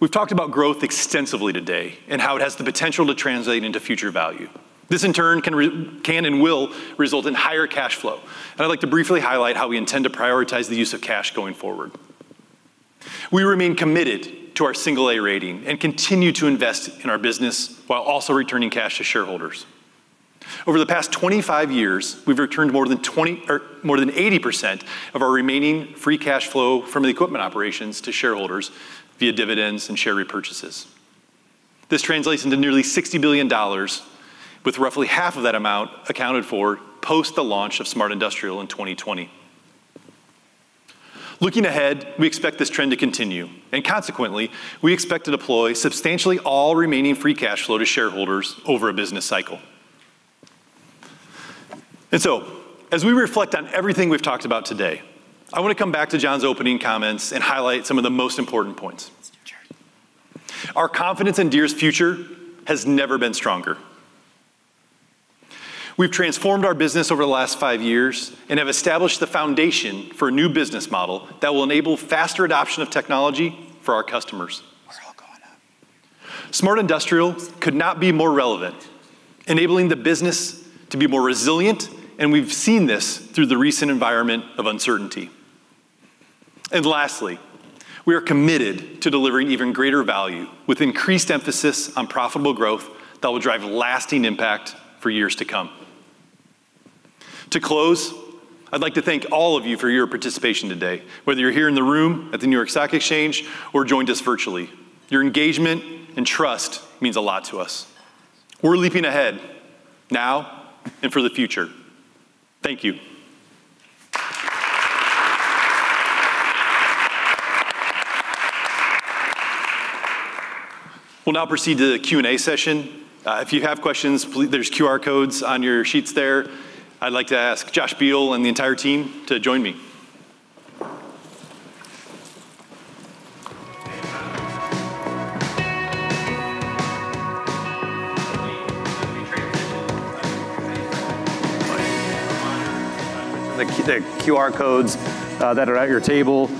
We've talked about growth extensively today and how it has the potential to translate into future value. This, in turn, can and will result in higher cash flow. I'd like to briefly highlight how we intend to prioritize the use of cash going forward. We remain committed to our single-A rating and continue to invest in our business while also returning cash to shareholders. Over the past 25 years, we've returned more than 80% of our remaining free cash flow from the equipment operations to shareholders via dividends and share repurchases. This translates into nearly $60 billion, with roughly half of that amount accounted for post the launch of Smart Industrial in 2020. Looking ahead, we expect this trend to continue, and consequently, we expect to deploy substantially all remaining free cash flow to shareholders over a business cycle, and so, as we reflect on everything we've talked about today, I want to come back to John's opening comments and highlight some of the most important points. Our confidence in Deere's future has never been stronger. We've transformed our business over the last five years and have established the foundation for a new business model that will enable faster adoption of technology for our customers. We're all going up. Smart Industrial could not be more relevant, enabling the business to be more resilient, and we've seen this through the recent environment of uncertainty. And lastly, we are committed to delivering even greater value with increased emphasis on profitable growth that will drive lasting impact for years to come. To close, I'd like to thank all of you for your participation today, whether you're here in the room at the New York Stock Exchange or joined us virtually. Your engagement and trust means a lot to us. We're leaping ahead now and for the future. Thank you. We'll now proceed to the Q&A session. If you have questions, there's QR codes on your sheets there. I'd like to ask Josh Beal and the entire team to join me. The QR codes that are at your table,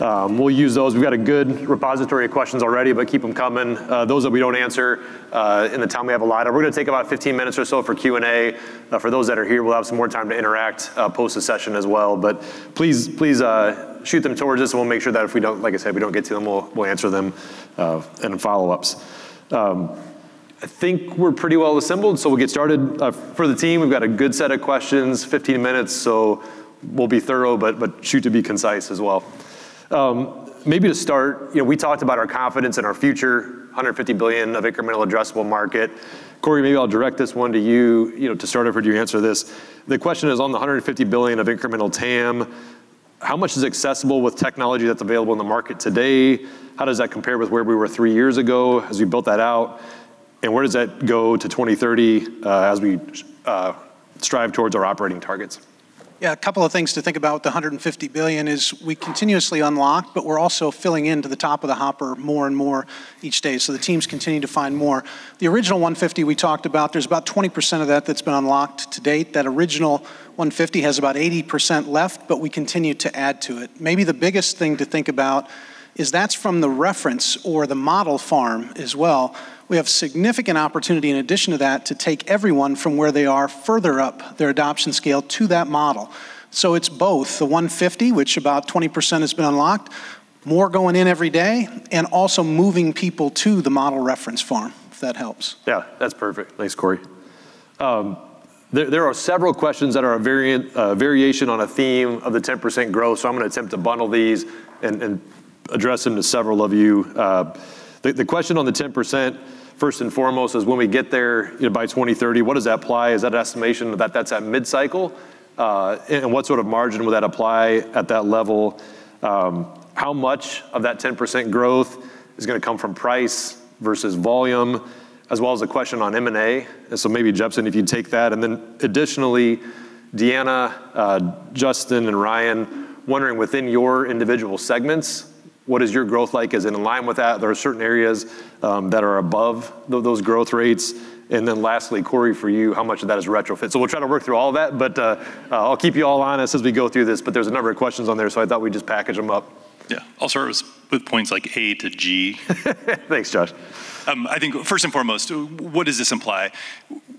we'll use those. We've got a good repository of questions already, but keep them coming. Those that we don't answer in the time we have allotted, we're going to take about 15 minutes or so for Q&A. For those that are here, we'll have some more time to interact post the session as well. But please shoot them towards us, and we'll make sure that if we don't, like I said, if we don't get to them, we'll answer them in follow-ups. I think we're pretty well assembled, so we'll get started. For the team, we've got a good set of questions, 15 minutes, so we'll be thorough, but shoot to be concise as well. Maybe to start, we talked about our confidence in our future, $150 billion of incremental addressable market. Cory, maybe I'll direct this one to you to start off with your answer to this. The question is, on the $150 billion of incremental TAM, how much is accessible with technology that's available in the market today? How does that compare with where we were three years ago as we built that out? And where does that go to 2030 as we strive towards our operating targets? Yeah, a couple of things to think about with the $150 billion is we continuously unlock, but we're also filling into the top of the hopper more and more each day. So the teams continue to find more. The original 150 we talked about, there's about 20% of that that's been unlocked to date. That original 150 has about 80% left, but we continue to add to it. Maybe the biggest thing to think about is that's from the reference or the model farm as well. We have significant opportunity in addition to that to take everyone from where they are further up their adoption scale to that model. So it's both the 150, which about 20% has been unlocked, more going in every day, and also moving people to the model reference farm, if that helps. Yeah, that's perfect. Thanks, Cory. There are several questions that are a variation on a theme of the 10% growth, so I'm going to attempt to bundle these and address them to several of you. The question on the 10%, first and foremost, is when we get there by 2030, what does that apply? Is that an estimation that that's at mid-cycle? And what sort of margin would that apply at that level? How much of that 10% growth is going to come from price versus volume, as well as the question on M&A? And so maybe, Jepsen, if you take that. And then additionally, Deanna, Justin, and Ryan, wondering within your individual segments, what is your growth like? Is it in line with that? Are there certain areas that are above those growth rates? And then lastly, Cory, for you, how much of that is retrofit? So we'll try to work through all of that, but I'll keep you all honest as we go through this. But there's a number of questions on there, so I thought we'd just package them up. Yeah, I'll start with points like A to G. Thanks, Josh. I think first and foremost, what does this imply?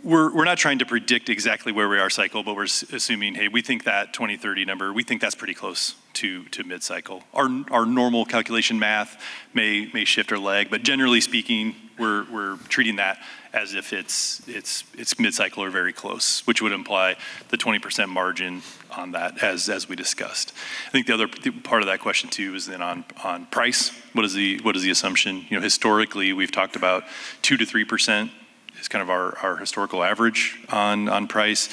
We're not trying to predict exactly where we are cycle, but we're assuming, hey, we think that 2030 number, we think that's pretty close to mid-cycle. Our normal calculation math may shift or lag, but generally speaking, we're treating that as if it's mid-cycle or very close, which would imply the 20% margin on that, as we discussed. I think the other part of that question too is then on price. What is the assumption? Historically, we've talked about 2%-3% as kind of our historical average on price.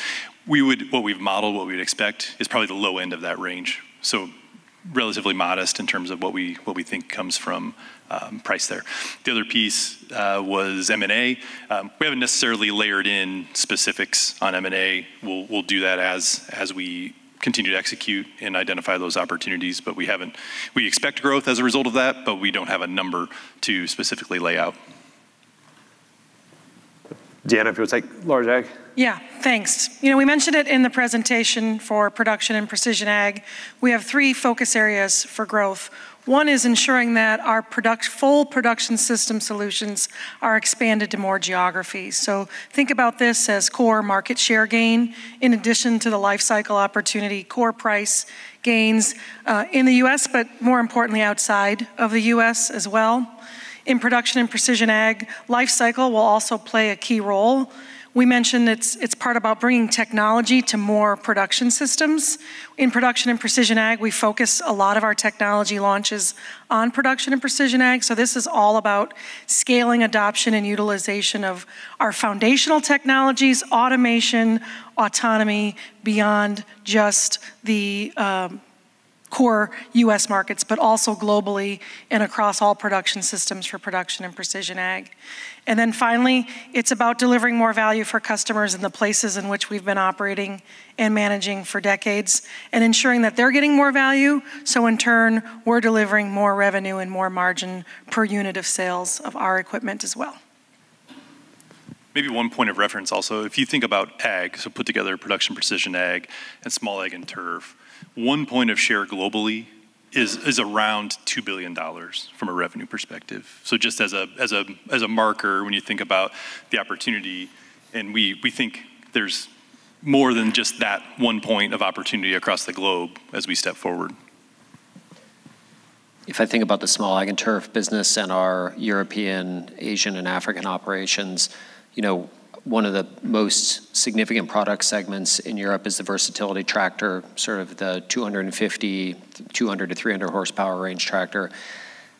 What we've modeled, what we'd expect, is probably the low end of that range, so relatively modest in terms of what we think comes from price there. The other piece was M&A. We haven't necessarily layered in specifics on M&A. We'll do that as we continue to execute and identify those opportunities, but we expect growth as a result of that, but we don't have a number to specifically lay out. Deanna, if you want to take large ag. Yeah, thanks. We mentioned it in the presentation for Production and Precision Ag. We have three focus areas for growth. One is ensuring that our full Production System solutions are expanded to more geographies. So think about this as core market share gain in addition to the lifecycle opportunity, core price gains in the U.S., but more importantly, outside of the U.S. as well. In Production and Precision Ag, lifecycle will also play a key role. We mentioned it's part about bringing technology to more Production Systems. In Production and Precision Ag, we focus a lot of our technology launches on Production and Precision Ag. So this is all about scaling adoption and utilization of our foundational technologies, automation, autonomy beyond just the core U.S. markets, but also globally and across all production systems for production and precision ag. And then finally, it's about delivering more value for customers in the places in which we've been operating and managing for decades and ensuring that they're getting more value. So in turn, we're delivering more revenue and more margin per unit of sales of our equipment as well. Maybe one point of reference also, if you think about ag, so put together production precision ag and small ag and turf, one point of share globally is around $2 billion from a revenue perspective. So just as a marker, when you think about the opportunity, and we think there's more than just that one point of opportunity across the globe as we step forward. If I think about the small ag and turf business and our European, Asian, and African operations, one of the most significant product segments in Europe is the versatility tractor, sort of the 250, 200, to 300 horsepower range tractor.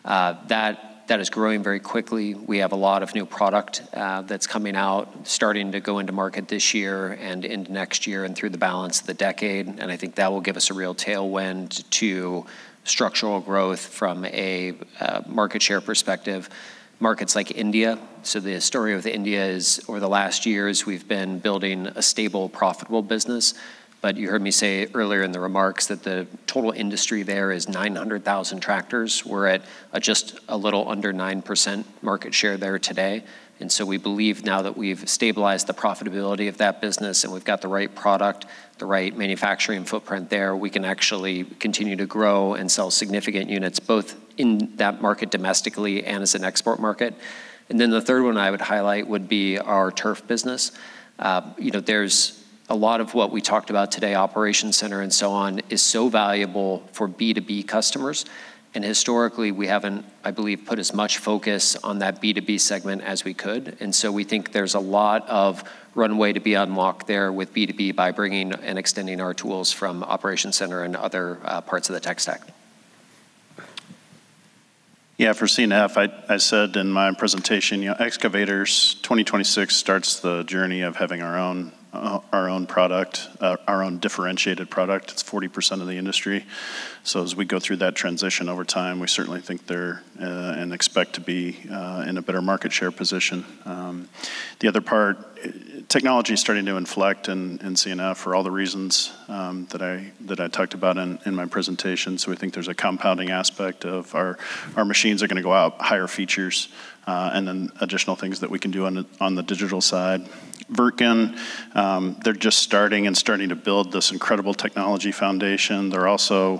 That is growing very quickly. We have a lot of new product that's coming out, starting to go into market this year and into next year and through the balance of the decade. And I think that will give us a real tailwind to structural growth from a market share perspective. Markets like India, so the story with India is over the last years, we've been building a stable, profitable business. But you heard me say earlier in the remarks that the total industry there is 900,000 tractors. We're at just a little under 9% market share there today. And so we believe now that we've stabilized the profitability of that business and we've got the right product, the right manufacturing footprint there, we can actually continue to grow and sell significant units both in that market domestically and as an export market. And then the third one I would highlight would be our turf business. There's a lot of what we talked about today, Operations Center and so on, is so valuable for B2B customers. And historically, we haven't, I believe, put as much focus on that B2B segment as we could. And so we think there's a lot of runway to be unlocked there with B2B by bringing and extending our tools from Operations Center and other parts of the tech stack. Yeah, for C&F, I said in my presentation, Excavators 2026 starts the journey of having our own product, our own differentiated product. It's 40% of the industry. So as we go through that transition over time, we certainly think there and expect to be in a better market share position. The other part, technology is starting to inflect in C&F for all the reasons that I talked about in my presentation. So we think there's a compounding aspect of our machines are going to go out, higher features, and then additional things that we can do on the digital side. Wirtgen, they're just starting to build this incredible technology foundation. They're also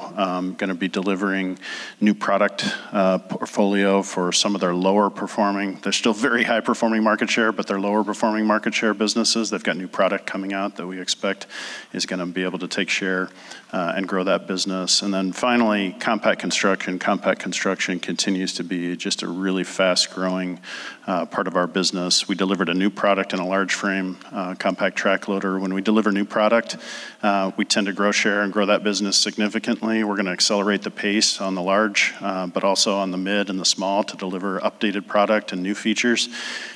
going to be delivering new product portfolio for some of their lower performing. They're still very high performing market share, but they're lower performing market share businesses. They've got new product coming out that we expect is going to be able to take share and grow that business. And then finally, compact construction. Compact construction continues to be just a really fast growing part of our business. We delivered a new product in a large frame, compact track loader. When we deliver new product, we tend to grow share and grow that business significantly. We're going to accelerate the pace on the large, but also on the mid and the small to deliver updated product and new features.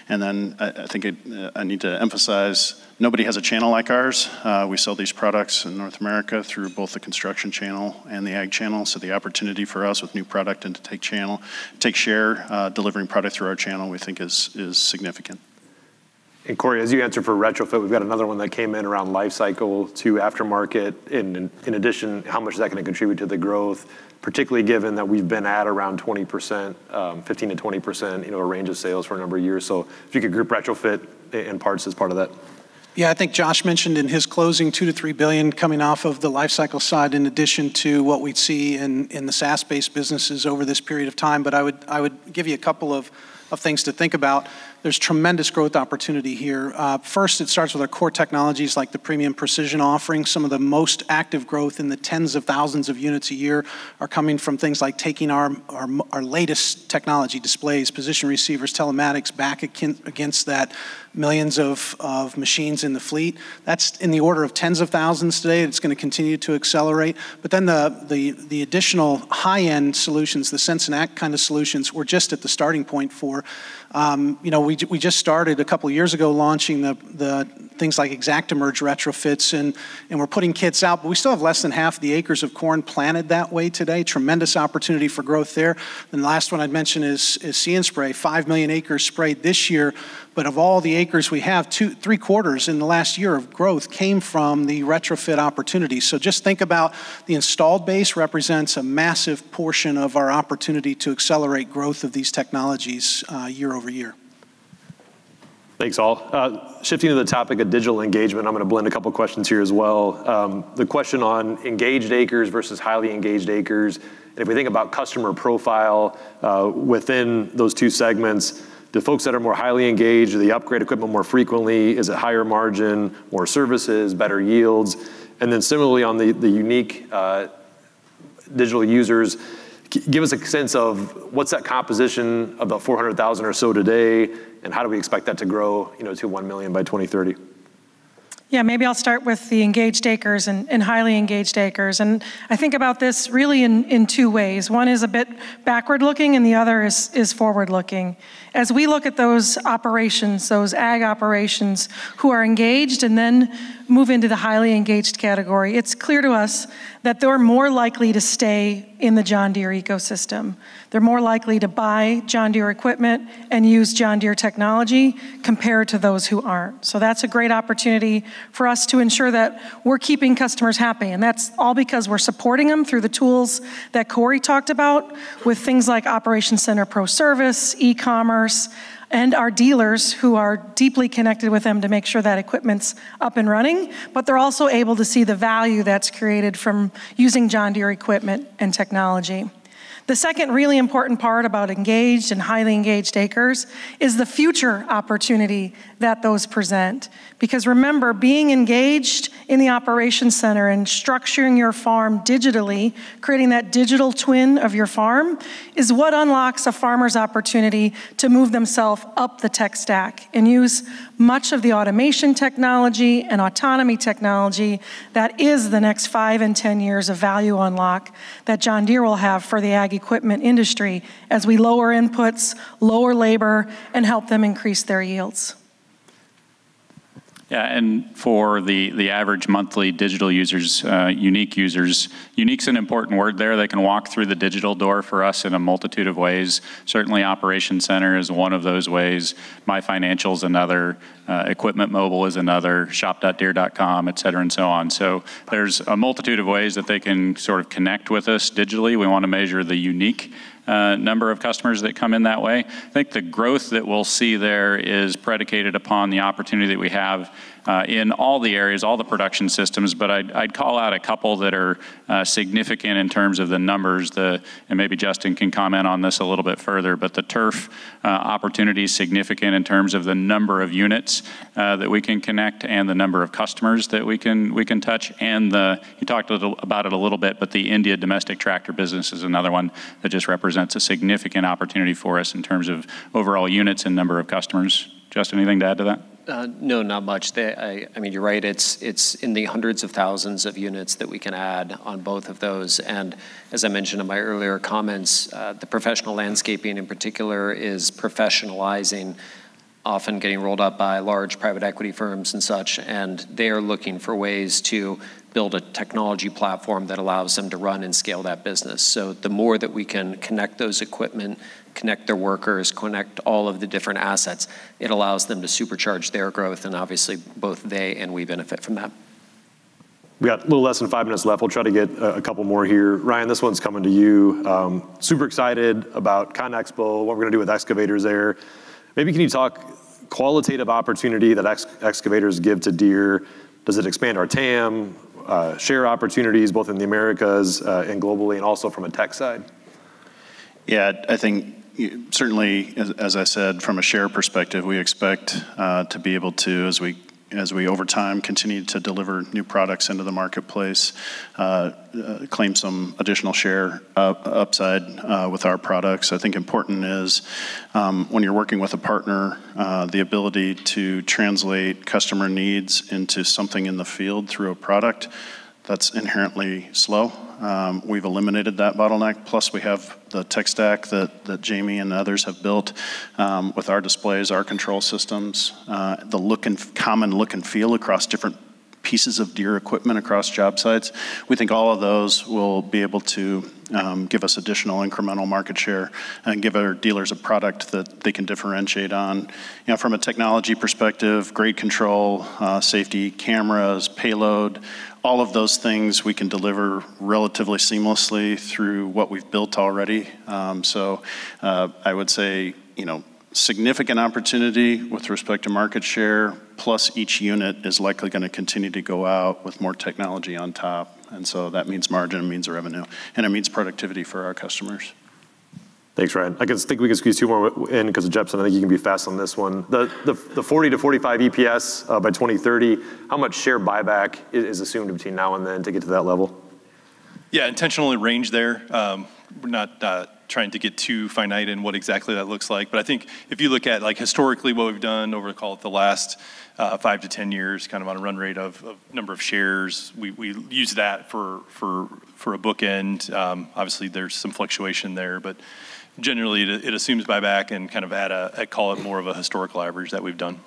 And then I think I need to emphasize, nobody has a channel like ours. We sell these products in North America through both the construction channel and the ag channel. So the opportunity for us with new product and to take share delivering product through our channel, we think is significant. And Cory, as you answer for retrofit, we've got another one that came in around lifecycle to aftermarket. In addition, how much is that going to contribute to the growth, particularly given that we've been at around 15%-20%, a range of sales for a number of years? So if you could group retrofit and parts as part of that. Yeah, I think Josh mentioned in his closing $2-$3 billion coming off of the lifecycle side in addition to what we'd see in the SaaS-based businesses over this period of time. But I would give you a couple of things to think about. There's tremendous growth opportunity here. First, it starts with our core technologies like the premium precision offering. Some of the most active growth in the tens of thousands of units a year are coming from things like taking our latest technology displays, position receivers, telematics back against that, millions of machines in the fleet. That's in the order of tens of thousands today. It's going to continue to accelerate. But then the additional high-end solutions, the Sense and Act kind of solutions, we're just at the starting point for. We just started a couple of years ago launching things like ExactEmerge retrofits, and we're putting kits out, but we still have less than half the acres of corn planted that way today. Tremendous opportunity for growth there. And the last one I'd mention is See & Spray, 5 million acres sprayed this year. But of all the acres we have, three quarters in the last year of growth came from the retrofit opportunity. So just think about the installed base represents a massive portion of our opportunity to accelerate growth of these technologies year over year. Thanks, all. Shifting to the topic of digital engagement, I'm going to blend a couple of questions here as well. The question on engaged acres versus highly engaged acres, and if we think about customer profile within those two segments, the folks that are more highly engaged, do they upgrade equipment more frequently? Is it higher margin, more services, better yields, and then similarly on the unique digital users, give us a sense of what's that composition of the 400,000 or so today, and how do we expect that to grow to 1 million by 2030? Yeah, maybe I'll start with the engaged acres and highly engaged acres, and I think about this really in two ways. One is a bit backward-looking, and the other is forward-looking. As we look at those operations, those ag operations who are engaged and then move into the highly engaged category, it's clear to us that they're more likely to stay in the John Deere ecosystem. They're more likely to buy John Deere equipment and use John Deere technology compared to those who aren't. So that's a great opportunity for us to ensure that we're keeping customers happy. And that's all because we're supporting them through the tools that Cory talked about with things like Operations Center Pro Service, e-commerce, and our dealers who are deeply connected with them to make sure that equipment's up and running. But they're also able to see the value that's created from using John Deere equipment and technology. The second really important part about engaged and highly engaged acres is the future opportunity that those present. Because remember, being engaged in the Operations Center and structuring your farm digitally, creating that digital twin of your farm is what unlocks a farmer's opportunity to move themself up the tech stack and use much of the automation technology and autonomy technology that is the next five and 10 years of value unlock that John Deere will have for the ag equipment industry as we lower inputs, lower labor, and help them increase their yields. Yeah, and for the average monthly digital users, unique users, unique's an important word there. They can walk through the digital door for us in a multitude of ways. Certainly, Operations Center is one of those ways. My financials is another. Equipment Mobile is another. Shop.deere.com, et cetera, and so on. So there's a multitude of ways that they can sort of connect with us digitally. We want to measure the unique number of customers that come in that way. I think the growth that we'll see there is predicated upon the opportunity that we have in all the areas, all the production systems. But I'd call out a couple that are significant in terms of the numbers. And maybe Justin can comment on this a little bit further. But the turf opportunity is significant in terms of the number of units that we can connect and the number of customers that we can touch. And you talked about it a little bit, but the India domestic tractor business is another one that just represents a significant opportunity for us in terms of overall units and number of customers. Justin, anything to add to that? No, not much. I mean, you're right. It's in the hundreds of thousands of units that we can add on both of those. And as I mentioned in my earlier comments, the professional landscaping in particular is professionalizing, often getting rolled up by large private equity firms and such. And they are looking for ways to build a technology platform that allows them to run and scale that business. So the more that we can connect those equipment, connect their workers, connect all of the different assets, it allows them to supercharge their growth. And obviously, both they and we benefit from that. We got a little less than five minutes left. We'll try to get a couple more here. Ryan, this one's coming to you. Super excited about ConExpo, what we're going to do with excavators there. Maybe can you talk qualitative opportunity that excavators give to Deere? Does it expand our TAM, share opportunities both in the Americas and globally, and also from a tech side? Yeah, I think certainly, as I said, from a share perspective, we expect to be able to, as we over time continue to deliver new products into the marketplace, claim some additional share upside with our products. I think important is when you're working with a partner, the ability to translate customer needs into something in the field through a product that's inherently slow. We've eliminated that bottleneck. Plus, we have the tech stack that Jahmy and others have built with our displays, our control systems, the common look and feel across different pieces of Deere equipment across job sites. We think all of those will be able to give us additional incremental market share and give our dealers a product that they can differentiate on. From a technology perspective, grade control, safety, cameras, payload, all of those things we can deliver relatively seamlessly through what we've built already. So I would say significant opportunity with respect to market share, plus each unit is likely going to continue to go out with more technology on top. And so that means margin, it means revenue, and it means productivity for our customers. Thanks, Ryan. I think we can squeeze two more in because of Jepsen. I think you can be fast on this one. The 40-45 EPS by 2030, how much share buyback is assumed between now and then to get to that level? Yeah, intentionally range there. We're not trying to get too finite in what exactly that looks like. But I think if you look at historically what we've done over, call it the last five to 10 years, kind of on a run rate of number of shares, we use that for a bookend. Obviously, there's some fluctuation there, but generally it assumes buyback and kind of add a, I call it more of a historical average that we've done.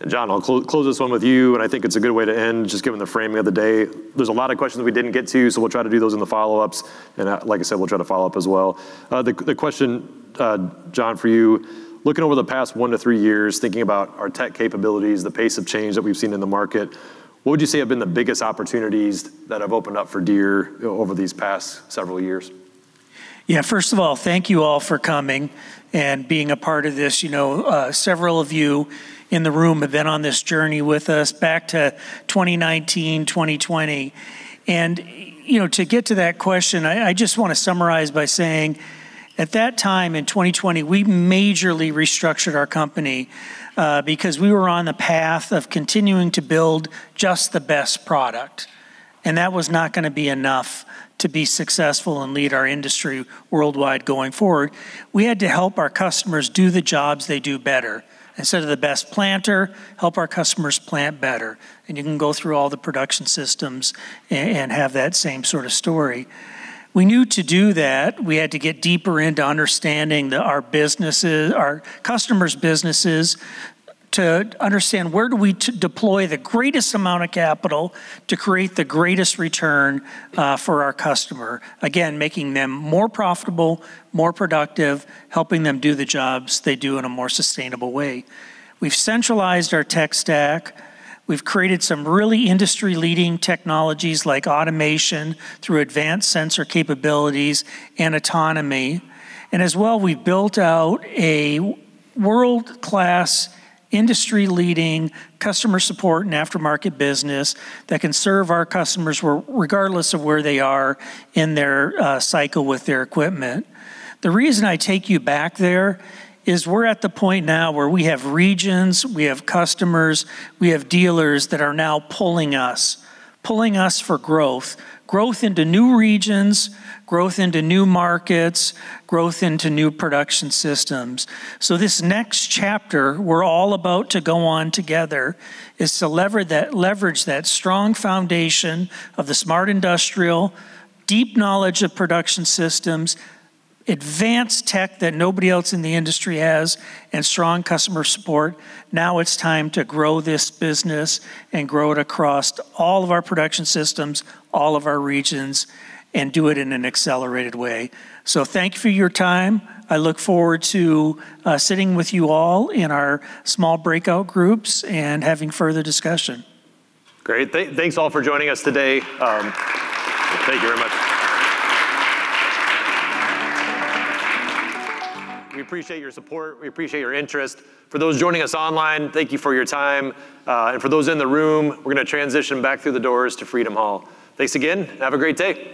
And John, I'll close this one with you. And I think it's a good way to end, just given the framing of the day. There's a lot of questions we didn't get to, so we'll try to do those in the follow-ups. And like I said, we'll try to follow up as well. The question, John, for you, looking over the past one to three years, thinking about our tech capabilities, the pace of change that we've seen in the market, what would you say have been the biggest opportunities that have opened up for Deere over these past several years? Yeah, first of all, thank you all for coming and being a part of this. Several of you in the room have been on this journey with us back to 2019, 2020, and to get to that question, I just want to summarize by saying at that time in 2020, we majorly restructured our company because we were on the path of continuing to build just the best product, and that was not going to be enough to be successful and lead our industry worldwide going forward. We had to help our customers do the jobs they do better. Instead of the best planter, help our customers plant better. And you can go through all the production systems and have that same sort of story. We knew to do that, we had to get deeper into understanding our customers' businesses to understand where do we deploy the greatest amount of capital to create the greatest return for our customer. Again, making them more profitable, more productive, helping them do the jobs they do in a more sustainable way. We've centralized our tech stack. We've created some really industry-leading technologies like automation through advanced sensor capabilities and autonomy. And as well, we've built out a world-class industry-leading customer support and aftermarket business that can serve our customers regardless of where they are in their cycle with their equipment. The reason I take you back there is we're at the point now where we have regions, we have customers, we have dealers that are now pulling us, pulling us for growth, growth into new regions, growth into new markets, growth into new production systems. So this next chapter we're all about to go on together is to leverage that strong foundation of the Smart Industrial, deep knowledge of production systems, advanced tech that nobody else in the industry has, and strong customer support. Now it's time to grow this business and grow it across all of our production systems, all of our regions, and do it in an accelerated way. So thank you for your time. I look forward to sitting with you all in our small breakout groups and having further discussion. Great. Thanks all for joining us today. Thank you very much. We appreciate your support. We appreciate your interest. For those joining us online, thank you for your time. And for those in the room, we're going to transition back through the doors to Freedom Hall. Thanks again. Have a great day.